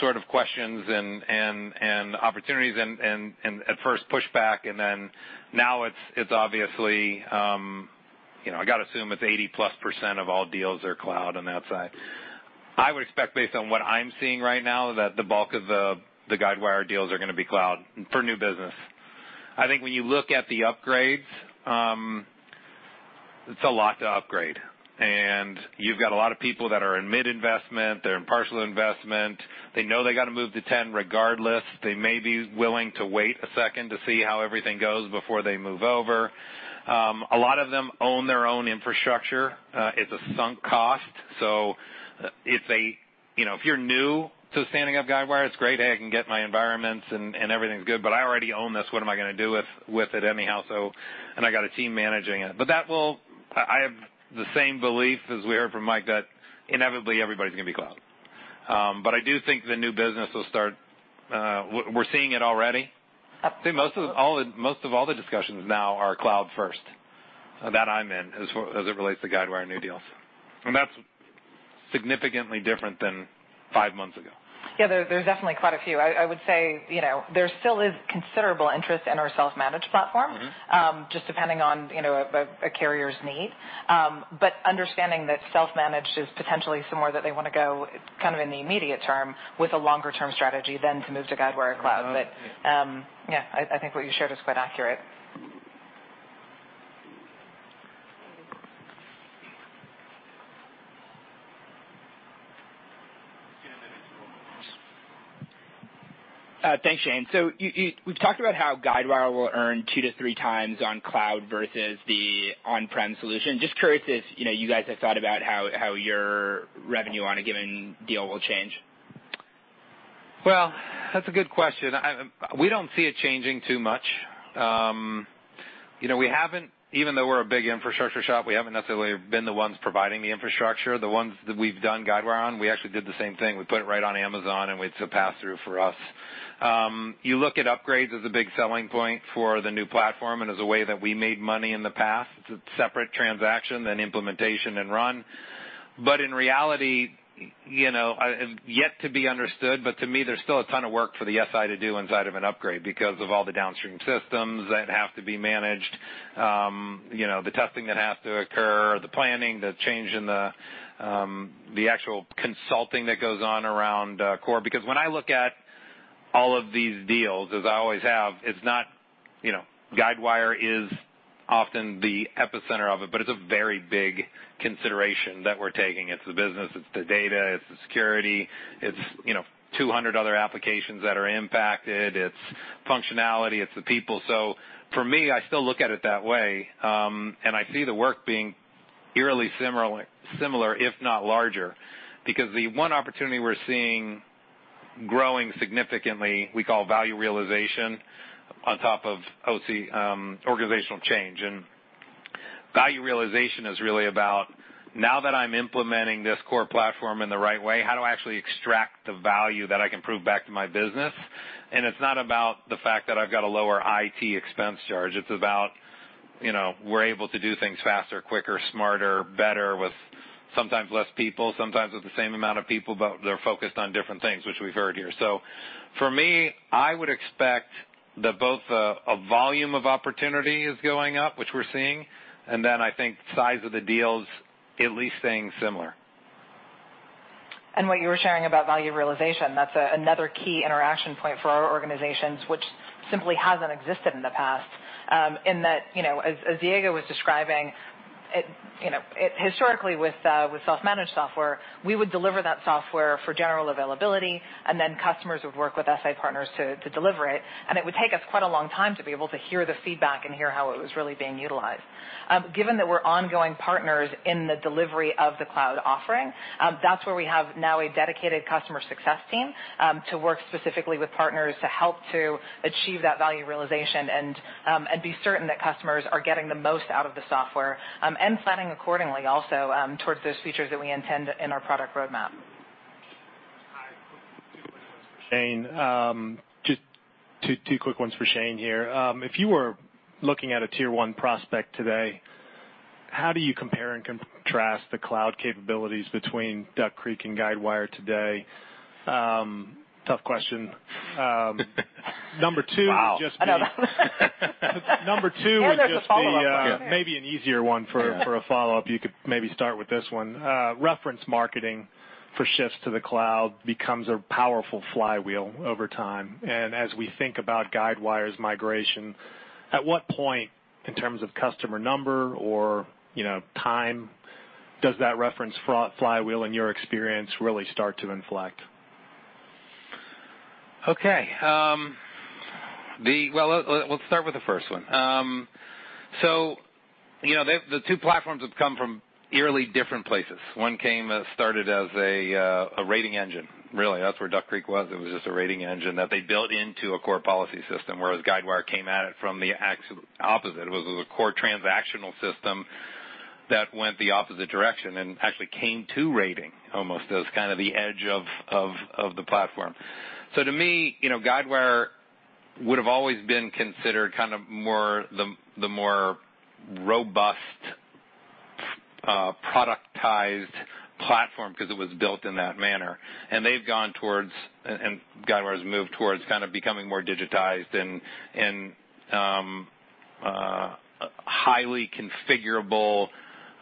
sort of questions and opportunities and at first pushback. Now it's obviously, I got to assume it's 80-plus% of all deals are cloud on that side. I would expect, based on what I'm seeing right now, that the bulk of the Guidewire deals are going to be cloud for new business. I think when you look at the upgrades, it's a lot to upgrade. You've got a lot of people that are in mid-investment, they're in partial investment. They know they got to move to 10 regardless. They may be willing to wait a second to see how everything goes before they move over. A lot of them own their own infrastructure. It's a sunk cost. If you're new to standing up Guidewire, it's great. Hey, I can get my environments and everything's good, but I already own this. What am I going to do with it anyhow? I got a team managing it. I have the same belief as we heard from Mike, that inevitably everybody's going to be cloud. I do think the new business will start. We're seeing it already. I think most of all the discussions now are cloud first, that I'm in, as it relates to Guidewire new deals. That's significantly different than five months ago. Yeah. There's definitely quite a few. I would say, there still is considerable interest in our self-managed platform. Just depending on a carrier's need. Understanding that self-managed is potentially somewhere that they want to go kind of in the immediate term with a longer-term strategy than to move to Guidewire Cloud. Yeah, I think what you shared is quite accurate. Thanks, Shane. We've talked about how Guidewire will earn two to three times on cloud versus the on-prem solution. Just curious if you guys have thought about how your revenue on a given deal will change. Well, that's a good question. We don't see it changing too much. Even though we're a big infrastructure shop, we haven't necessarily been the ones providing the infrastructure. The ones that we've done Guidewire on, we actually did the same thing. We put it right on Amazon, and it's a pass-through for us. You look at upgrades as a big selling point for the new platform and as a way that we made money in the past. It's a separate transaction, then implementation and run. In reality, yet to be understood, but to me, there's still a ton of work for the SI to do inside of an upgrade because of all the downstream systems that have to be managed. The testing that has to occur, the planning, the change in the actual consulting that goes on around core. When I look at all of these deals, as I always have, Guidewire is often the epicenter of it, but it's a very big consideration that we're taking. It's the business, it's the data, it's the security, it's 200 other applications that are impacted. It's functionality, it's the people. For me, I still look at it that way. I see the work being eerily similar, if not larger. The one opportunity we're seeing growing significantly, we call value realization on top of OC, organizational change. Value realization is really about, now that I'm implementing this core platform in the right way, how do I actually extract the value that I can prove back to my business? It's not about the fact that I've got a lower IT expense charge. We're able to do things faster, quicker, smarter, better, with sometimes less people, sometimes with the same amount of people, but they're focused on different things, which we've heard here. For me, I would expect that both a volume of opportunity is going up, which we're seeing, and then I think size of the deals at least staying similar. What you were sharing about value realization, that's another key interaction point for our organizations, which simply hasn't existed in the past. In that, as Diego was describing, historically with self-managed software, we would deliver that software for general availability, then customers would work with SI partners to deliver it. It would take us quite a long time to be able to hear the feedback and hear how it was really being utilized. Given that we're ongoing partners in the delivery of the cloud offering, that's where we have now a dedicated customer success team, to work specifically with partners to help to achieve that value realization and be certain that customers are getting the most out of the software. Planning accordingly also towards those features that we intend in our product roadmap. Shane, just two quick ones for Shane here. If you were looking at a Tier 1 prospect today, how do you compare and contrast the cloud capabilities between Duck Creek and Guidewire today? Tough question. Number two would just be- Wow. I know. Number 2 was just There's a follow-up. Yeah maybe an easier one. Yeah a follow-up. You could maybe start with this one. Reference marketing for shifts to the cloud becomes a powerful flywheel over time. As we think about Guidewire's migration, at what point in terms of customer number or time does that reference flywheel, in your experience, really start to inflect? Okay. Well, let's start with the first one. The two platforms have come from eerily different places. One started as a rating engine, really. That's where Duck Creek was. It was just a rating engine that they built into a core policy system, whereas Guidewire came at it from the opposite. It was a core transactional system that went the opposite direction and actually came to rating almost as kind of the edge of the platform. To me, Guidewire would've always been considered the more robust productized platform because it was built in that manner. Guidewire's moved towards kind of becoming more digitized and highly configurable.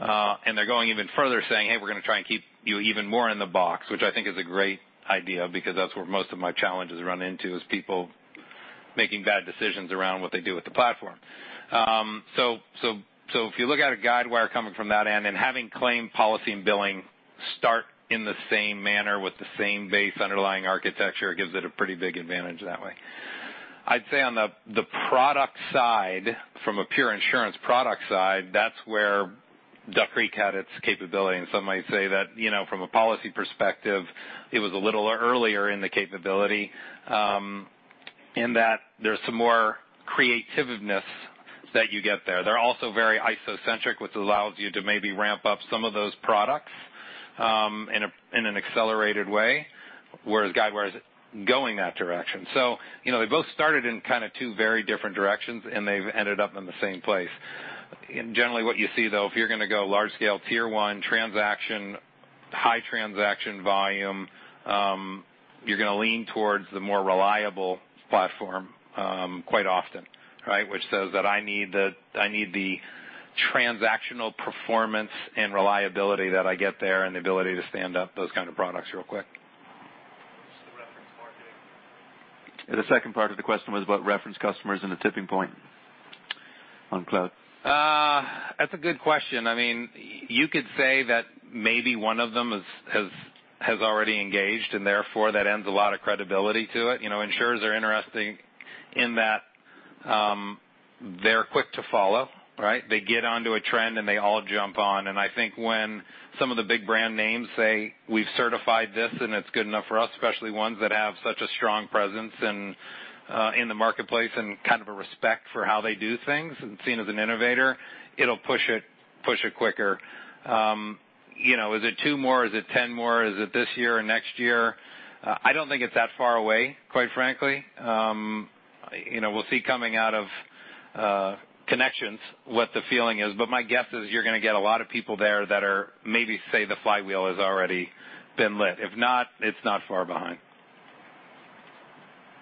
They're going even further saying, "Hey, we're going to try and keep you even more in the box," which I think is a great idea because that's where most of my challenges run into, is people making bad decisions around what they do with the platform. If you look at a Guidewire coming from that end and having claim policy and billing start in the same manner with the same base underlying architecture, it gives it a pretty big advantage that way. I'd say on the product side, from a pure insurance product side, that's where Duck Creek had its capability, and some might say that from a policy perspective, it was a little earlier in the capability, in that there's some more creativeness that you get there. They're also very isocentric, which allows you to maybe ramp up some of those products in an accelerated way, whereas Guidewire is going that direction. They both started in kind of two very different directions, and they've ended up in the same place. Generally what you see, though, if you're going to go large scale, Tier 1 transaction, high transaction volume, you're going to lean towards the more reliable platform quite often, which says that I need the transactional performance and reliability that I get there and the ability to stand up those kind of products real quick. What's the reference marketing? The second part of the question was about reference customers and the tipping point on cloud. That's a good question. You could say that maybe one of them has already engaged and therefore that adds a lot of credibility to it. Insurers are interesting in that they're quick to follow, right? They get onto a trend and they all jump on. I think when some of the big brand names say, "We've certified this and it's good enough for us," especially ones that have such a strong presence in the marketplace and kind of a respect for how they do things and seen as an innovator, it'll push it quicker. Is it two more? Is it 10 more? Is it this year or next year? I don't think it's that far away, quite frankly. We'll see coming out of Connections what the feeling is. My guess is you're going to get a lot of people there that are maybe say the flywheel has already been lit. If not, it's not far behind.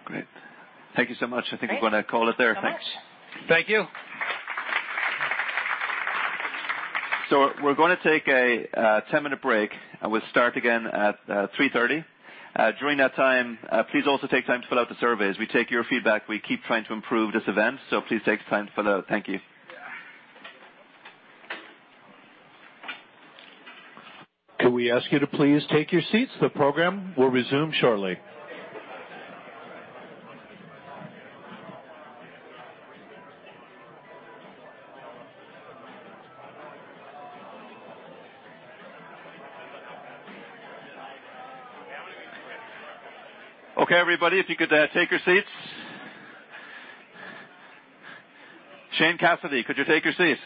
Great. Thank you so much. Great. I think I'm going to call it there. So much. Thanks. Thank you. We're going to take a 10-minute break, and we'll start again at 3:30 P.M. During that time, please also take time to fill out the surveys. We take your feedback. We keep trying to improve this event, so please take the time to fill out. Thank you. Yeah. Could we ask you to please take your seats? The program will resume shortly. Okay, everybody, if you could take your seats. Shane Cassidy, could you take your seat?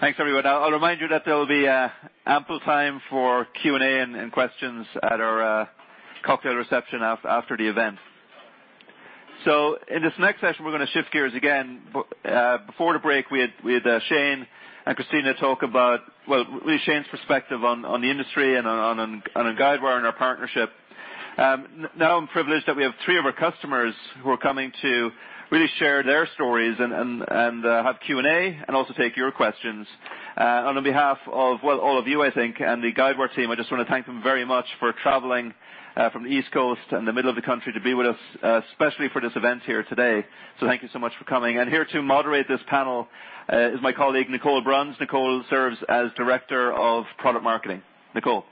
Thanks, everyone. I'll remind you that there will be ample time for Q&A and questions at our cocktail reception after the event. In this next session, we're going to shift gears again. Before the break, we had Shane and Christina talk about, well, really Shane's perspective on the industry and on Guidewire and our partnership. Now I'm privileged that we have three of our customers who are coming to really share their stories and have Q&A, and also take your questions. On behalf of, well, all of you, I think, and the Guidewire team, I just want to thank them very much for traveling from the East Coast and the middle of the country to be with us, especially for this event here today. Thank you so much for coming. Here to moderate this panel is my colleague Nicole Bruns. Nicole serves as Director of Product Marketing. Nicole.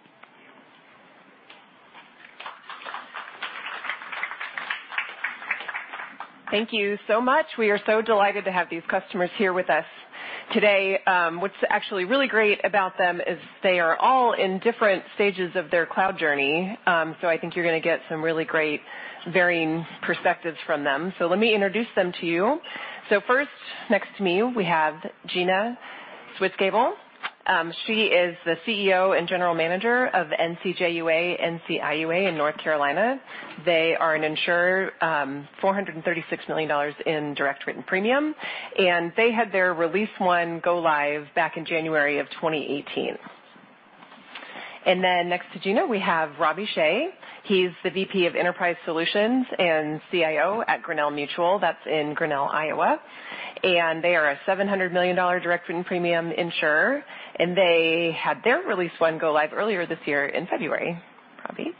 Thank you so much. We are so delighted to have these customers here with us today. What's actually really great about them is they are all in different stages of their cloud journey. I think you're going to get some really great varying perspectives from them. Let me introduce them to you. First, next to me, we have Gina Switzgable. She is the CEO and General Manager of NCJUA/NCIUA in North Carolina. They are an insurer, $436 million in direct written premium, and they had their release one go live back in January of 2018. Next to Gina, we have Roby Shay. He's the VP of Enterprise Solutions and CIO at Grinnell Mutual. That's in Grinnell, Iowa. They are a $700 million direct written premium insurer, and they had their release one go live earlier this year in February. Robbie.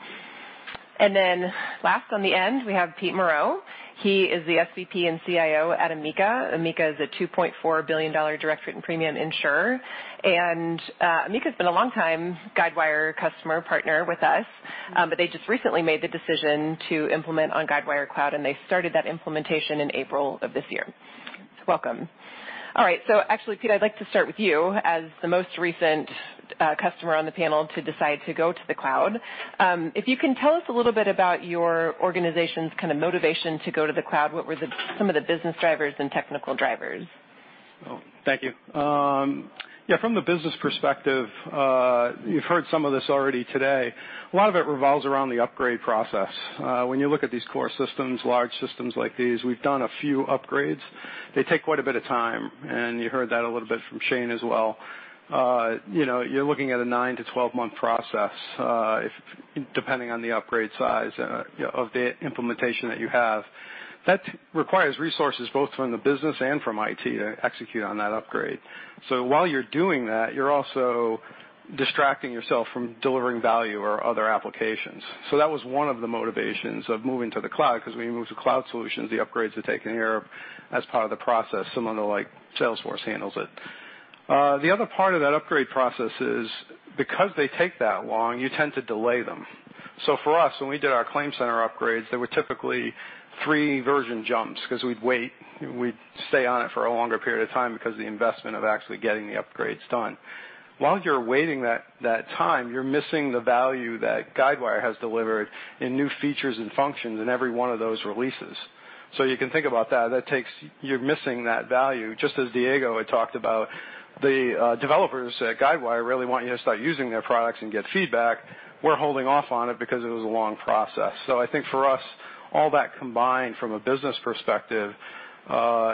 Last on the end, we have Pete Moreau. He is the SVP and CIO at Amica. Amica is a $2.4 billion direct written premium insurer. Amica's been a long-time Guidewire customer partner with us. They just recently made the decision to implement on Guidewire Cloud, and they started that implementation in April of this year. Welcome. All right. Actually, Pete, I'd like to start with you as the most recent customer on the panel to decide to go to the cloud. If you can tell us a little bit about your organization's kind of motivation to go to the cloud, what were some of the business drivers and technical drivers? Oh, thank you. Yeah, from the business perspective, you've heard some of this already today. A lot of it revolves around the upgrade process. When you look at these core systems, large systems like these, we've done a few upgrades. They take quite a bit of time, and you heard that a little bit from Shane as well. You're looking at a 9- to 12-month process, depending on the upgrade size of the implementation that you have. That requires resources both from the business and from IT to execute on that upgrade. While you're doing that, you're also distracting yourself from delivering value or other applications. That was one of the motivations of moving to the cloud, because when you move to cloud solutions, the upgrades are taken care of as part of the process. Someone like Salesforce handles it. The other part of that upgrade process is because they take that long, you tend to delay them. For us, when we did our ClaimCenter upgrades, there were typically three version jumps because we'd wait. We'd stay on it for a longer period of time because the investment of actually getting the upgrades done. While you're waiting that time, you're missing the value that Guidewire has delivered in new features and functions in every one of those releases. You can think about that. You're missing that value. Just as Diego had talked about, the developers at Guidewire really want you to start using their products and get feedback. We're holding off on it because it was a long process. I think for us, all that combined from a business perspective,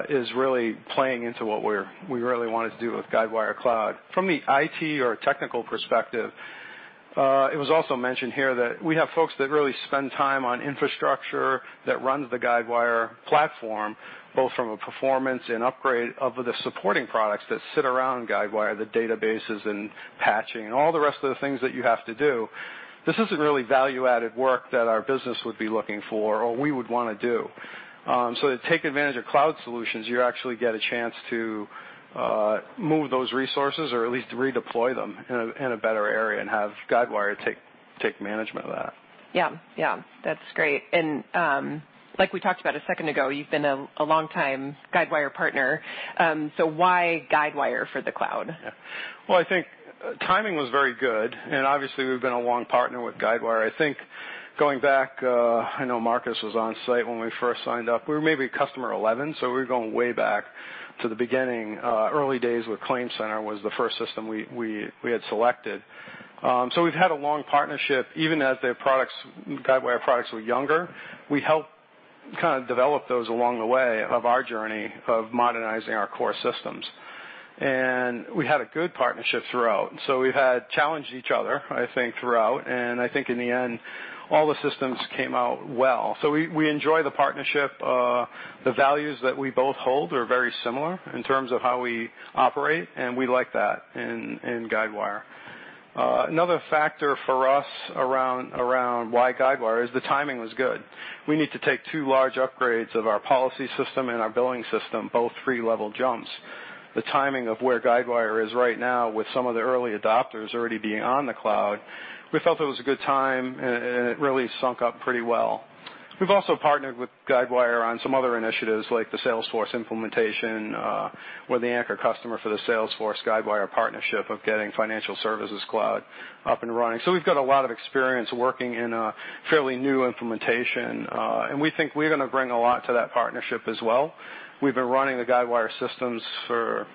is really playing into what we really wanted to do with Guidewire Cloud. From the IT or technical perspective, it was also mentioned here that we have folks that really spend time on infrastructure that runs the Guidewire platform, both from a performance and upgrade of the supporting products that sit around Guidewire, the databases and patching, all the rest of the things that you have to do. This isn't really value-added work that our business would be looking for or we would want to do. To take advantage of cloud solutions, you actually get a chance to move those resources or at least redeploy them in a better area and have Guidewire take management of that. Yeah. That's great. Like we talked about a second ago, you've been a long-time Guidewire partner. Why Guidewire for the cloud? Yeah. Well, I think timing was very good. Obviously, we've been a long partner with Guidewire. I think going back, I know Marcus was on site when we first signed up. We were maybe customer 11. We're going way back to the beginning. Early days with ClaimCenter was the first system we had selected. We've had a long partnership, even as their products, Guidewire products, were younger. We helped kind of develop those along the way of our journey of modernizing our core systems. We had a good partnership throughout, and so we've had challenged each other, I think, throughout. I think in the end, all the systems came out well. We enjoy the partnership. The values that we both hold are very similar in terms of how we operate, and we like that in Guidewire. Another factor for us around why Guidewire is the timing was good. We need to take two large upgrades of our policy system and our billing system, both 3-level jumps. The timing of where Guidewire is right now with some of the early adopters already being on the cloud, we felt it was a good time, and it really sunk up pretty well. We've also partnered with Guidewire on some other initiatives like the Salesforce implementation. We're the anchor customer for the Salesforce-Guidewire partnership of getting Financial Services Cloud up and running. We've got a lot of experience working in a fairly new implementation, and we think we're going to bring a lot to that partnership as well. We've been running the Guidewire systems for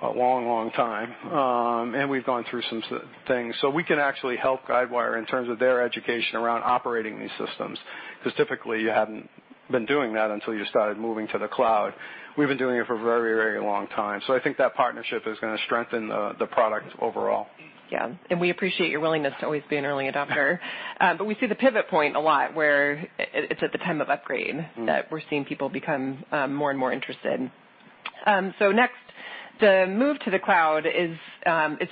a long time. We've gone through some things. We can actually help Guidewire in terms of their education around operating these systems because typically you hadn't been doing that until you started moving to the cloud. We've been doing it for a very long time. I think that partnership is going to strengthen the product overall. Yeah. We appreciate your willingness to always be an early adopter. We see the pivot point a lot where it's at the time of upgrade that we're seeing people become more and more interested. Next, the move to the cloud is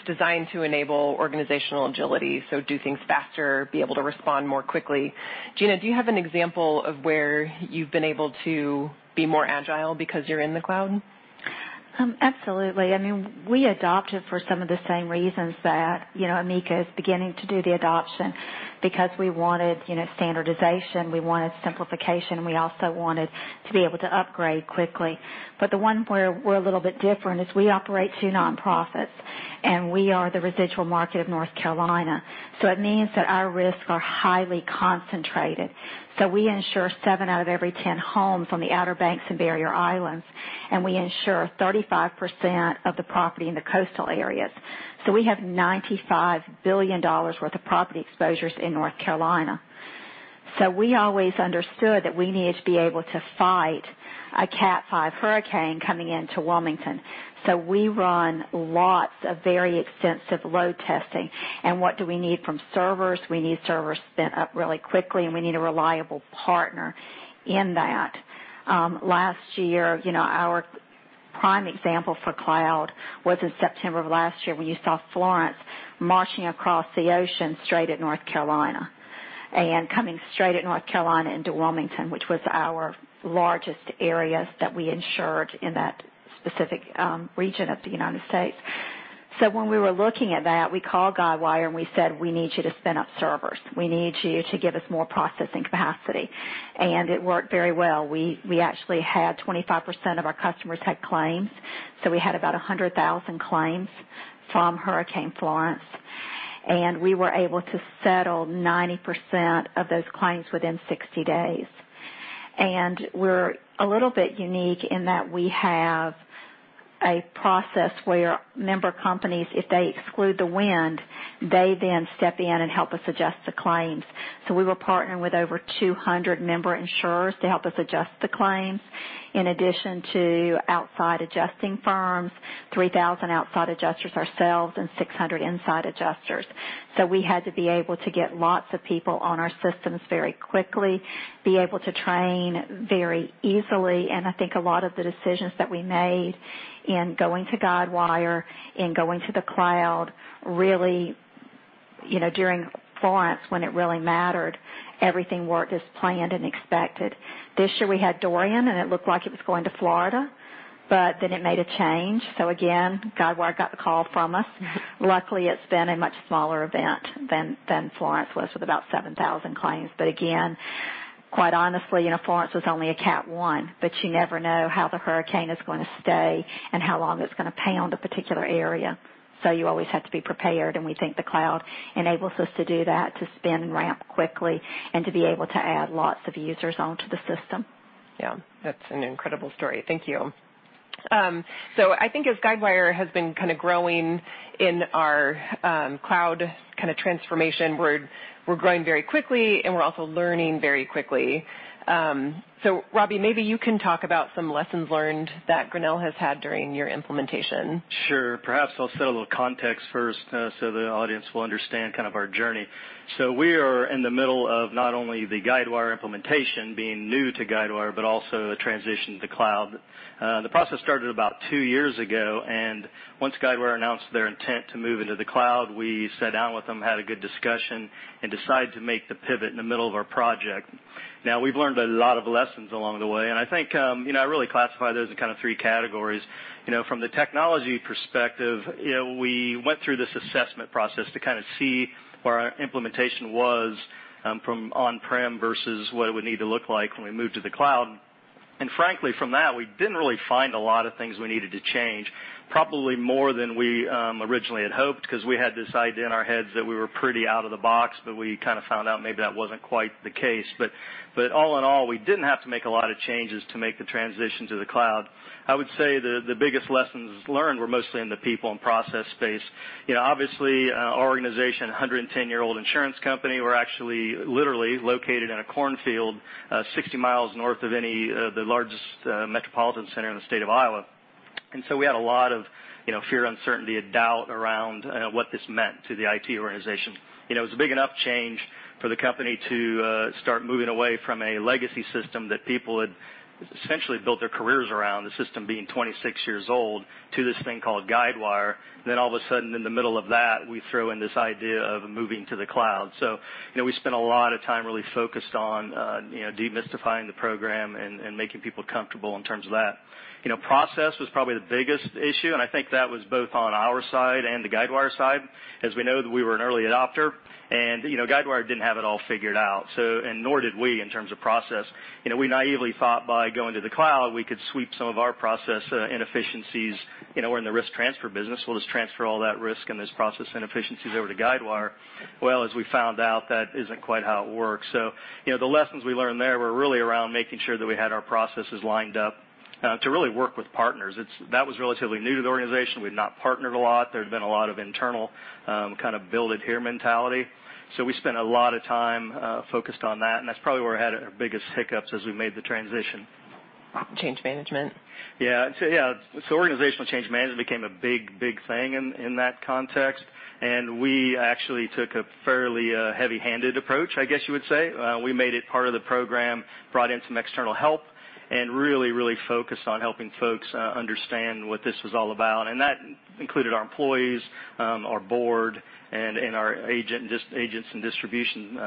designed to enable organizational agility, so do things faster, be able to respond more quickly. Gina, do you have an example of where you've been able to be more agile because you're in the cloud? Absolutely. I mean, we adopted for some of the same reasons that Amica is beginning to do the adoption because we wanted standardization. We wanted simplification. We also wanted to be able to upgrade quickly. The one where we're a little bit different is we operate two nonprofits, and we are the residual market of North Carolina. It means that our risks are highly concentrated. We insure seven out of every 10 homes on the Outer Banks and Barrier Islands, and we insure 35% of the property in the coastal areas. We have $95 billion worth of property exposures in North Carolina. We always understood that we needed to be able to fight a Cat 5 hurricane coming into Wilmington. We run lots of very extensive load testing. What do we need from servers? We need servers spin up really quickly, and we need a reliable partner in that. Last year, our prime example for cloud was in September of last year when you saw Florence marching across the ocean straight at North Carolina and coming straight at North Carolina into Wilmington, which was our largest areas that we insured in that specific region of the U.S. When we were looking at that, we called Guidewire and we said, "We need you to spin up servers. We need you to give us more processing capacity." It worked very well. We actually had 25% of our customers had claims, so we had about 100,000 claims from Hurricane Florence, and we were able to settle 90% of those claims within 60 days. We're a little bit unique in that we have a process where member companies, if they exclude the wind, they then step in and help us adjust the claims. We were partnering with over 200 member insurers to help us adjust the claims, in addition to outside adjusting firms, 3,000 outside adjusters ourselves, and 600 inside adjusters. We had to be able to get lots of people on our systems very quickly, be able to train very easily, and I think a lot of the decisions that we made in going to Guidewire, in going to the cloud, really during Florence, when it really mattered, everything worked as planned and expected. This year we had Dorian, and it looked like it was going to Florida, but then it made a change. Again, Guidewire got the call from us. Luckily, it's been a much smaller event than Florence was with about 7,000 claims. Again, quite honestly, Florence was only a Cat 1, but you never know how the hurricane is going to stay and how long it's going to pound a particular area. You always have to be prepared, and we think the cloud enables us to do that, to spin and ramp quickly and to be able to add lots of users onto the system. That's an incredible story. Thank you. I think as Guidewire has been kind of growing in our cloud kind of transformation, we're growing very quickly and we're also learning very quickly. Roby, maybe you can talk about some lessons learned that Grinnell has had during your implementation. Sure. Perhaps I'll set a little context first so the audience will understand kind of our journey. We are in the middle of not only the Guidewire implementation, being new to Guidewire, but also a transition to the cloud. The process started about two years ago, and once Guidewire announced their intent to move into the cloud, we sat down with them, had a good discussion, and decided to make the pivot in the middle of our project. We've learned a lot of lessons along the way, and I think I really classify those in kind of three categories. From the technology perspective, we went through this assessment process to kind of see where our implementation was from on-prem versus what it would need to look like when we moved to the cloud. Frankly, from that, we didn't really find a lot of things we needed to change, probably more than we originally had hoped, because we had this idea in our heads that we were pretty out of the box, but we kind of found out maybe that wasn't quite the case. All in all, we didn't have to make a lot of changes to make the transition to the cloud. I would say the biggest lessons learned were mostly in the people and process space. Obviously, our organization, 110-year-old insurance company, we're actually literally located in a cornfield 60 miles north of the largest metropolitan center in the state of Iowa. We had a lot of fear, uncertainty, and doubt around what this meant to the IT organization. It was a big enough change for the company to start moving away from a legacy system that people had essentially built their careers around, the system being 26 years old, to this thing called Guidewire. All of a sudden, in the middle of that, we throw in this idea of moving to the cloud. We spent a lot of time really focused on demystifying the program and making people comfortable in terms of that. Process was probably the biggest issue, and I think that was both on our side and the Guidewire side, as we know that we were an early adopter, and Guidewire didn't have it all figured out, and nor did we in terms of process. We naively thought by going to the cloud, we could sweep some of our process inefficiencies. We're in the risk transfer business. We'll just transfer all that risk and those process inefficiencies over to Guidewire. Well, as we found out, that isn't quite how it works. The lessons we learned there were really around making sure that we had our processes lined up to really work with partners. That was relatively new to the organization. We've not partnered a lot. There'd been a lot of internal kind of build it here mentality. We spent a lot of time focused on that, and that's probably where we had our biggest hiccups as we made the transition. Change management. Yeah. Organizational change management became a big thing in that context, and we actually took a fairly heavy-handed approach, I guess you would say. We made it part of the program, brought in some external help, and really focused on helping folks understand what this was all about. That included our employees, our board, and our agents and distribution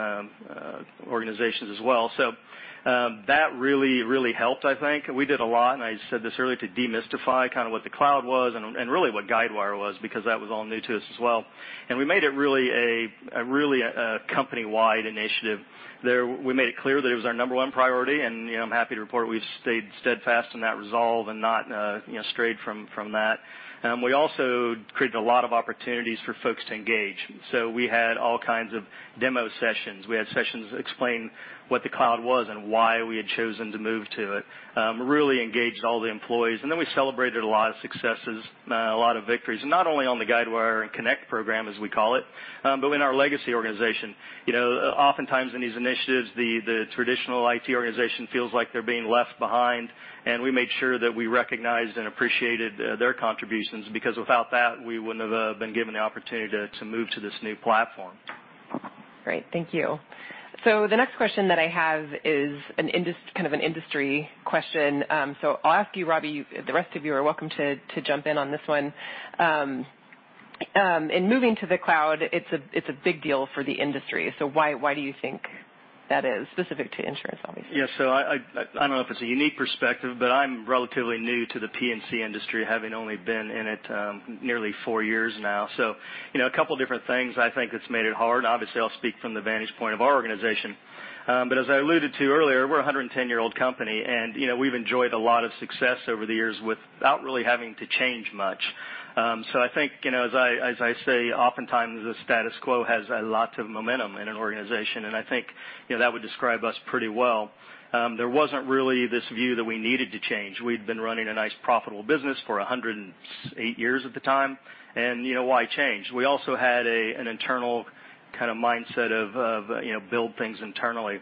organizations as well. That really helped, I think. We did a lot, and I said this earlier, to demystify kind of what the cloud was and really what Guidewire was because that was all new to us as well. We made it really a company-wide initiative. We made it clear that it was our number 1 priority, and I'm happy to report we've stayed steadfast in that resolve and not strayed from that. We also created a lot of opportunities for folks to engage. We had all kinds of demo sessions. We had sessions explain what the cloud was and why we had chosen to move to it. Really engaged all the employees. We celebrated a lot of successes, a lot of victories, not only on the Guidewire and Connect Program, as we call it, but within our legacy organization. Oftentimes in these initiatives, the traditional IT organization feels like they're being left behind, and we made sure that we recognized and appreciated their contributions because without that, we wouldn't have been given the opportunity to move to this new platform. Great. Thank you. The next question that I have is kind of an industry question. I'll ask you, Robbie. The rest of you are welcome to jump in on this one. In moving to the cloud, it's a big deal for the industry. Why do you think that is? Specific to insurance, obviously. Yes. I don't know if it's a unique perspective, but I'm relatively new to the P&C industry, having only been in it nearly four years now. A couple of different things I think that's made it hard. Obviously, I'll speak from the vantage point of our organization. As I alluded to earlier, we're a 110-year-old company, and we've enjoyed a lot of success over the years without really having to change much. I think, as I say, oftentimes the status quo has a lot of momentum in an organization, and I think that would describe us pretty well. There wasn't really this view that we needed to change. We'd been running a nice, profitable business for 108 years at the time. Why change? We also had an internal kind of mindset of build things internally.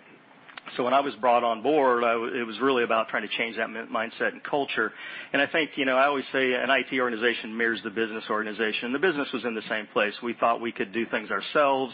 When I was brought on board, it was really about trying to change that mindset and culture. I think I always say an IT organization mirrors the business organization. The business was in the same place. We thought we could do things ourselves.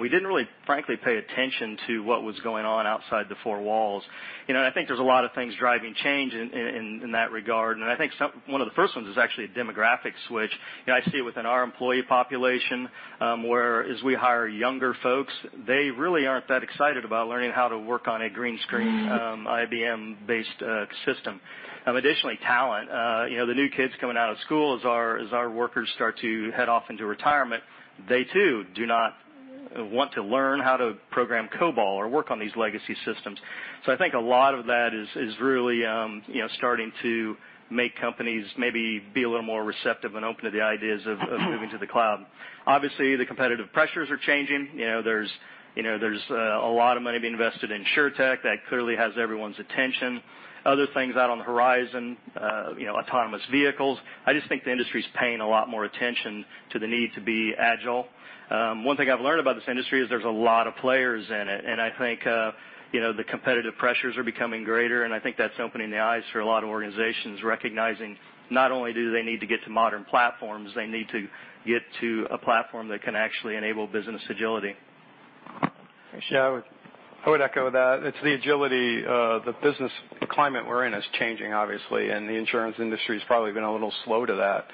We didn't really, frankly, pay attention to what was going on outside the four walls. I think there's a lot of things driving change in that regard. I think one of the first ones is actually a demographic switch. I see it within our employee population, where as we hire younger folks, they really aren't that excited about learning how to work on a green screen. IBM-based system. Additionally, talent. The new kids coming out of school as our workers start to head off into retirement, they too do not want to learn how to program COBOL or work on these legacy systems. I think a lot of that is really starting to make companies maybe be a little more receptive and open to the ideas of moving to the cloud. Obviously, the competitive pressures are changing. There's a lot of money being invested in Insurtech that clearly has everyone's attention. Other things out on the horizon, autonomous vehicles. I just think the industry's paying a lot more attention to the need to be agile. One thing I've learned about this industry is there's a lot of players in it, and I think the competitive pressures are becoming greater, and I think that's opening the eyes for a lot of organizations, recognizing not only do they need to get to modern platforms, they need to get to a platform that can actually enable business agility. Yeah. I would echo that. It's the agility. The business climate we're in is changing, obviously, and the insurance industry has probably been a little slow to that.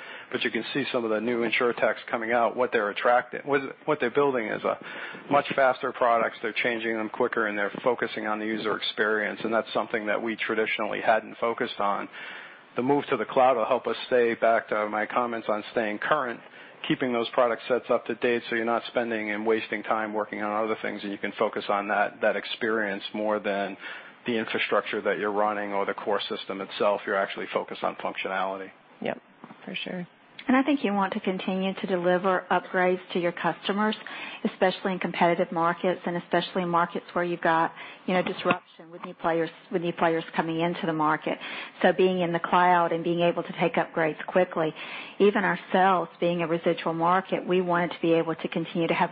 You can see some of the new Insurtechs coming out, what they're building is much faster products. They're changing them quicker, and they're focusing on the user experience, and that's something that we traditionally hadn't focused on. The move to the cloud will help us stay, back to my comments on staying current, keeping those product sets up to date so you're not spending and wasting time working on other things, and you can focus on that experience more than the infrastructure that you're running or the core system itself. You're actually focused on functionality. Yep, for sure. I think you want to continue to deliver upgrades to your customers, especially in competitive markets and especially in markets where you've got disruption with new players coming into the market. Being in the cloud and being able to take upgrades quickly, even ourselves, being a residual market, we wanted to be able to continue to have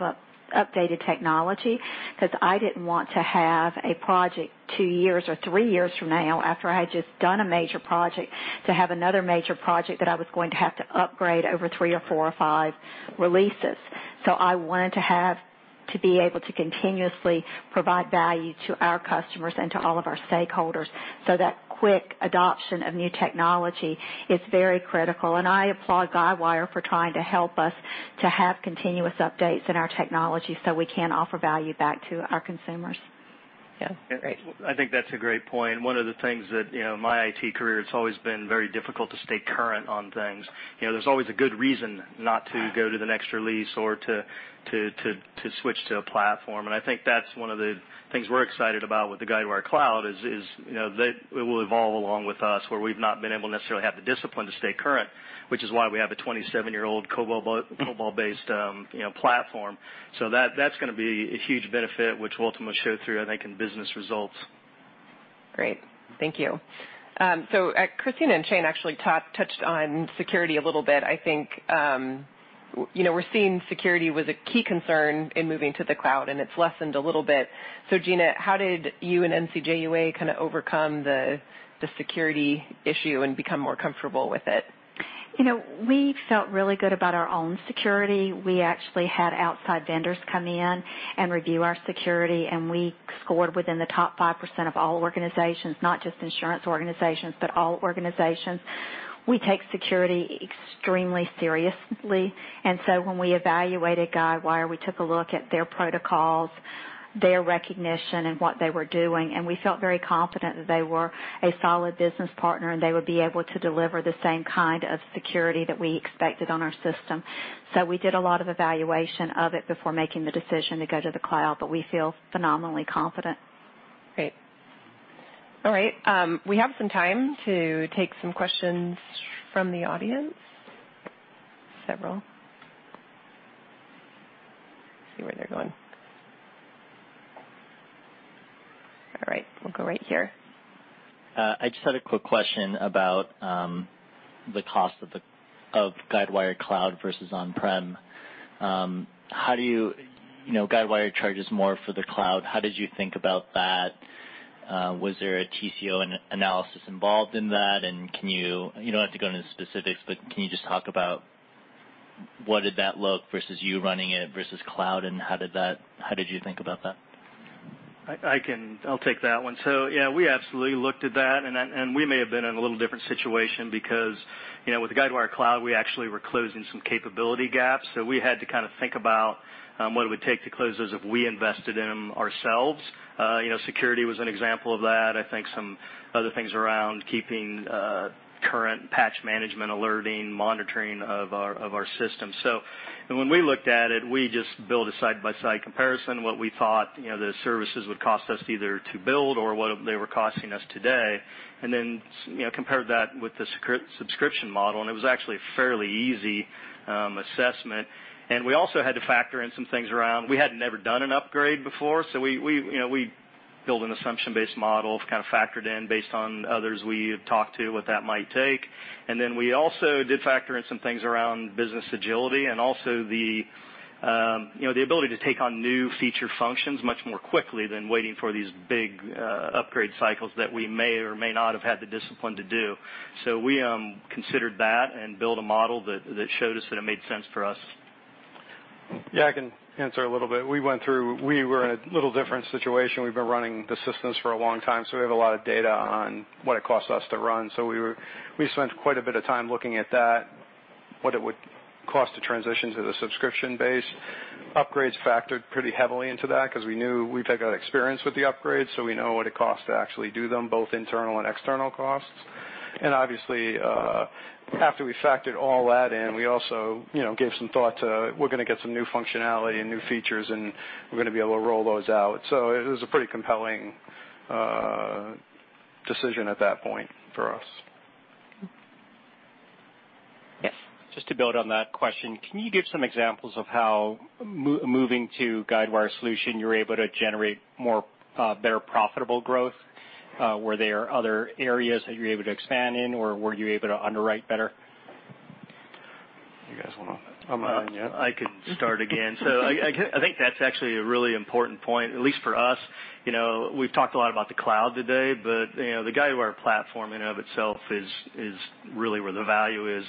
updated technology because I didn't want to have a project two years or three years from now after I had just done a major project to have another major project that I was going to have to upgrade over three or four or five releases. I wanted to be able to continuously provide value to our customers and to all of our stakeholders. That quick adoption of new technology is very critical. I applaud Guidewire for trying to help us to have continuous updates in our technology so we can offer value back to our consumers. Yeah. Great. I think that's a great point. One of the things that in my IT career, it's always been very difficult to stay current on things. There's always a good reason not to go to the next release or to switch to a platform. I think that's one of the things we're excited about with the Guidewire Cloud is that it will evolve along with us where we've not been able to necessarily have the discipline to stay current, which is why we have a 27-year-old COBOL-based platform. That's going to be a huge benefit, which will ultimately show through, I think, in business results. Great. Thank you. Christina and Shane actually touched on security a little bit. I think we're seeing security was a key concern in moving to the cloud, and it's lessened a little bit. Gina, how did you and NCJUA kind of overcome the security issue and become more comfortable with it? We felt really good about our own security. We actually had outside vendors come in and review our security. We scored within the top 5% of all organizations, not just insurance organizations, but all organizations. We take security extremely seriously. When we evaluated Guidewire, we took a look at their protocols, their recognition, and what they were doing, and we felt very confident that they were a solid business partner and they would be able to deliver the same kind of security that we expected on our system. We did a lot of evaluation of it before making the decision to go to the cloud, but we feel phenomenally confident. Great. All right. We have some time to take some questions from the audience. Several. See where they're going. All right. We'll go right here. I just had a quick question about the cost of Guidewire Cloud versus on-prem. Guidewire charges more for the cloud. How did you think about that? Was there a TCO analysis involved in that? You don't have to go into the specifics, but can you just talk about what did that look versus you running it versus cloud, and how did you think about that? I'll take that one. Yeah, we absolutely looked at that, and we may have been in a little different situation because with Guidewire Cloud, we actually were closing some capability gaps. We had to kind of think about what it would take to close those if we invested in them ourselves. Security was an example of that. I think some other things around keeping current patch management alerting, monitoring of our systems. When we looked at it, we just built a side-by-side comparison, what we thought the services would cost us either to build or what they were costing us today, and then compared that with the subscription model, and it was actually a fairly easy assessment. We also had to factor in some things around, we had never done an upgrade before, so we built an assumption-based model, kind of factored in based on others we had talked to, what that might take. We also did factor in some things around business agility and also the ability to take on new feature functions much more quickly than waiting for these big upgrade cycles that we may or may not have had the discipline to do. We considered that and built a model that showed us that it made sense for us. Yeah, I can answer a little bit. We were in a little different situation. We've been running the systems for a long time, so we have a lot of data on what it costs us to run. We spent quite a bit of time looking at that, what it would cost to transition to the subscription base. Upgrades factored pretty heavily into that because we knew we've had experience with the upgrades, so we know what it costs to actually do them, both internal and external costs. Obviously, after we factored all that in, we also gave some thought to we're going to get some new functionality and new features, and we're going to be able to roll those out. It was a pretty compelling decision at that point for us. Yes. Just to build on that question, can you give some examples of how moving to Guidewire solution, you're able to generate better profitable growth? Were there other areas that you're able to expand in, or were you able to underwrite better? You guys want to I can start again. I think that's actually a really important point, at least for us. We've talked a lot about the cloud today, but the Guidewire platform in and of itself is really where the value is.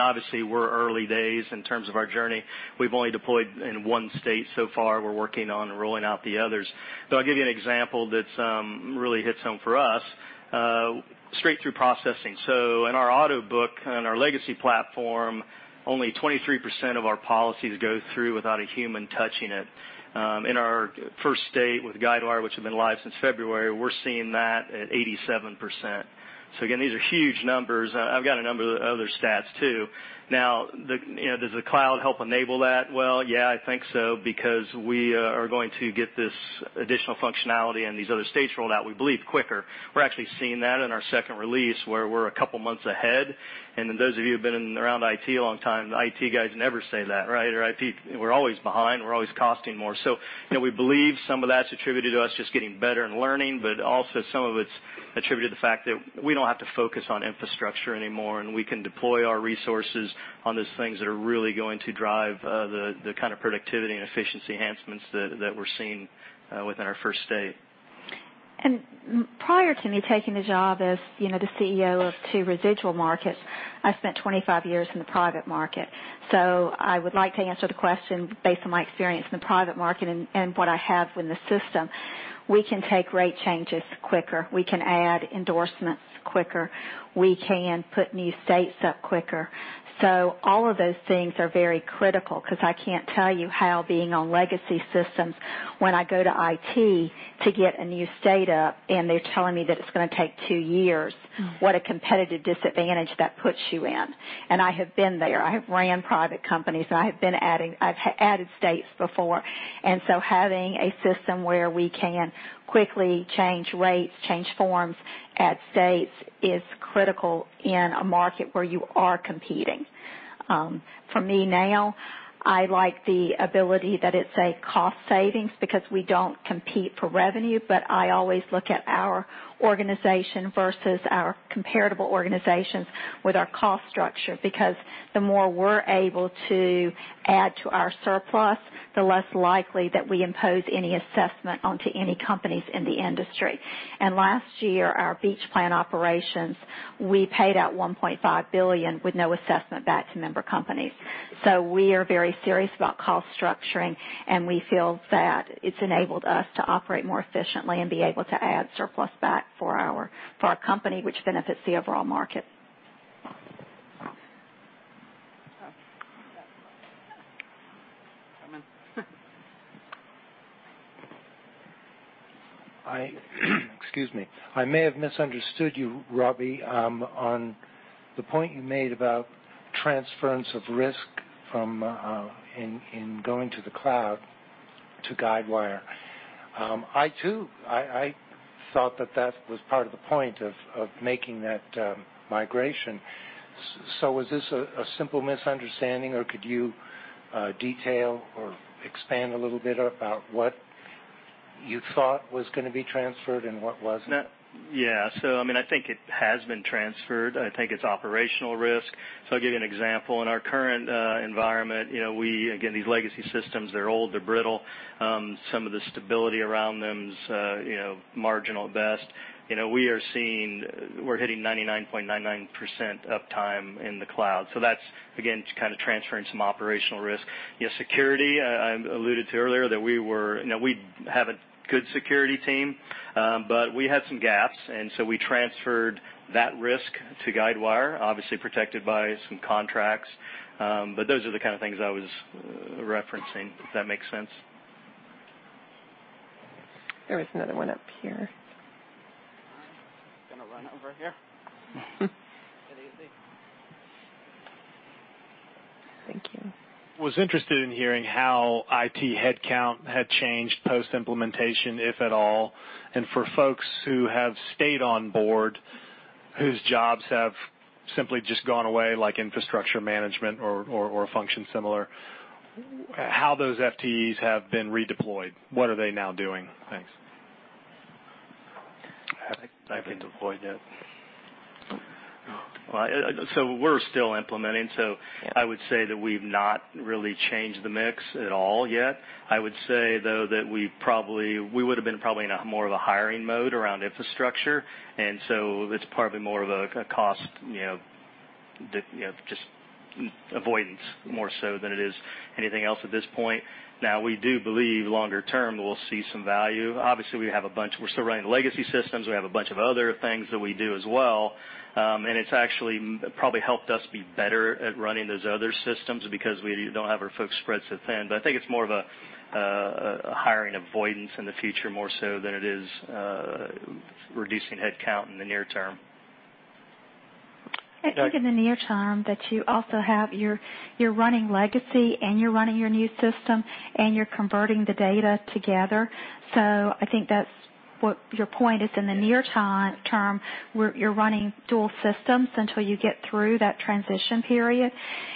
Obviously, we're early days in terms of our journey. We've only deployed in one state so far. We're working on rolling out the others. I'll give you an example that really hits home for us. Straight through processing. In our auto book on our legacy platform, only 23% of our policies go through without a human touching it. In our first state with Guidewire, which had been live since February, we're seeing that at 87%. Again, these are huge numbers. I've got a number of other stats too. Now, does the cloud help enable that? We are going to get this additional functionality in these other states rolled out, we believe, quicker. We're actually seeing that in our second release where we're a couple of months ahead. Those of you who've been around IT a long time, the IT guys never say that, right? We're always behind, we're always costing more. We believe some of that's attributed to us just getting better and learning, but also some of it's attributed to the fact that we don't have to focus on infrastructure anymore, and we can deploy our resources on those things that are really going to drive the kind of productivity and efficiency enhancements that we're seeing within our first state. Prior to me taking the job as the CEO of two residual markets, I spent 25 years in the private market. I would like to answer the question based on my experience in the private market and what I have in the system. We can take rate changes quicker. We can add endorsements quicker. We can put new states up quicker. All of those things are very critical because I can't tell you how being on legacy systems, when I go to IT to get a new state up and they're telling me that it's going to take two years, what a competitive disadvantage that puts you in. I have been there. I have ran private companies, and I've added states before. Having a system where we can quickly change rates, change forms, add states is critical in a market where you are competing. For me now, I like the ability that it's a cost savings because we don't compete for revenue, but I always look at our organization versus our comparable organizations with our cost structure, because the more we're able to add to our surplus, the less likely that we impose any assessment onto any companies in the industry. Last year, our beach plan operations, we paid out $1.5 billion with no assessment back to member companies. We are very serious about cost structuring, and we feel that it's enabled us to operate more efficiently and be able to add surplus back for our company, which benefits the overall market. Excuse me. I may have misunderstood you, Robbie, on the point you made about transference of risk in going to the cloud to Guidewire. I too thought that that was part of the point of making that migration. Was this a simple misunderstanding or could you detail or expand a little bit about what you thought was going to be transferred and what wasn't? Yeah. I think it has been transferred. I think it's operational risk. I'll give you an example. In our current environment, again, these legacy systems, they're old, they're brittle. Some of the stability around them is marginal at best. We're hitting 99.99% uptime in the cloud. That's, again, just kind of transferring some operational risk. Security, I alluded to earlier that we have a good security team. We had some gaps, and so we transferred that risk to Guidewire, obviously protected by some contracts. Those are the kind of things I was referencing, if that makes sense. There was another one up here. I'm going to run over here. That easy. Thank you. was interested in hearing how IT headcount had changed post-implementation, if at all, and for folks who have stayed on board, whose jobs have simply just gone away, like infrastructure management or a function similar, how those FTEs have been redeployed. What are they now doing? Thanks. Have they been deployed yet? We're still implementing, I would say that we've not really changed the mix at all yet. I would say, though, that we would've been probably in a more of a hiring mode around infrastructure, it's probably more of a cost avoidance more so than it is anything else at this point. We do believe longer term, that we'll see some value. Obviously, we're still running legacy systems. We have a bunch of other things that we do as well. It's actually probably helped us be better at running those other systems because we don't have our folks spread so thin. I think it's more of a hiring avoidance in the future more so than it is reducing headcount in the near term. I think in the near term that you also have your running legacy and you're running your new system and you're converting the data together. I think that's what your point is in the near term, where you're running dual systems until you get through that transition period,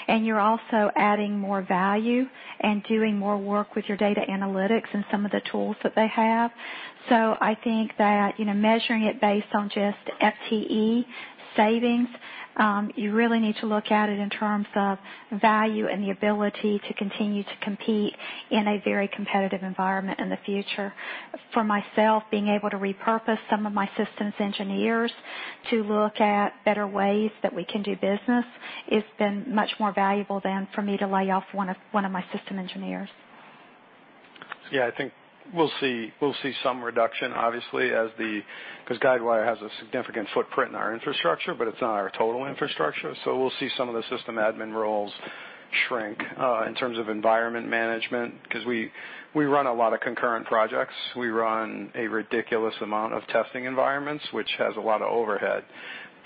and you're also adding more value and doing more work with your data analytics and some of the tools that they have. I think that measuring it based on just FTE savings, you really need to look at it in terms of value and the ability to continue to compete in a very competitive environment in the future. For myself, being able to repurpose some of my systems engineers to look at better ways that we can do business, it's been much more valuable than for me to lay off one of my system engineers. Yeah, I think we'll see some reduction, obviously, because Guidewire has a significant footprint in our infrastructure, but it's not our total infrastructure. We'll see some of the system admin roles shrink in terms of environment management, because we run a lot of concurrent projects. We run a ridiculous amount of testing environments, which has a lot of overhead.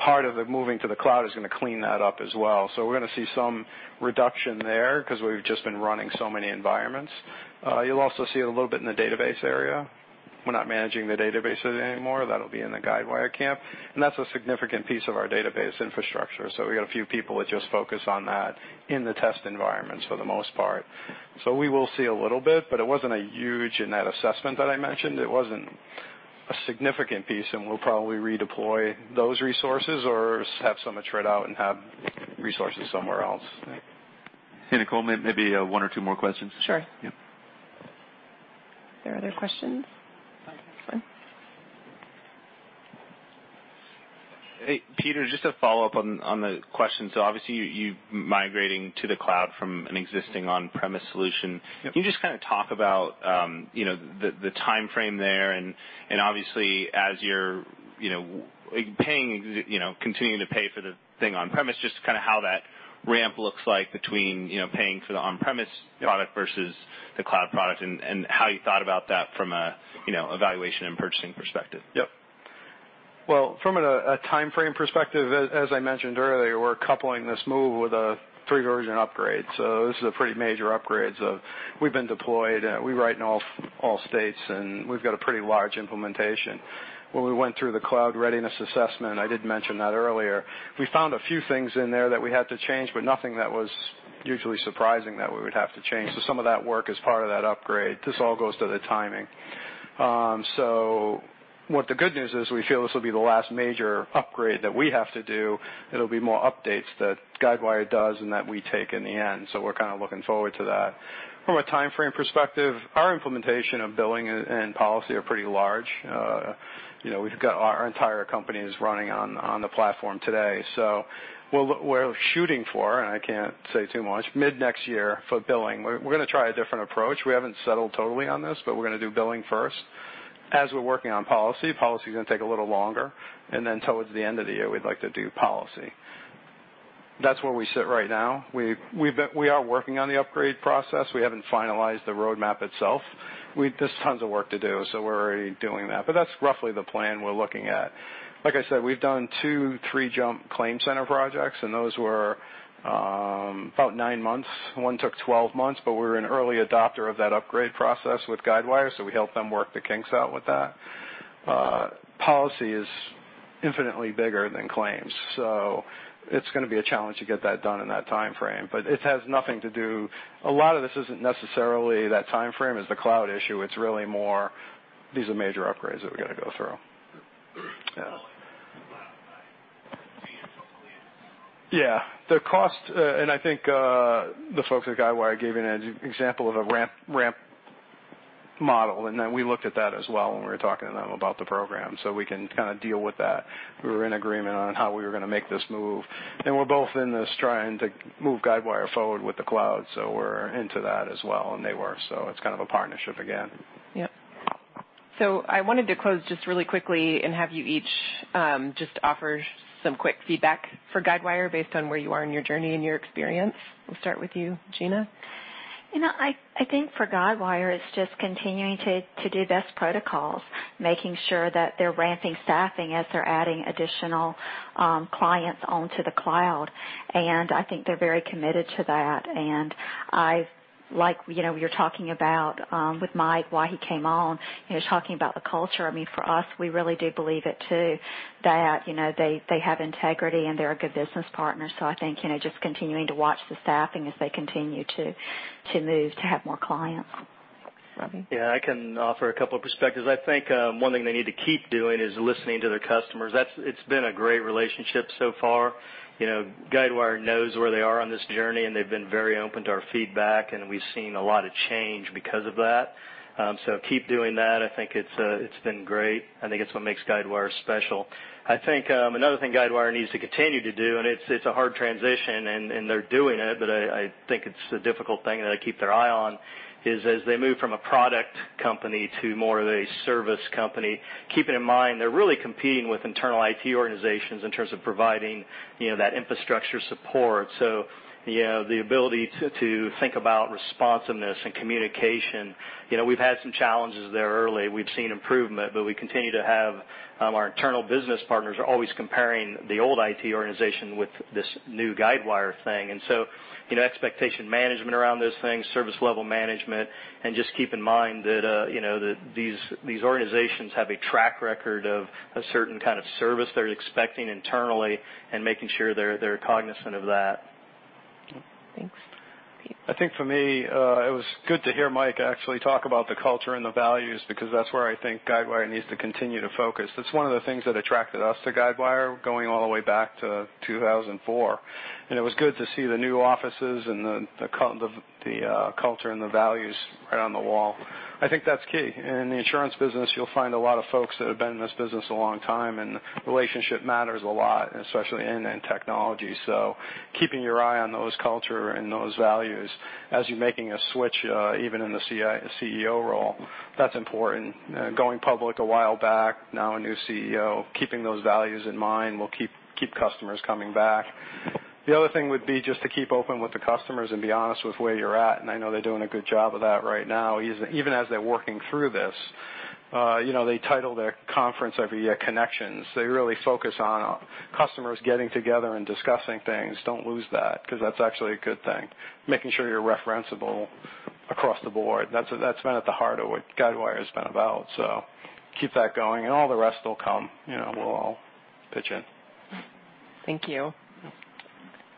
Part of the moving to the cloud is going to clean that up as well. We're going to see some reduction there because we've just been running so many environments. You'll also see it a little bit in the database area. We're not managing the databases anymore. That'll be in the Guidewire camp. That's a significant piece of our database infrastructure. We got a few people that just focus on that in the test environments for the most part. We will see a little bit, but it wasn't huge in that assessment that I mentioned. It wasn't a significant piece, and we'll probably redeploy those resources or have some attrit out and have resources somewhere else. Hey, Nicole, maybe one or two more questions. Sure. Yeah. There are other questions? I have one. Hey, Peter, just a follow-up on the question. Obviously you're migrating to the cloud from an existing on-premise solution. Yep. Can you just kind of talk about the timeframe there and obviously as you're continuing to pay for the thing on-premise, just kind of how that ramp looks like between paying for the on-premise product? Yep versus the cloud product and how you thought about that from a evaluation and purchasing perspective? Yep. Well, from a timeframe perspective, as I mentioned earlier, we're coupling this move with a three-version upgrade. This is a pretty major upgrade. We've been deployed. We write in all states, and we've got a pretty large implementation. When we went through the cloud readiness assessment, I did mention that earlier, we found a few things in there that we had to change, but nothing that was usually surprising that we would have to change. Some of that work is part of that upgrade. This all goes to the timing. What the good news is we feel this will be the last major upgrade that we have to do. It'll be more updates that Guidewire does and that we take in the end. We're kind of looking forward to that. From a timeframe perspective, our implementation of billing and policy are pretty large. Our entire company is running on the platform today. We're shooting for, and I can't say too much, mid-next year for billing. We're going to try a different approach. We haven't settled totally on this, but we're going to do billing first. As we're working on policy's going to take a little longer, and then towards the end of the year, we'd like to do policy. That's where we sit right now. We are working on the upgrade process. We haven't finalized the roadmap itself. There's tons of work to do, so we're already doing that. That's roughly the plan we're looking at. Like I said, we've done two three-jump ClaimCenter projects, and those were about nine months. One took 12 months, but we were an early adopter of that upgrade process with Guidewire, so we helped them work the kinks out with that. Policy is Infinitely bigger than claims. It's going to be a challenge to get that done in that timeframe, but it has nothing to do. A lot of this isn't necessarily that timeframe as the cloud issue. It's really more, these are major upgrades that we've got to go through. Yeah. The cost, and I think, the folks at Guidewire gave you an example of a ramp model, and then we looked at that as well when we were talking to them about the program, so we can kind of deal with that. We were in agreement on how we were going to make this move, and we're both in this trying to move Guidewire forward with the cloud. We're into that as well and they were, so it's kind of a partnership again. Yep. I wanted to close just really quickly and have you each, just offer some quick feedback for Guidewire based on where you are in your journey and your experience. We'll start with you, Gina. You know what? I think for Guidewire, it's just continuing to do best protocols, making sure that they're ramping staffing as they're adding additional clients onto the cloud. I think they're very committed to that. I like, you're talking about, with Mike, why he came on. You're talking about the culture. I mean, for us, we really do believe it too, that they have integrity and they're a good business partner. I think, just continuing to watch the staffing as they continue to move to have more clients. Robbie? Yeah, I can offer a couple of perspectives. I think one thing they need to keep doing is listening to their customers. It's been a great relationship so far. Guidewire knows where they are on this journey, and they've been very open to our feedback, and we've seen a lot of change because of that. Keep doing that. I think it's been great. I think it's what makes Guidewire special. I think another thing Guidewire needs to continue to do, and it's a hard transition, and they're doing it, but I think it's a difficult thing that they keep their eye on is as they move from a product company to more of a service company, keeping in mind they're really competing with internal IT organizations in terms of providing that infrastructure support. The ability to think about responsiveness and communication. We've had some challenges there early. We've seen improvement, we continue to have our internal business partners are always comparing the old IT organization with this new Guidewire thing. Expectation management around those things, service level management, and just keep in mind that these organizations have a track record of a certain kind of service they're expecting internally and making sure they're cognizant of that. Okay. Thanks. Peter. I think for me, it was good to hear Mike actually talk about the culture and the values because that's where I think Guidewire needs to continue to focus. That's one of the things that attracted us to Guidewire going all the way back to 2004. It was good to see the new offices and the culture and the values right on the wall. I think that's key. In the insurance business, you'll find a lot of folks that have been in this business a long time, and relationship matters a lot, especially in technology. Keeping your eye on those culture and those values as you're making a switch, even in the CEO role, that's important. Going public a while back, now a new CEO, keeping those values in mind will keep customers coming back. The other thing would be just to keep open with the customers and be honest with where you're at. I know they're doing a good job of that right now, even as they're working through this. They title their conference every year Connections. They really focus on customers getting together and discussing things. Don't lose that because that's actually a good thing. Making sure you're referenceable across the board. That's been at the heart of what Guidewire's been about. Keep that going, and all the rest will come. We'll all pitch in. Thank you.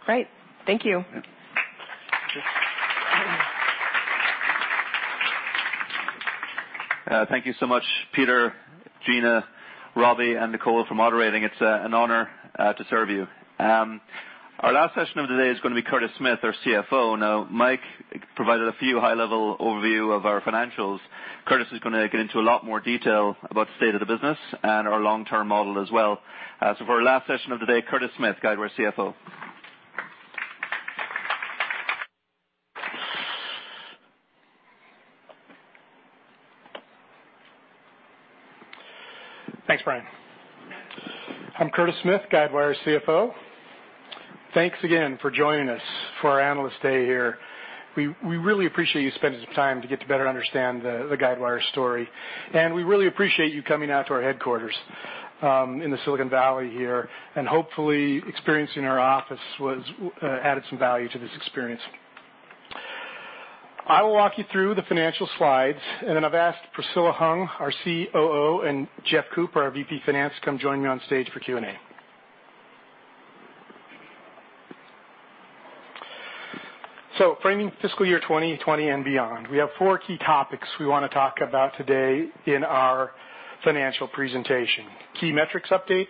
Great. Thank you. Yeah. Thank you so much, Peter, Gina, Roby, and Nicole for moderating. It's an honor to serve you. Our last session of the day is going to be Curtis Smith, our CFO. Now, Mike provided a few high-level overview of our financials. Curtis is going to get into a lot more detail about the state of the business and our long-term model as well. For our last session of the day, Curtis Smith, Guidewire CFO. Thanks, Brian. I'm Curtis Smith, Guidewire CFO. Thanks again for joining us for our Analyst Day here. We really appreciate you spending some time to get to better understand the Guidewire story. We really appreciate you coming out to our headquarters in the Silicon Valley here. Hopefully, experiencing our office added some value to this experience. I will walk you through the financial slides, and then I've asked Priscilla Hung, our COO, and Jeff Cooper, our VP Finance, to come join me on stage for Q&A. Framing fiscal year 2020 and beyond. We have four key topics we want to talk about today in our financial presentation: key metrics update,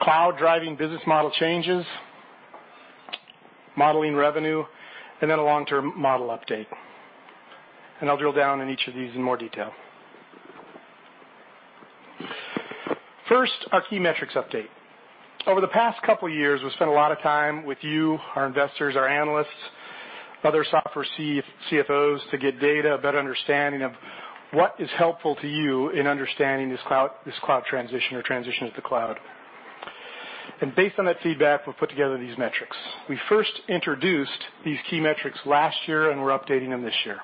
cloud-driving business model changes, modeling revenue, and then a long-term model update. I'll drill down in each of these in more detail. First, our key metrics update. Over the past couple of years, we've spent a lot of time with you, our investors, our analysts, other software CFOs to get data, a better understanding of what is helpful to you in understanding this cloud transition or transition to the cloud. Based on that feedback, we've put together these metrics. We first introduced these key metrics last year, and we're updating them this year.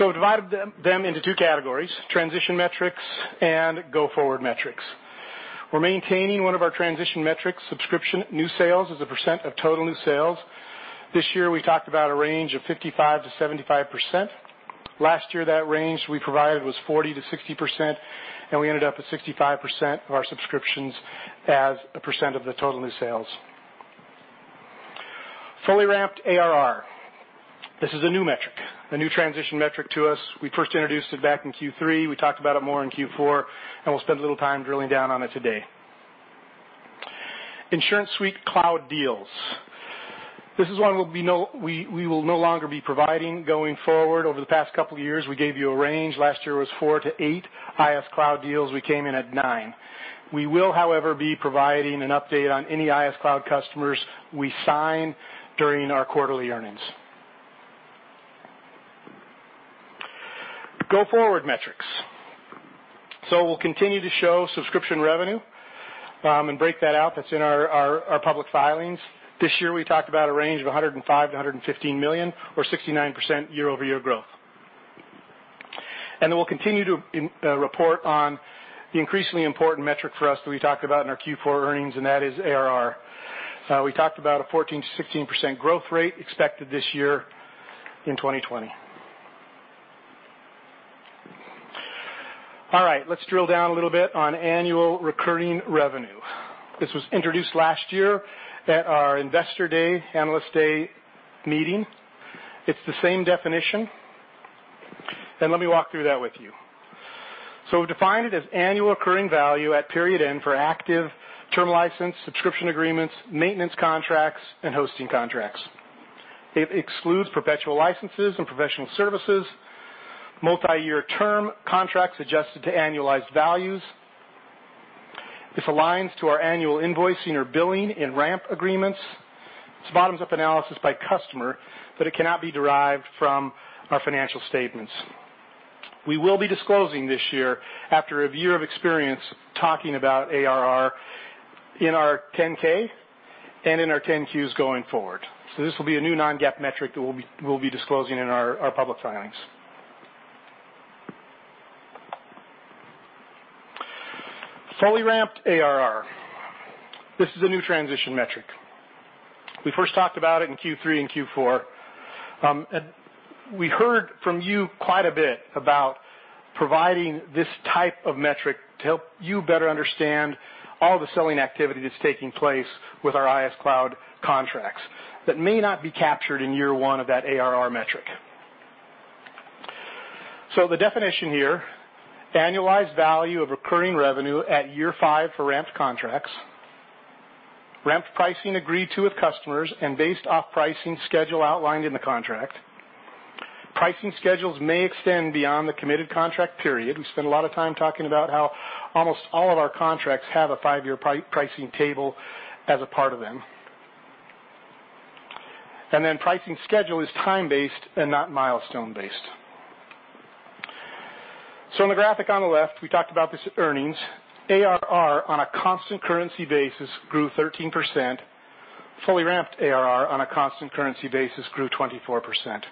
We divided them into two categories, transition metrics and go-forward metrics. We're maintaining one of our transition metrics, subscription new sales as a percent of total new sales. This year, we talked about a range of 55%-75%. Last year, that range we provided was 40%-60%, and we ended up at 65% of our subscriptions as a percent of the total new sales. Fully ramped ARR. This is a new metric, a new transition metric to us. We first introduced it back in Q3. We talked about it more in Q4. We'll spend a little time drilling down on it today. InsuranceSuite Cloud deals. This is one we will no longer be providing going forward. Over the past couple of years, we gave you a range. Last year, it was four to eight IS Cloud deals. We came in at nine. We will, however, be providing an update on any IS Cloud customers we sign during our quarterly earnings. Go-forward metrics. We'll continue to show subscription revenue and break that out. That's in our public filings. This year, we talked about a range of $105 million-$115 million, or 69% year-over-year growth. We'll continue to report on the increasingly important metric for us that we talked about in our Q4 earnings, and that is ARR. We talked about a 14%-16% growth rate expected this year in 2020. All right. Let's drill down a little bit on annual recurring revenue. This was introduced last year at our Investor Day, Analyst Day meeting. It's the same definition. Let me walk through that with you. We've defined it as annual recurring value at period end for active term license, subscription agreements, maintenance contracts, and hosting contracts. It excludes perpetual licenses and professional services, multi-year term contracts adjusted to annualized values. This aligns to our annual invoicing or billing in ramp agreements. It's bottoms-up analysis by customer, but it cannot be derived from our financial statements. We will be disclosing this year, after a year of experience talking about ARR in our 10-K and in our 10-Qs going forward. This will be a new non-GAAP metric that we'll be disclosing in our public filings. Fully ramped ARR. This is a new transition metric. We first talked about it in Q3 and Q4. We heard from you quite a bit about providing this type of metric to help you better understand all the selling activity that's taking place with our Guidewire Cloud contracts that may not be captured in year one of that ARR metric. The definition here, annualized value of recurring revenue at year five for ramped contracts. Ramped pricing agreed to with customers and based off pricing schedule outlined in the contract. Pricing schedules may extend beyond the committed contract period. We spend a lot of time talking about how almost all of our contracts have a five-year pricing table as a part of them. Pricing schedule is time-based and not milestone-based. In the graphic on the left, we talked about this at earnings. ARR on a constant currency basis grew 13%. Fully ramped ARR on a constant currency basis grew 24%.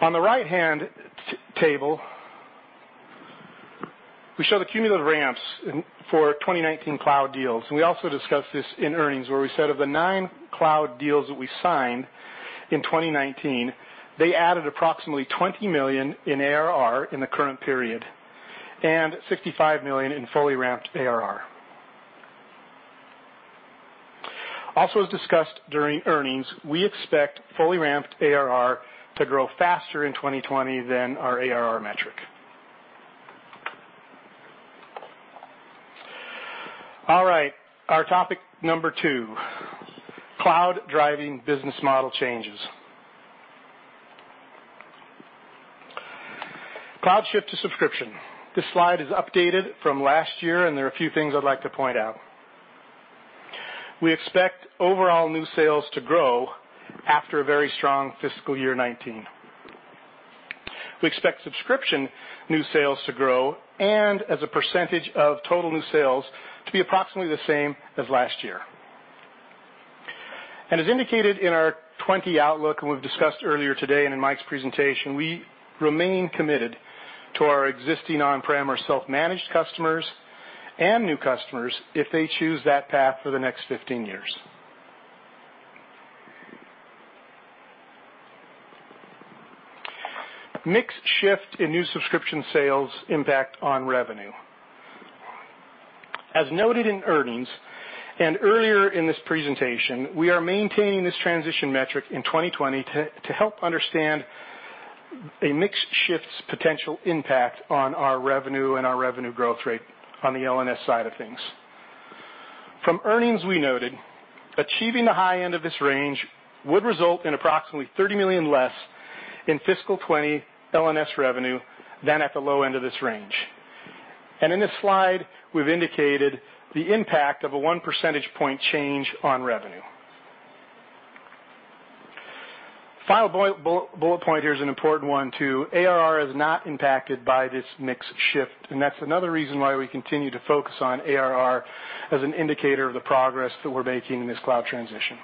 On the right-hand table, we show the cumulative ramps for 2019 Cloud deals. We also discussed this in earnings, where we said of the nine Cloud deals that we signed in 2019, they added approximately $20 million in ARR in the current period and $65 million in fully ramped ARR. Also, as discussed during earnings, we expect fully ramped ARR to grow faster in 2020 than our ARR metric. All right, our topic number 2, Cloud driving business model changes. Cloud shift to subscription. This slide is updated from last year, and there are a few things I'd like to point out. We expect overall new sales to grow after a very strong fiscal year 2019. We expect subscription new sales to grow and as a % of total new sales to be approximately the same as last year. As indicated in our 2020 outlook, we've discussed earlier today and in Mike's presentation, we remain committed to our existing on-prem or self-managed customers and new customers if they choose that path for the next 15 years. Mix shift in new subscription sales impact on revenue. As noted in earnings and earlier in this presentation, we are maintaining this transition metric in 2020 to help understand a mix shift's potential impact on our revenue and our revenue growth rate on the LNS side of things. From earnings we noted, achieving the high end of this range would result in approximately $30 million less in fiscal 2020 LNS revenue than at the low end of this range. In this slide, we've indicated the impact of a one percentage point change on revenue. Final bullet point here is an important one, too. ARR is not impacted by this mix shift, and that's another reason why we continue to focus on ARR as an indicator of the progress that we're making in this cloud transition.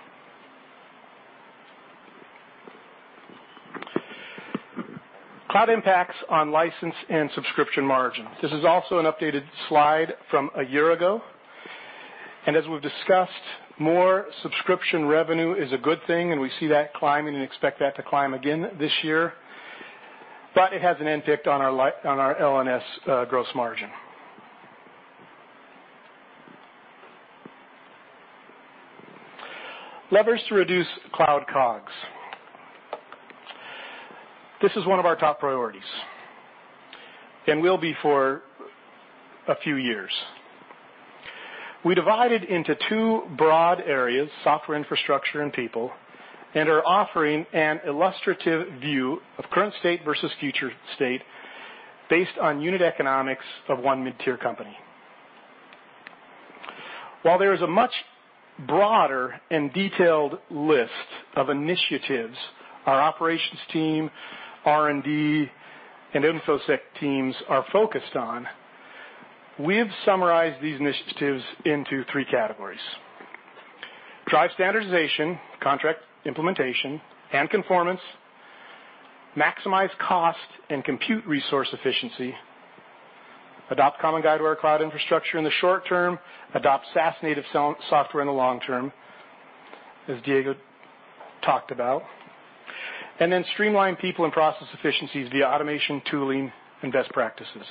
Cloud impacts on license and subscription margin. This is also an updated slide from a year ago. As we've discussed, more subscription revenue is a good thing, and we see that climbing and expect that to climb again this year. It has an impact on our LNS gross margin. Levers to reduce cloud COGS. This is one of our top priorities and will be for a few years. We divided into two broad areas, software infrastructure and people, and are offering an illustrative view of current state versus future state based on unit economics of one mid-tier company. While there is a much broader and detailed list of initiatives our operations team, R&D, and InfoSec teams are focused on, we've summarized these initiatives into 3 categories. Drive standardization, contract implementation, and conformance, maximize cost and compute resource efficiency, adopt common Guidewire Cloud infrastructure in the short term, adopt SaaS-native software in the long term, as Diego talked about, streamline people and process efficiencies via automation, tooling, and best practices.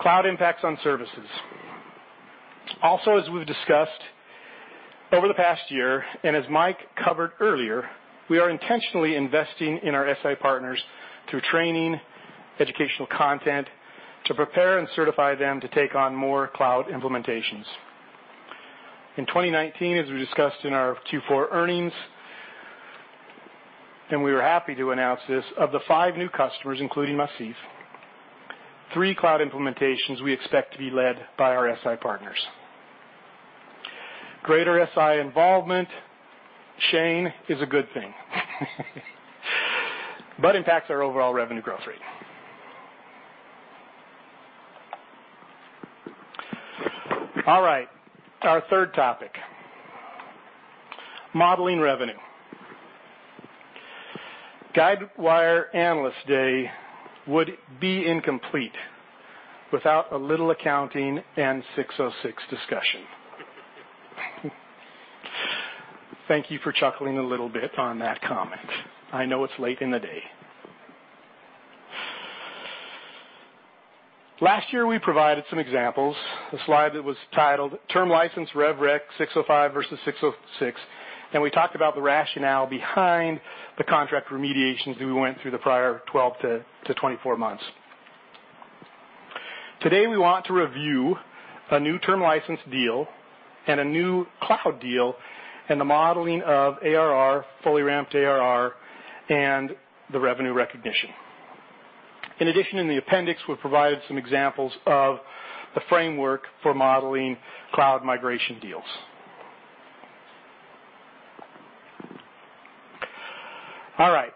Cloud impacts on services. As we've discussed over the past year, and as Mike covered earlier, we are intentionally investing in our SI partners through training, educational content to prepare and certify them to take on more cloud implementations. In 2019, as we discussed in our Q4 earnings, we were happy to announce this, of the five new customers, including Macif, three cloud implementations we expect to be led by our SI partners. Greater SI involvement, Shane, is a good thing. Impacts our overall revenue growth rate. All right. Our third topic, modeling revenue. Guidewire Analyst Day would be incomplete without a little accounting and 606 discussion. Thank you for chuckling a little bit on that comment. I know it's late in the day. Last year, we provided some examples, a slide that was titled Term License Rev Rec 605 versus 606, and we talked about the rationale behind the contract remediations that we went through the prior 12-24 months. Today, we want to review a new term license deal and a new cloud deal and the modeling of ARR, fully ramped ARR, and the revenue recognition. In addition, in the appendix, we've provided some examples of the framework for modeling cloud migration deals. All right.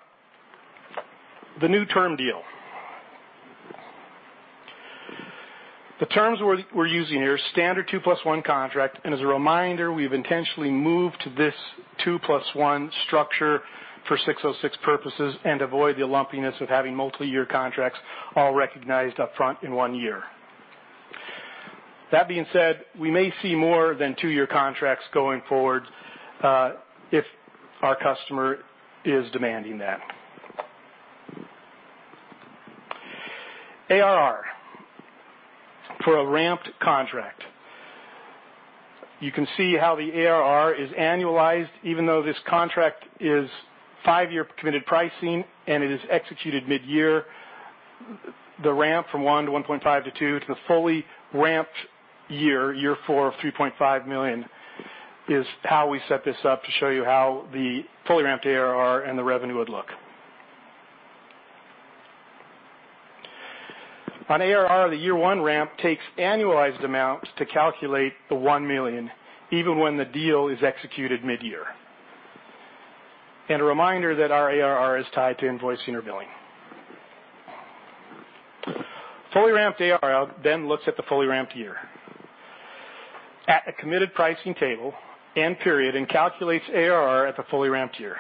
The new term deal. The terms we're using here, standard two plus one contract. As a reminder, we've intentionally moved to this two plus one structure for 606 purposes and avoid the lumpiness of having multi-year contracts all recognized upfront in one year. That being said, we may see more than two-year contracts going forward if our customer is demanding that. ARR for a ramped contract. You can see how the ARR is annualized, even though this contract is five-year committed pricing and it is executed mid-year. The ramp from one to 1.5 to two to the fully ramped year four of $3.5 million, is how we set this up to show you how the fully ramped ARR and the revenue would look. On ARR, the year one ramp takes annualized amounts to calculate the $1 million, even when the deal is executed mid-year. A reminder that our ARR is tied to invoicing or billing. Fully ramped ARR looks at the fully ramped year at a committed pricing table and period and calculates ARR at the fully ramped year,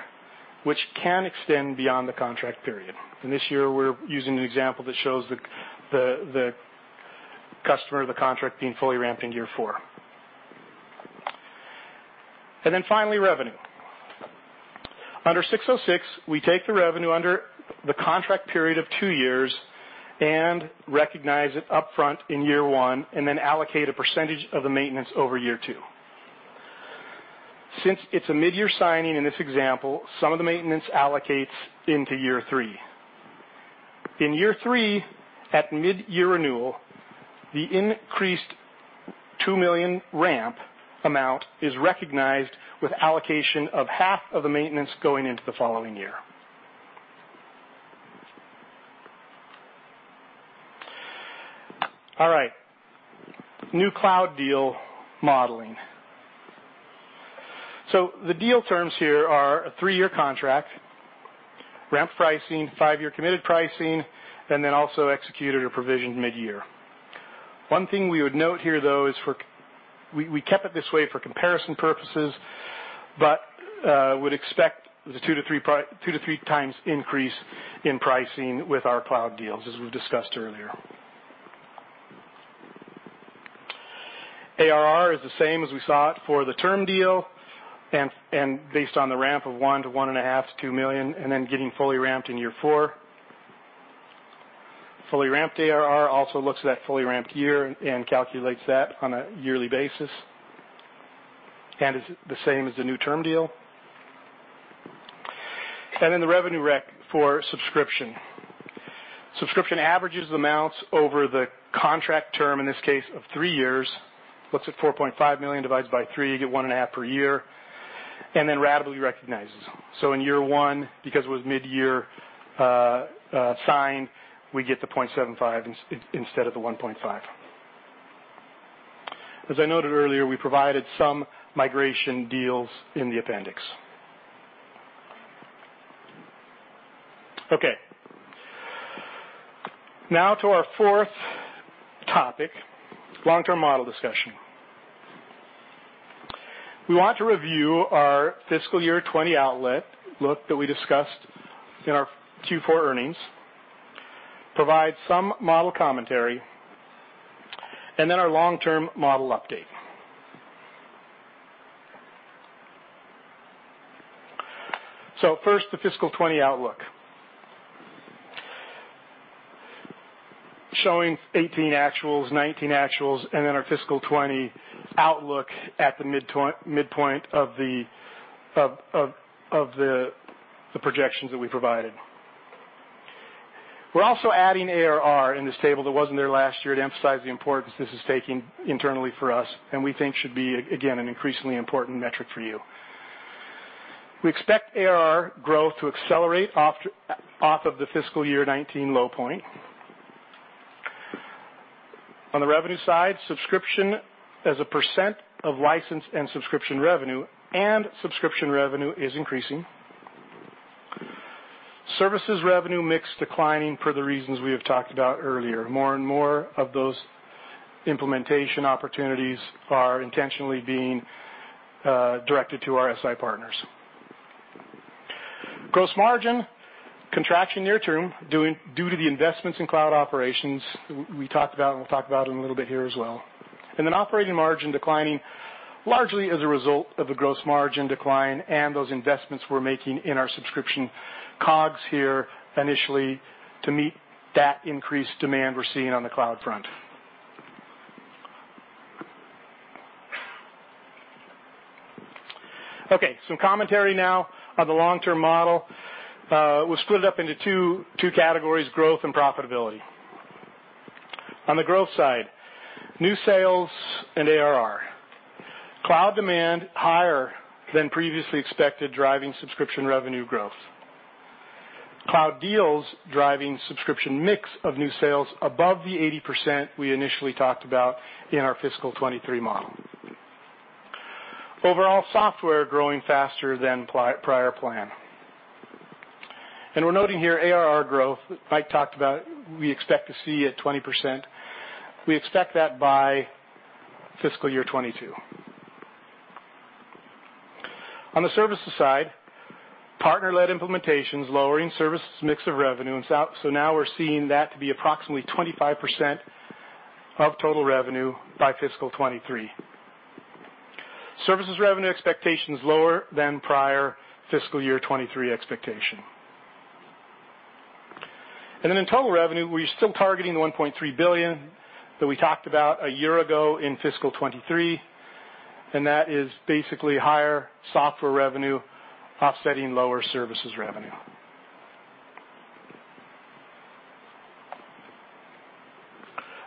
which can extend beyond the contract period. This year we're using an example that shows the customer of the contract being fully ramped in year four. Finally, revenue. Under ASC 606, we take the revenue under the contract period of two years and recognize it upfront in year one and then allocate a percentage of the maintenance over year two. Since it's a mid-year signing in this example, some of the maintenance allocates into year three. In year three, at mid-year renewal, the increased $2 million ramp amount is recognized with allocation of half of the maintenance going into the following year. All right. New cloud deal modeling. The deal terms here are a 3-year contract ramp pricing, 5-year committed pricing, and then also executed or provisioned mid-year. One thing we would note here, though, is we kept it this way for comparison purposes, but would expect the 2 to 3 times increase in pricing with our cloud deals, as we've discussed earlier. ARR is the same as we saw it for the term deal and based on the ramp of $1 million to $1.5 million to $2 million, and then getting fully ramped in year 4. Fully ramped ARR also looks at that fully ramped year and calculates that on a yearly basis and is the same as the new term deal. The revenue rec for subscription. Subscription averages amounts over the contract term, in this case of 3 years. Looks at $4.5 million divided by 3 to get $1.5 per year, and then ratably recognizes them. In year one, because it was mid-year signed, we get the $0.75 instead of the $1.5. As I noted earlier, we provided some migration deals in the appendix. Okay. Now to our fourth topic, long-term model discussion. We want to review our fiscal year 2020 outlook that we discussed in our Q4 earnings, provide some model commentary, and then our long-term model update. First, the fiscal 2020 outlook. Showing 2018 actuals, 2019 actuals, and then our fiscal 2020 outlook at the midpoint of the projections that we provided. We're also adding ARR in this table that wasn't there last year to emphasize the importance this is taking internally for us and we think should be, again, an increasingly important metric for you. We expect ARR growth to accelerate off of the fiscal year 2019 low point. On the revenue side, subscription as a percent of license and subscription revenue and subscription revenue is increasing. Services revenue mix declining for the reasons we have talked about earlier. More and more of those implementation opportunities are intentionally being directed to our SI partners. Gross margin contraction near term, due to the investments in cloud operations we talked about, and we'll talk about in a little bit here as well. Operating margin declining largely as a result of the gross margin decline and those investments we're making in our subscription COGS here initially to meet that increased demand we're seeing on the cloud front. Okay. Some commentary now on the long-term model. We'll split it up into 2 categories, growth and profitability. On the growth side, new sales and ARR. Cloud demand higher than previously expected, driving subscription revenue growth. Cloud deals driving subscription mix of new sales above the 80% we initially talked about in our fiscal 2023 model. Overall software growing faster than prior plan. We're noting here ARR growth, Mike talked about we expect to see a 20%. We expect that by fiscal year 2022. On the services side, partner-led implementations lowering services mix of revenue, so now we're seeing that to be approximately 25% of total revenue by fiscal 2023. Services revenue expectations lower than prior fiscal year 2023 expectation. In total revenue, we're still targeting the $1.3 billion that we talked about a year ago in fiscal 2023, and that is basically higher software revenue offsetting lower services revenue.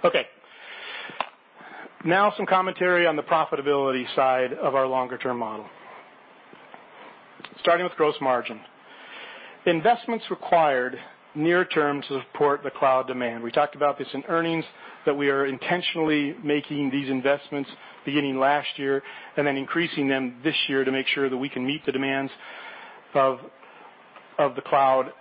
Okay. Now some commentary on the profitability side of our longer-term model. Starting with gross margin. Investments required near term to support the cloud demand. We talked about this in earnings, that we are intentionally making these investments beginning last year and then increasing them this year to make sure that we can meet the demands of the cloud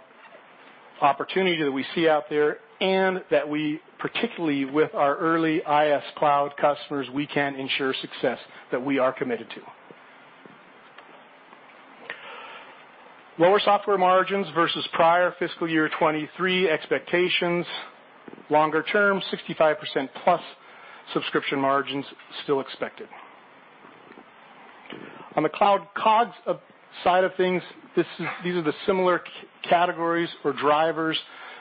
opportunity that we see out there, and that we, particularly with our early IS cloud customers, we can ensure success that we are committed to. Lower software margins versus prior fiscal year 2023 expectations. Longer term, 65%+ subscription margins still expected. On the cloud COGS side of things, these are the similar categories or drivers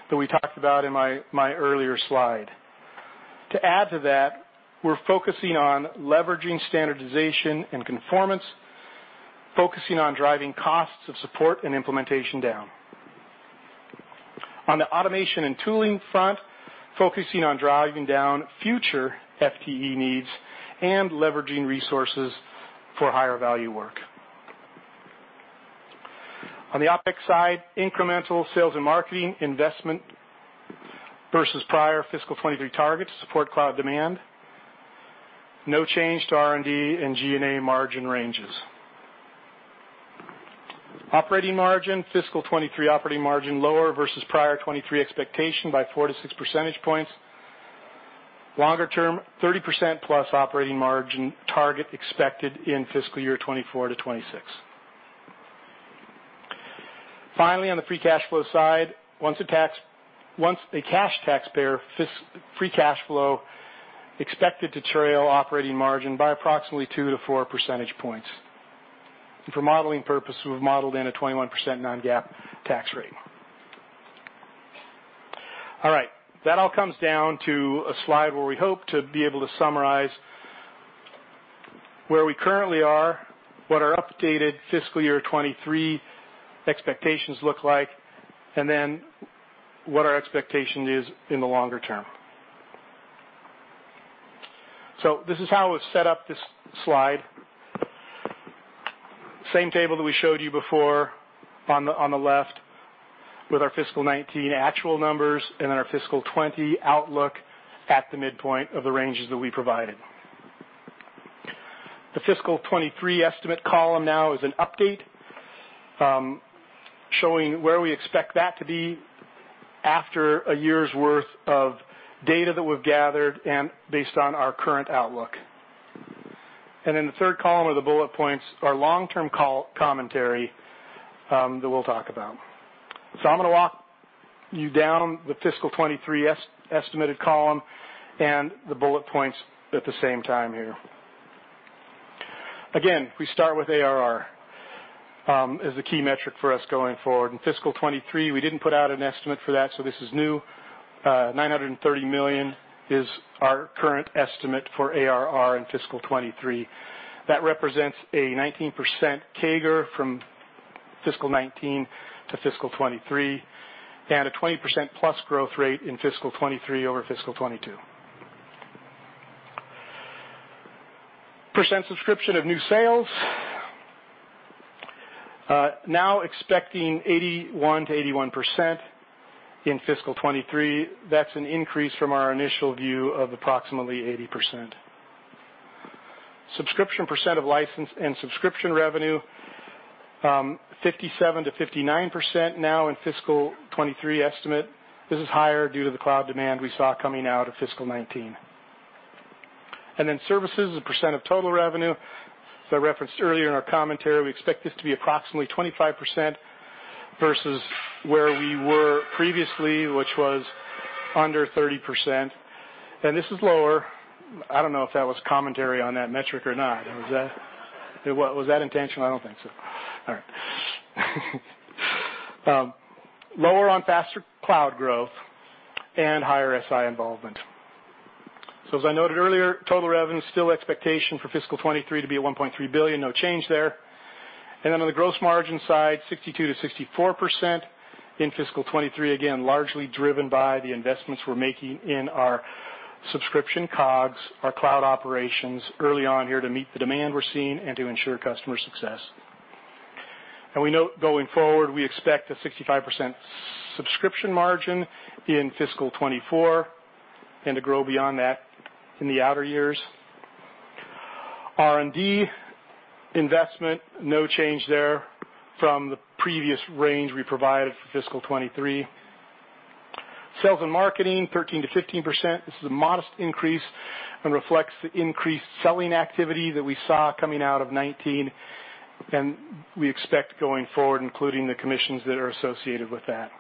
that we talked about in my earlier slide. To add to that, we're focusing on leveraging standardization and conformance, focusing on driving costs of support and implementation down. On the automation and tooling front, focusing on driving down future FTE needs and leveraging resources for higher value work. On the OpEx side, incremental sales and marketing investment versus prior FY 2023 targets to support cloud demand. No change to R&D and G&A margin ranges. Operating margin, FY 2023 operating margin lower versus prior FY 2023 expectation by four to six percentage points. Longer term, 30% plus operating margin target expected in FY 2024 to FY 2026. Finally, on the free cash flow side, once a cash taxpayer, free cash flow expected to trail operating margin by approximately two to four percentage points. For modeling purposes, we've modeled in a 21% non-GAAP tax rate. All right. That all comes down to a slide where we hope to be able to summarize where we currently are, what our updated FY 2023 expectations look like, and then what our expectation is in the longer term. This is how it was set up, this slide. Same table that we showed you before on the left with our fiscal 2019 actual numbers and our fiscal 2020 outlook at the midpoint of the ranges that we provided. The fiscal 2023 estimate column now is an update, showing where we expect that to be after a year's worth of data that we've gathered and based on our current outlook. Then the third column are the bullet points, our long-term commentary that we'll talk about. I'm going to walk you down the fiscal 2023 estimated column and the bullet points at the same time here. Again, we start with ARR as the key metric for us going forward. In fiscal 2023, we didn't put out an estimate for that, so this is new. $930 million is our current estimate for ARR in fiscal 2023. That represents a 19% CAGR from fiscal '19 to fiscal '23, and a 20% plus growth rate in fiscal '23 over fiscal '22. Percent subscription of new sales, now expecting 81%-81% in fiscal '23. That's an increase from our initial view of approximately 80%. Subscription percent of license and subscription revenue, 57%-59% now in fiscal '23 estimate. This is higher due to the cloud demand we saw coming out of fiscal '19. Services as a percent of total revenue, as I referenced earlier in our commentary, we expect this to be approximately 25% versus where we were previously, which was under 30%. This is lower. I don't know if that was commentary on that metric or not. Was that intentional? I don't think so. All right. Lower on faster cloud growth and higher SI involvement. As I noted earlier, total revenue is still expectation for fiscal 2023 to be at $1.3 billion. No change there. On the gross margin side, 62%-64% in fiscal 2023, again, largely driven by the investments we're making in our subscription COGS, our cloud operations early on here to meet the demand we're seeing and to ensure customer success. We note going forward, we expect a 65% subscription margin in fiscal 2024 and to grow beyond that in the outer years. R&D investment, no change there from the previous range we provided for fiscal 2023. Sales and marketing, 13%-15%. This is a modest increase and reflects the increased selling activity that we saw coming out of 2019, and we expect going forward, including the commissions that are associated with that.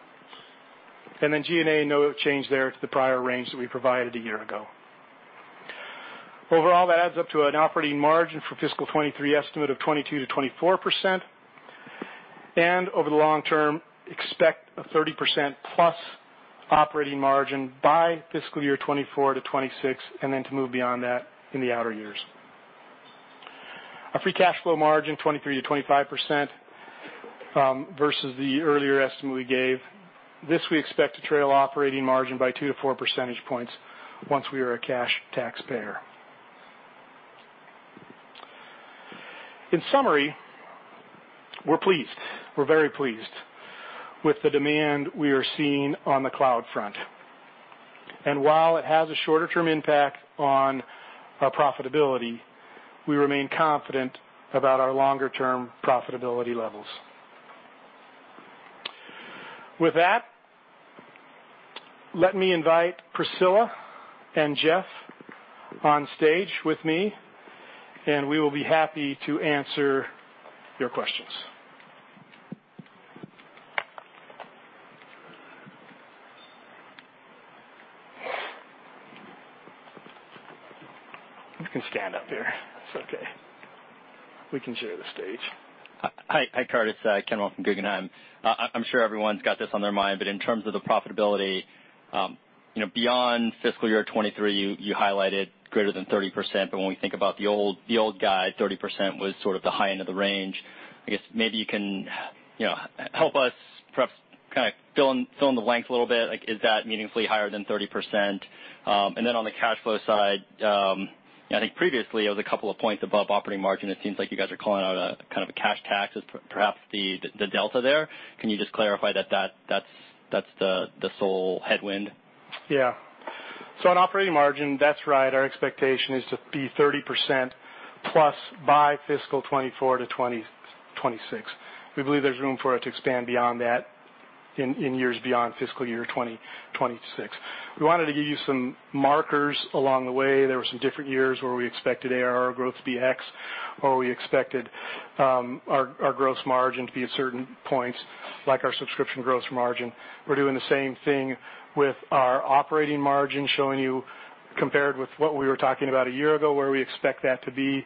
G&A, no change there to the prior range that we provided a year ago. Overall, that adds up to an operating margin for fiscal 2023 estimate of 22%-24%, and over the long term, expect a 30%+ operating margin by fiscal year 2024-2026, and then to move beyond that in the outer years. Our free cash flow margin, 23%-25% versus the earlier estimate we gave. This we expect to trail operating margin by two to four percentage points once we are a cash taxpayer. In summary, we're pleased. We're very pleased with the demand we are seeing on the cloud front. While it has a shorter-term impact on our profitability, we remain confident about our longer-term profitability levels. With that, let me invite Priscilla and Jeff on stage with me. We will be happy to answer your questions. You can stand up here. It's okay. We can share the stage. Hi, Curtis. Kenneth Wong from Guggenheim. I'm sure everyone's got this on their mind. In terms of the profitability, beyond fiscal year 2023, you highlighted greater than 30%, when we think about the old guy, 30% was sort of the high end of the range. I guess maybe you can help us perhaps kind of fill in the blank a little bit. Like, is that meaningfully higher than 30%? On the cash flow side, I think previously it was a couple of points above operating margin. It seems like you guys are calling out a kind of a cash tax as perhaps the delta there. Can you just clarify that that's the sole headwind? Yeah. On operating margin, that's right. Our expectation is to be 30% plus by fiscal 2024 to 2026. We believe there's room for it to expand beyond that in years beyond fiscal year 2026. We wanted to give you some markers along the way. There were some different years where we expected ARR growth to be X, or we expected our gross margin to be at certain points, like our subscription gross margin. We're doing the same thing with our operating margin, showing you compared with what we were talking about a year ago, where we expect that to be,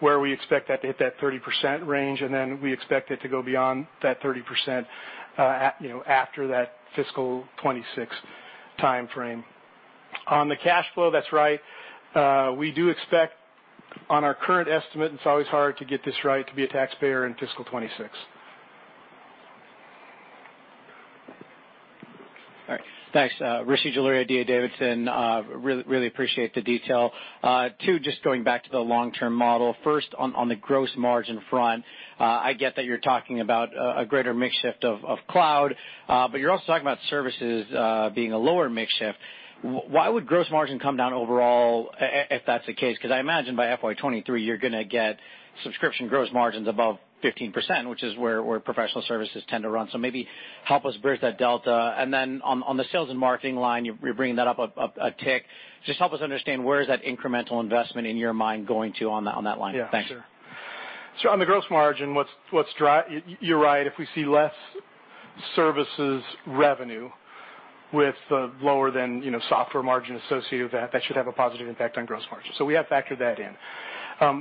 where we expect that to hit that 30% range, and then we expect it to go beyond that 30% after that fiscal 2026 time frame. On the cash flow, that's right. We do expect, on our current estimate, it's always hard to get this right, to be a taxpayer in fiscal 2026. All right. Thanks. Rishi Jaluria, D.A. Davidson. Really appreciate the detail. Two, just going back to the long-term model. First, on the gross margin front, I get that you're talking about a greater mix shift of cloud, but you're also talking about services being a lower mix shift. Why would gross margin come down overall if that's the case? Because I imagine by FY 2023, you're going to get subscription gross margins above 15%, which is where professional services tend to run. Maybe help us bridge that delta. On the sales and marketing line, you're bringing that up a tick. Just help us understand where is that incremental investment in your mind going to on that line? Thank you. Yeah, sure. On the gross margin, you're right. If we see less services revenue with lower than software margin associated with that should have a positive impact on gross margin. We have factored that in.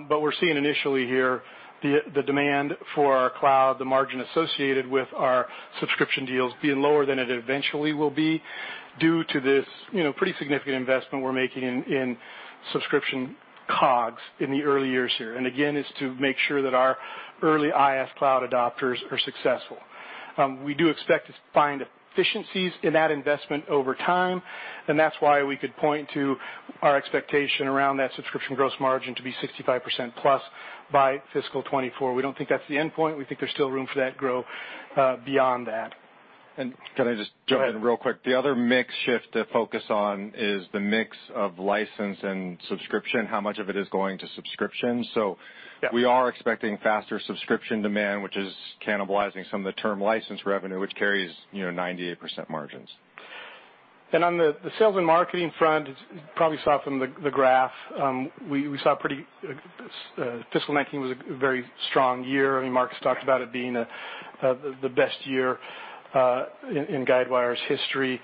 We're seeing initially here the demand for our cloud, the margin associated with our subscription deals being lower than it eventually will be due to this pretty significant investment we're making in subscription COGS in the early years here. Again, it's to make sure that our early IaaS cloud adopters are successful. We do expect to find efficiencies in that investment over time, and that's why we could point to our expectation around that subscription gross margin to be 65% plus by fiscal 2024. We don't think that's the end point. We think there's still room for that to grow beyond that. Can I just jump in real quick? Go ahead. The other mix shift to focus on is the mix of license and subscription, how much of it is going to subscription. Yeah We are expecting faster subscription demand, which is cannibalizing some of the term license revenue, which carries 98% margins. On the sales and marketing front, you probably saw from the graph, fiscal 2019 was a very strong year. I mean, Marcus's talked about it being the best year in Guidewire's history.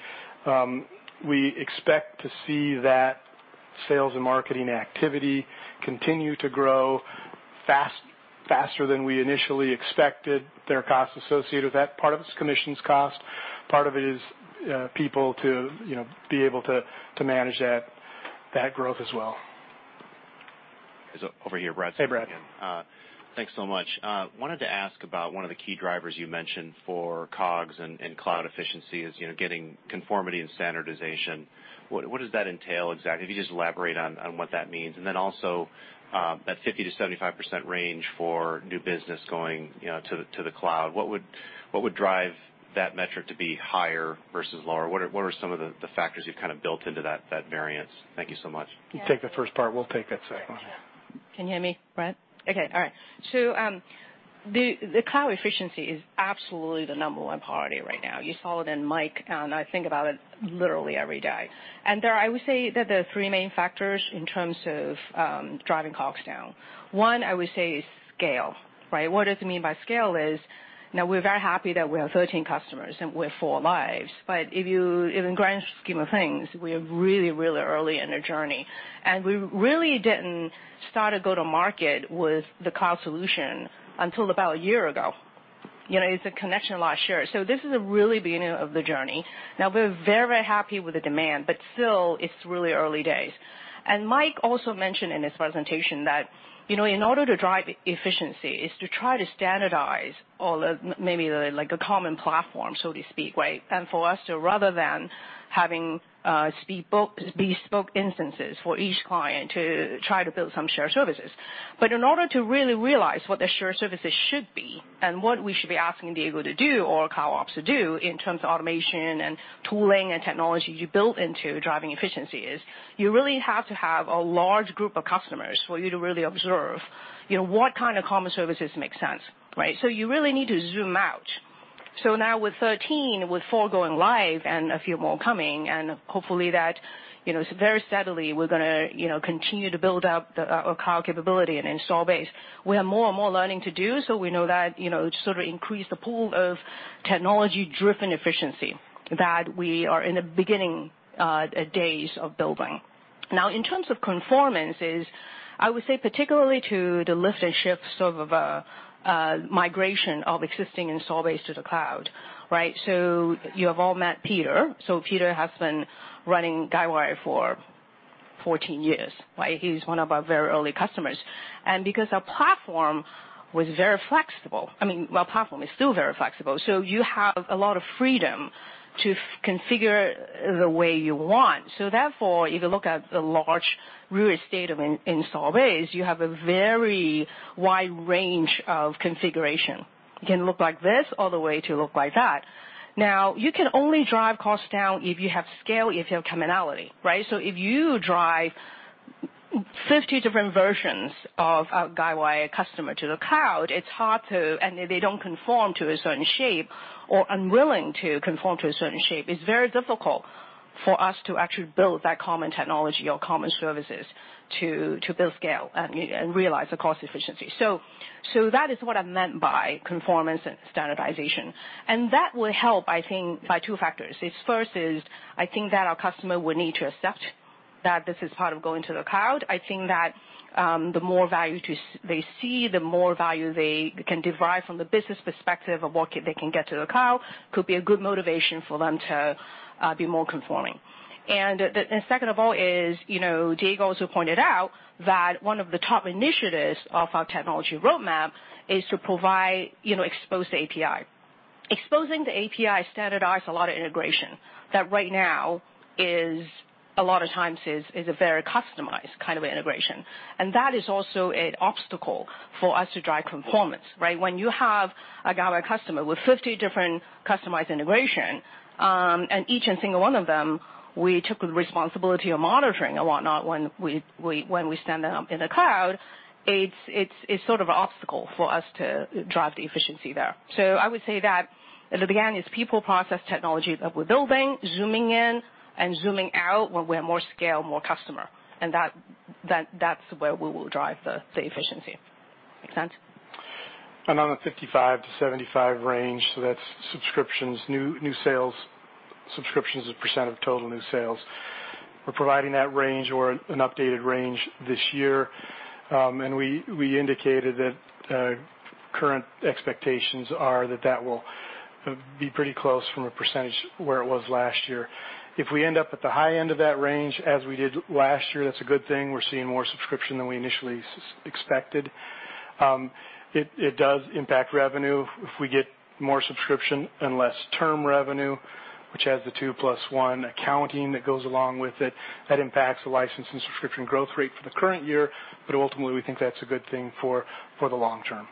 We expect to see that sales and marketing activity continue to grow faster than we initially expected. There are costs associated with that. Part of it's commissions cost, part of it is people to be able to manage that growth as well. It's over here, Brad. Hey, Brad. Thanks so much. Wanted to ask about one of the key drivers you mentioned for COGS and cloud efficiency is getting conformity and standardization. What does that entail exactly? If you could just elaborate on what that means. Also, that 50%-75% range for new business going to the cloud. What would drive that metric to be higher versus lower? What are some of the factors you've kind of built into that variance? Thank you so much. You take the first part, we'll take that second one. Can you hear me, Brad? Okay. All right. The cloud efficiency is absolutely the number one priority right now. You saw it in Mike, and I think about it literally every day. I would say that there are three main factors in terms of driving COGS down. One, I would say, is scale, right? What does it mean by scale is, now we're very happy that we have 13 customers and we're four lives. In the grand scheme of things, we are really, really early in our journey. We really didn't start to go to market with the cloud solution until about a year ago. It's a Connections last year. This is really the beginning of the journey. Now, we're very happy with the demand, but still, it's really early days. Mike also mentioned in his presentation that in order to drive efficiency is to try to standardize all of maybe like a common platform, so to speak, right? For us rather than having bespoke instances for each client to try to build some shared services. In order to really realize what the shared services should be and what we should be asking Diego to do or Cloud Ops to do in terms of automation and tooling and technology you build into driving efficiency, you really have to have a large group of customers for you to really observe what kind of common services make sense, right? Now with 13, with four going live and a few more coming, and hopefully very steadily we're going to continue to build out our cloud capability and install base. We have more and more learning to do, so we know that to sort of increase the pool of technology-driven efficiency that we are in the beginning days of building. In terms of conformances, I would say particularly to the lift and shift sort of a migration of existing install base to the cloud, right? You have all met Peter. Peter has been running Guidewire for 14 years. He's one of our very early customers. Because our platform was very flexible, I mean, well, platform is still very flexible. You have a lot of freedom to configure the way you want. Therefore, if you look at the large real estate of install base, you have a very wide range of configuration. It can look like this all the way to look like that. You can only drive costs down if you have scale, if you have commonality, right? If you drive 50 different versions of our Guidewire customer to the cloud, and if they don't conform to a certain shape or are unwilling to conform to a certain shape, it's very difficult for us to actually build that common technology or common services to build scale and realize the cost efficiency. That is what I meant by conformance and standardization. That will help, I think, by two factors. It's first is, I think that our customer will need to accept that this is part of going to the cloud. I think that the more value they see, the more value they can derive from the business perspective of what they can get to the cloud, could be a good motivation for them to be more conforming. Second of all is, Diego also pointed out that one of the top initiatives of our technology roadmap is to expose the API. Exposing the API standardizes a lot of integration that right now is, a lot of times, is a very customized kind of integration. That is also an obstacle for us to drive conformance. When you have a Guidewire customer with 50 different customized integration, and each and every single one of them, we took the responsibility of monitoring and whatnot when we stand them up in the cloud, it's sort of an obstacle for us to drive the efficiency there. I would say that at the beginning, it's people, process, technology that we're building, zooming in and zooming out when we have more scale, more customer. That's where we will drive the efficiency. Make sense? On the 55-75 range, so that's subscriptions, new sales, subscriptions as % of total new sales. We're providing that range or an updated range this year. We indicated that current expectations are that that will be pretty close from a % where it was last year. If we end up at the high end of that range as we did last year, that's a good thing. We're seeing more subscription than we initially expected. It does impact revenue. If we get more subscription and less term revenue, which has the two plus one accounting that goes along with it, that impacts the license and subscription growth rate for the current year. Ultimately, we think that's a good thing for the long term.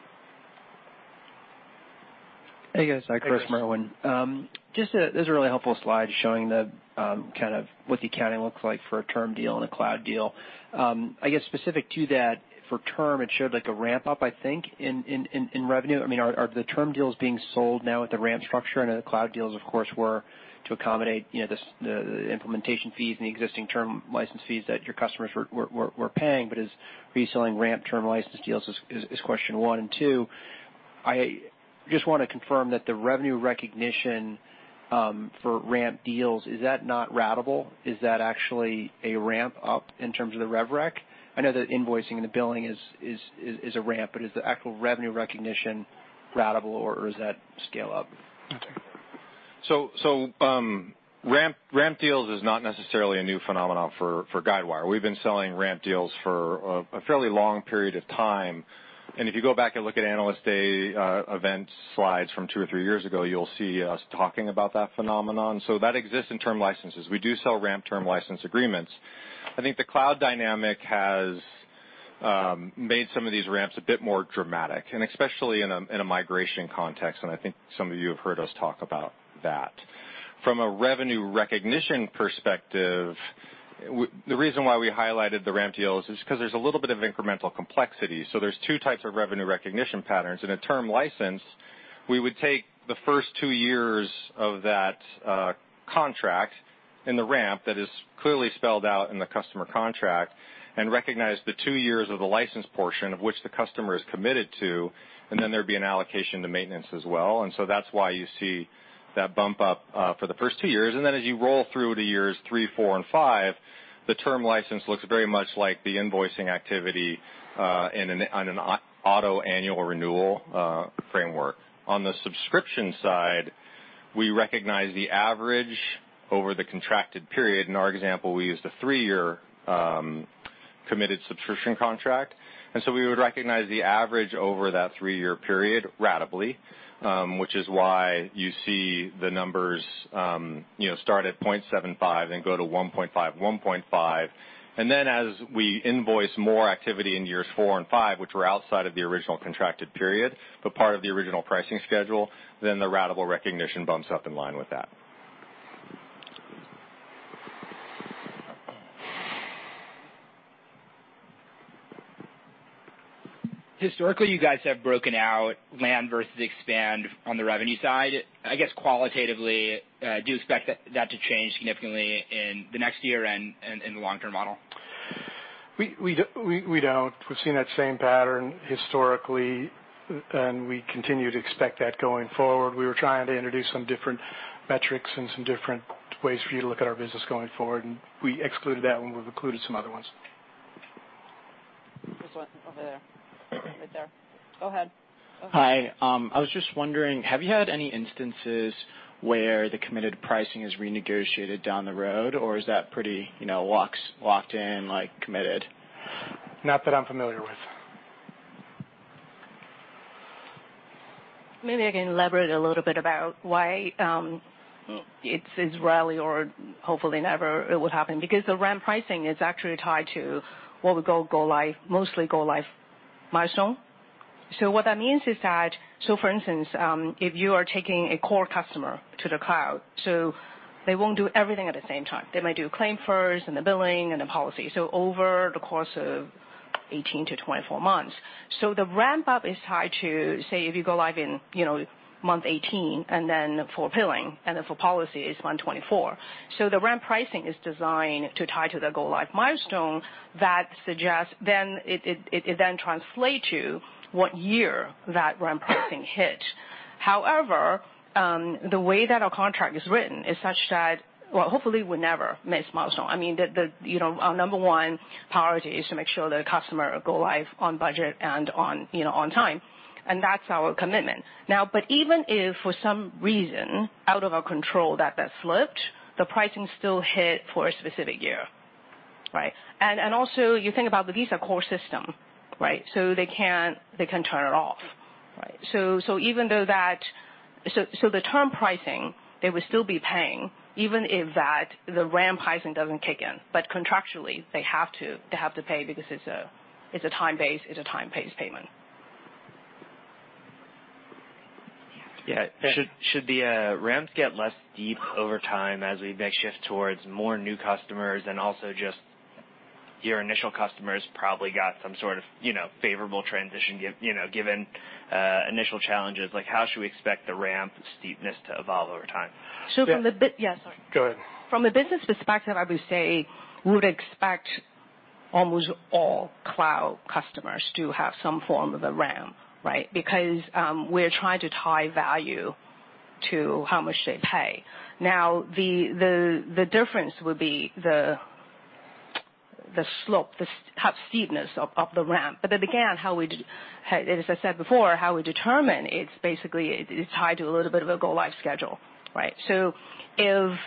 Hey, guys. Chris Merwin. Hey, Chris. Just this is a really helpful slide showing kind of what the accounting looks like for a term deal and a cloud deal. Specific to that, for term, it showed a ramp-up in revenue. Are the term deals being sold now at the ramp structure? The cloud deals, of course, were to accommodate the implementation fees and the existing term license fees that your customers were paying. Are you selling ramp term license deals? Is question one. Two, I just want to confirm that the revenue recognition for ramp deals, is that not ratable? Is that actually a ramp-up in terms of the rev rec? I know that invoicing and the billing is a ramp, but is the actual revenue recognition ratable, or is that scale up? Okay. Ramp deals is not necessarily a new phenomenon for Guidewire. We've been selling ramp deals for a fairly long period of time. If you go back and look at Analyst Day event slides from two or three years ago, you'll see us talking about that phenomenon. That exists in term licenses. We do sell ramp term license agreements. I think the cloud dynamic has made some of these ramps a bit more dramatic, and especially in a migration context, and I think some of you have heard us talk about that. From a revenue recognition perspective, the reason why we highlighted the ramp deals is because there's a little bit of incremental complexity. There's two types of revenue recognition patterns. In a term license, we would take the first 2 years of that contract in the ramp that is clearly spelled out in the customer contract and recognize the 2 years of the license portion of which the customer is committed to. Then there'd be an allocation to maintenance as well. That's why you see that bump up for the first 2 years. As you roll through to years 3, 4, and 5, the term license looks very much like the invoicing activity on an auto annual renewal framework. On the subscription side, we recognize the average over the contracted period. In our example, we used a 3-year committed subscription contract. We would recognize the average over that 3-year period ratably, which is why you see the numbers start at $0.75, then go to $1.5, $1.5. As we invoice more activity in years four and five, which were outside of the original contracted period, but part of the original pricing schedule, then the ratable recognition bumps up in line with that. Historically, you guys have broken out land versus expand on the revenue side. I guess qualitatively, do you expect that to change significantly in the next year and in the long-term model? We don't. We've seen that same pattern historically, and we continue to expect that going forward. We were trying to introduce some different metrics and some different ways for you to look at our business going forward, and we excluded that one. We've included some other ones. There's one over there. Right there. Go ahead. Hi. I was just wondering, have you had any instances where the committed pricing is renegotiated down the road, or is that pretty locked in, like committed? Not that I'm familiar with. The ramp pricing is actually tied to what would go-live, mostly go-live milestone. What that means is that, for instance, if you are taking a core customer to the cloud, they won't do everything at the same time. They might do claim first, then the billing, and the policy. Over the course of 18 to 24 months. The ramp-up is tied to, say, if you go-live in month 18, and then for billing, and then for policy is month 24. The ramp pricing is designed to tie to the go-live milestone. It then translates to what year that ramp pricing hit. However, the way that our contract is written is such that, well, hopefully, we never miss a milestone. Our number 1 priority is to make sure the customer go live on budget and on time, and that's our commitment. Even if for some reason out of our control that slipped, the pricing still hit for a specific year. Right. Also, you think about the Visa core system, right. They can't turn it off. Right. The term pricing, they would still be paying even if the ramp pricing doesn't kick in. Contractually, they have to pay because it's a time-based payment. Yeah. Should the ramps get less steep over time as we make shift towards more new customers and also just your initial customers probably got some sort of favorable transition given initial challenges? How should we expect the ramp steepness to evolve over time? from the- Yeah. Yes, sorry. Go ahead. From a business perspective, I would say we would expect almost all cloud customers to have some form of a ramp, right? We're trying to tie value to how much they pay. The difference would be the slope, the steepness of the ramp. Again, as I said before, how we determine, it's basically tied to a little bit of a go-live schedule. Right? If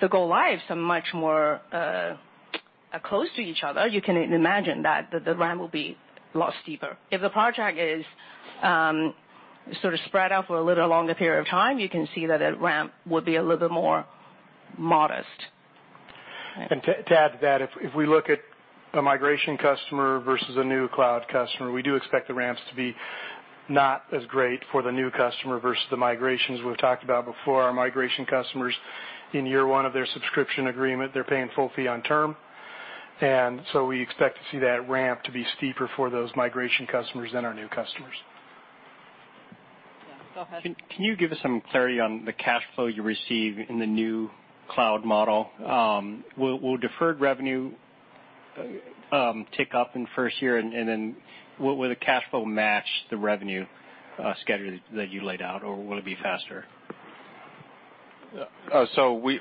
the go-lives are much more close to each other, you can imagine that the ramp will be a lot steeper. If the project is sort of spread out for a little longer period of time, you can see that a ramp would be a little bit more modest. To add to that, if we look at a migration customer versus a new cloud customer, we do expect the ramps to be not as great for the new customer versus the migrations. We've talked about before, our migration customers in year one of their subscription agreement, they're paying full fee on term. We expect to see that ramp to be steeper for those migration customers than our new customers. Yeah. Go ahead. Can you give us some clarity on the cash flow you receive in the new cloud model? Will deferred revenue tick up in the first year, and then will the cash flow match the revenue schedule that you laid out, or will it be faster?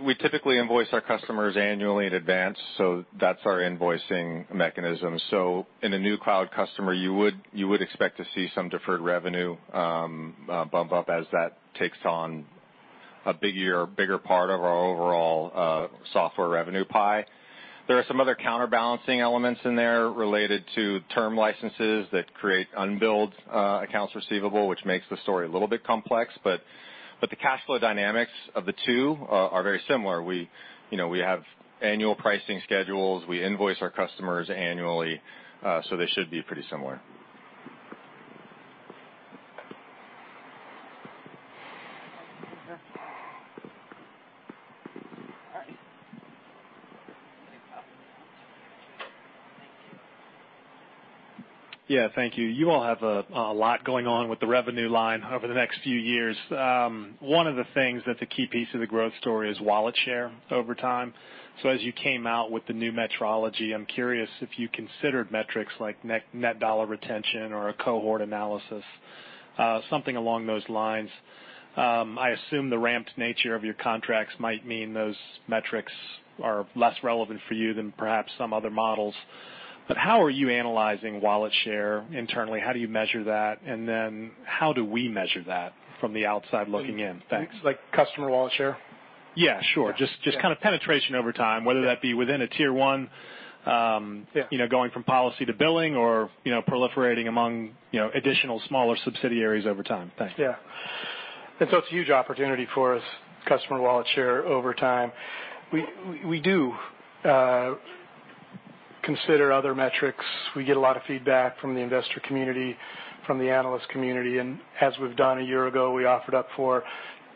We typically invoice our customers annually in advance, so that's our invoicing mechanism. In a new cloud customer, you would expect to see some deferred revenue bump up as that takes on a bigger part of our overall software revenue pie. There are some other counterbalancing elements in there related to term licenses that create unbilled accounts receivable, which makes the story a little bit complex. The cash flow dynamics of the two are very similar. We have annual pricing schedules. We invoice our customers annually, so they should be pretty similar. Yeah. Thank you. You all have a lot going on with the revenue line over the next few years. One of the things that's a key piece of the growth story is wallet share over time. As you came out with the new methodology, I'm curious if you considered metrics like net dollar retention or a cohort analysis, something along those lines. I assume the ramped nature of your contracts might mean those metrics are less relevant for you than perhaps some other models. How are you analyzing wallet share internally? How do you measure that? How do we measure that from the outside looking in? Thanks. Like customer wallet share? Yeah, sure. Yeah. Just kind of penetration over time, whether that be within a tier 1- Yeah going from policy to billing or proliferating among additional smaller subsidiaries over time. Thanks. Yeah. It's a huge opportunity for us, customer wallet share over time. We do consider other metrics. We get a lot of feedback from the investor community, from the analyst community, and as we've done a year ago, we offered up four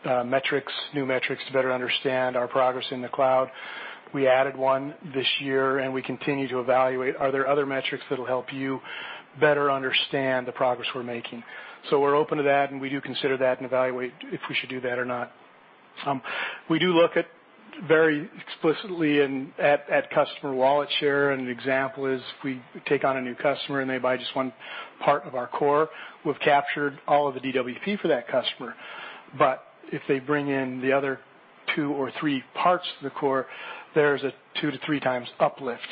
new metrics to better understand our progress in the cloud. We added one this year, and we continue to evaluate, are there other metrics that'll help you better understand the progress we're making? We're open to that, and we do consider that and evaluate if we should do that or not. We do look at very explicitly at customer wallet share, and an example is if we take on a new customer and they buy just one part of our core, we've captured all of the DWP for that customer. If they bring in the other two or three parts of the core, there's a two to three times uplift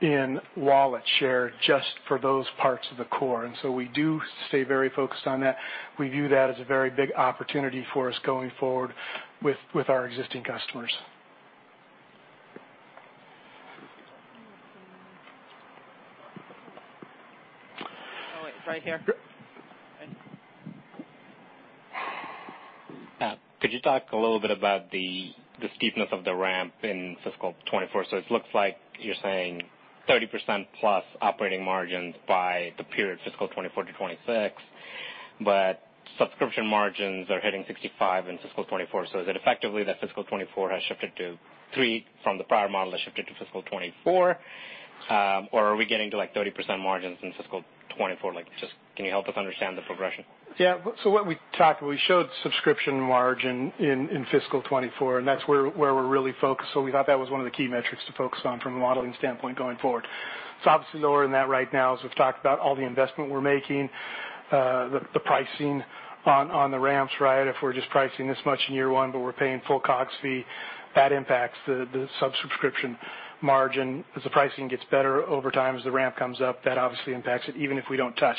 in wallet share just for those parts of the core. We do stay very focused on that. We view that as a very big opportunity for us going forward with our existing customers. Oh, wait, right here. Pat, could you talk a little bit about the steepness of the ramp in FY 2024? It looks like you're saying 30% plus operating margins by the period FY 2024 to FY 2026, but subscription margins are hitting 65% in FY 2024. Is it effectively that FY 2024 has shifted to 30% from the prior model that shifted to FY 2024? Or are we getting to 30% margins in FY 2024? Just can you help us understand the progression? We showed subscription margin in fiscal 2024, and that's where we're really focused. We thought that was one of the key metrics to focus on from a modeling standpoint going forward. It's obviously lower than that right now, as we've talked about all the investment we're making, the pricing on the ramps, right? If we're just pricing this much in year one, but we're paying full COGS fee, that impacts the subscription margin. As the pricing gets better over time, as the ramp comes up, that obviously impacts it, even if we don't touch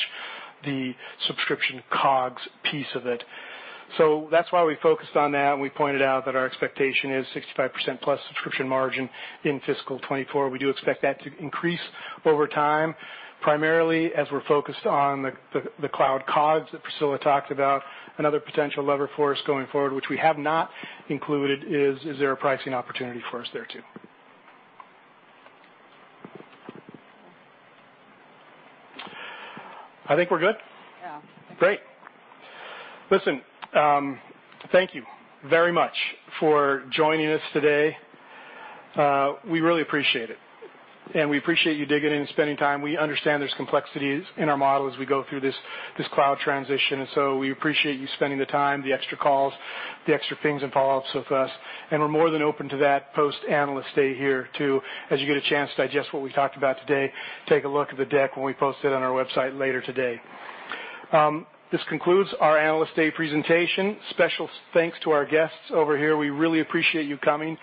the subscription COGS piece of it. That's why we focused on that, and we pointed out that our expectation is 65% plus subscription margin in fiscal 2024. We do expect that to increase over time, primarily as we're focused on the cloud COGS that Priscilla talked about. Another potential lever for us going forward, which we have not included, is there a pricing opportunity for us there, too. I think we're good? Yeah. Great. Listen, thank you very much for joining us today. We really appreciate it, and we appreciate you digging in and spending time. We understand there's complexities in our model as we go through this cloud transition. We appreciate you spending the time, the extra calls, the extra pings and follow-ups with us, and we're more than open to that post-Analyst Day here, too. As you get a chance to digest what we talked about today, take a look at the deck when we post it on our website later today. This concludes our Analyst Day presentation. Special thanks to our guests over here. We really appreciate you coming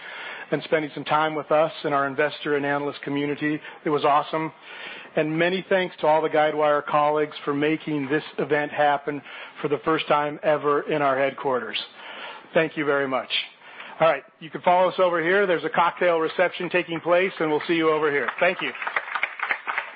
and spending some time with us and our investor and analyst community. It was awesome. Many thanks to all the Guidewire colleagues for making this event happen for the first time ever in our headquarters. Thank you very much. All right. You can follow us over here. There is a cocktail reception taking place, and we will see you over here. Thank you.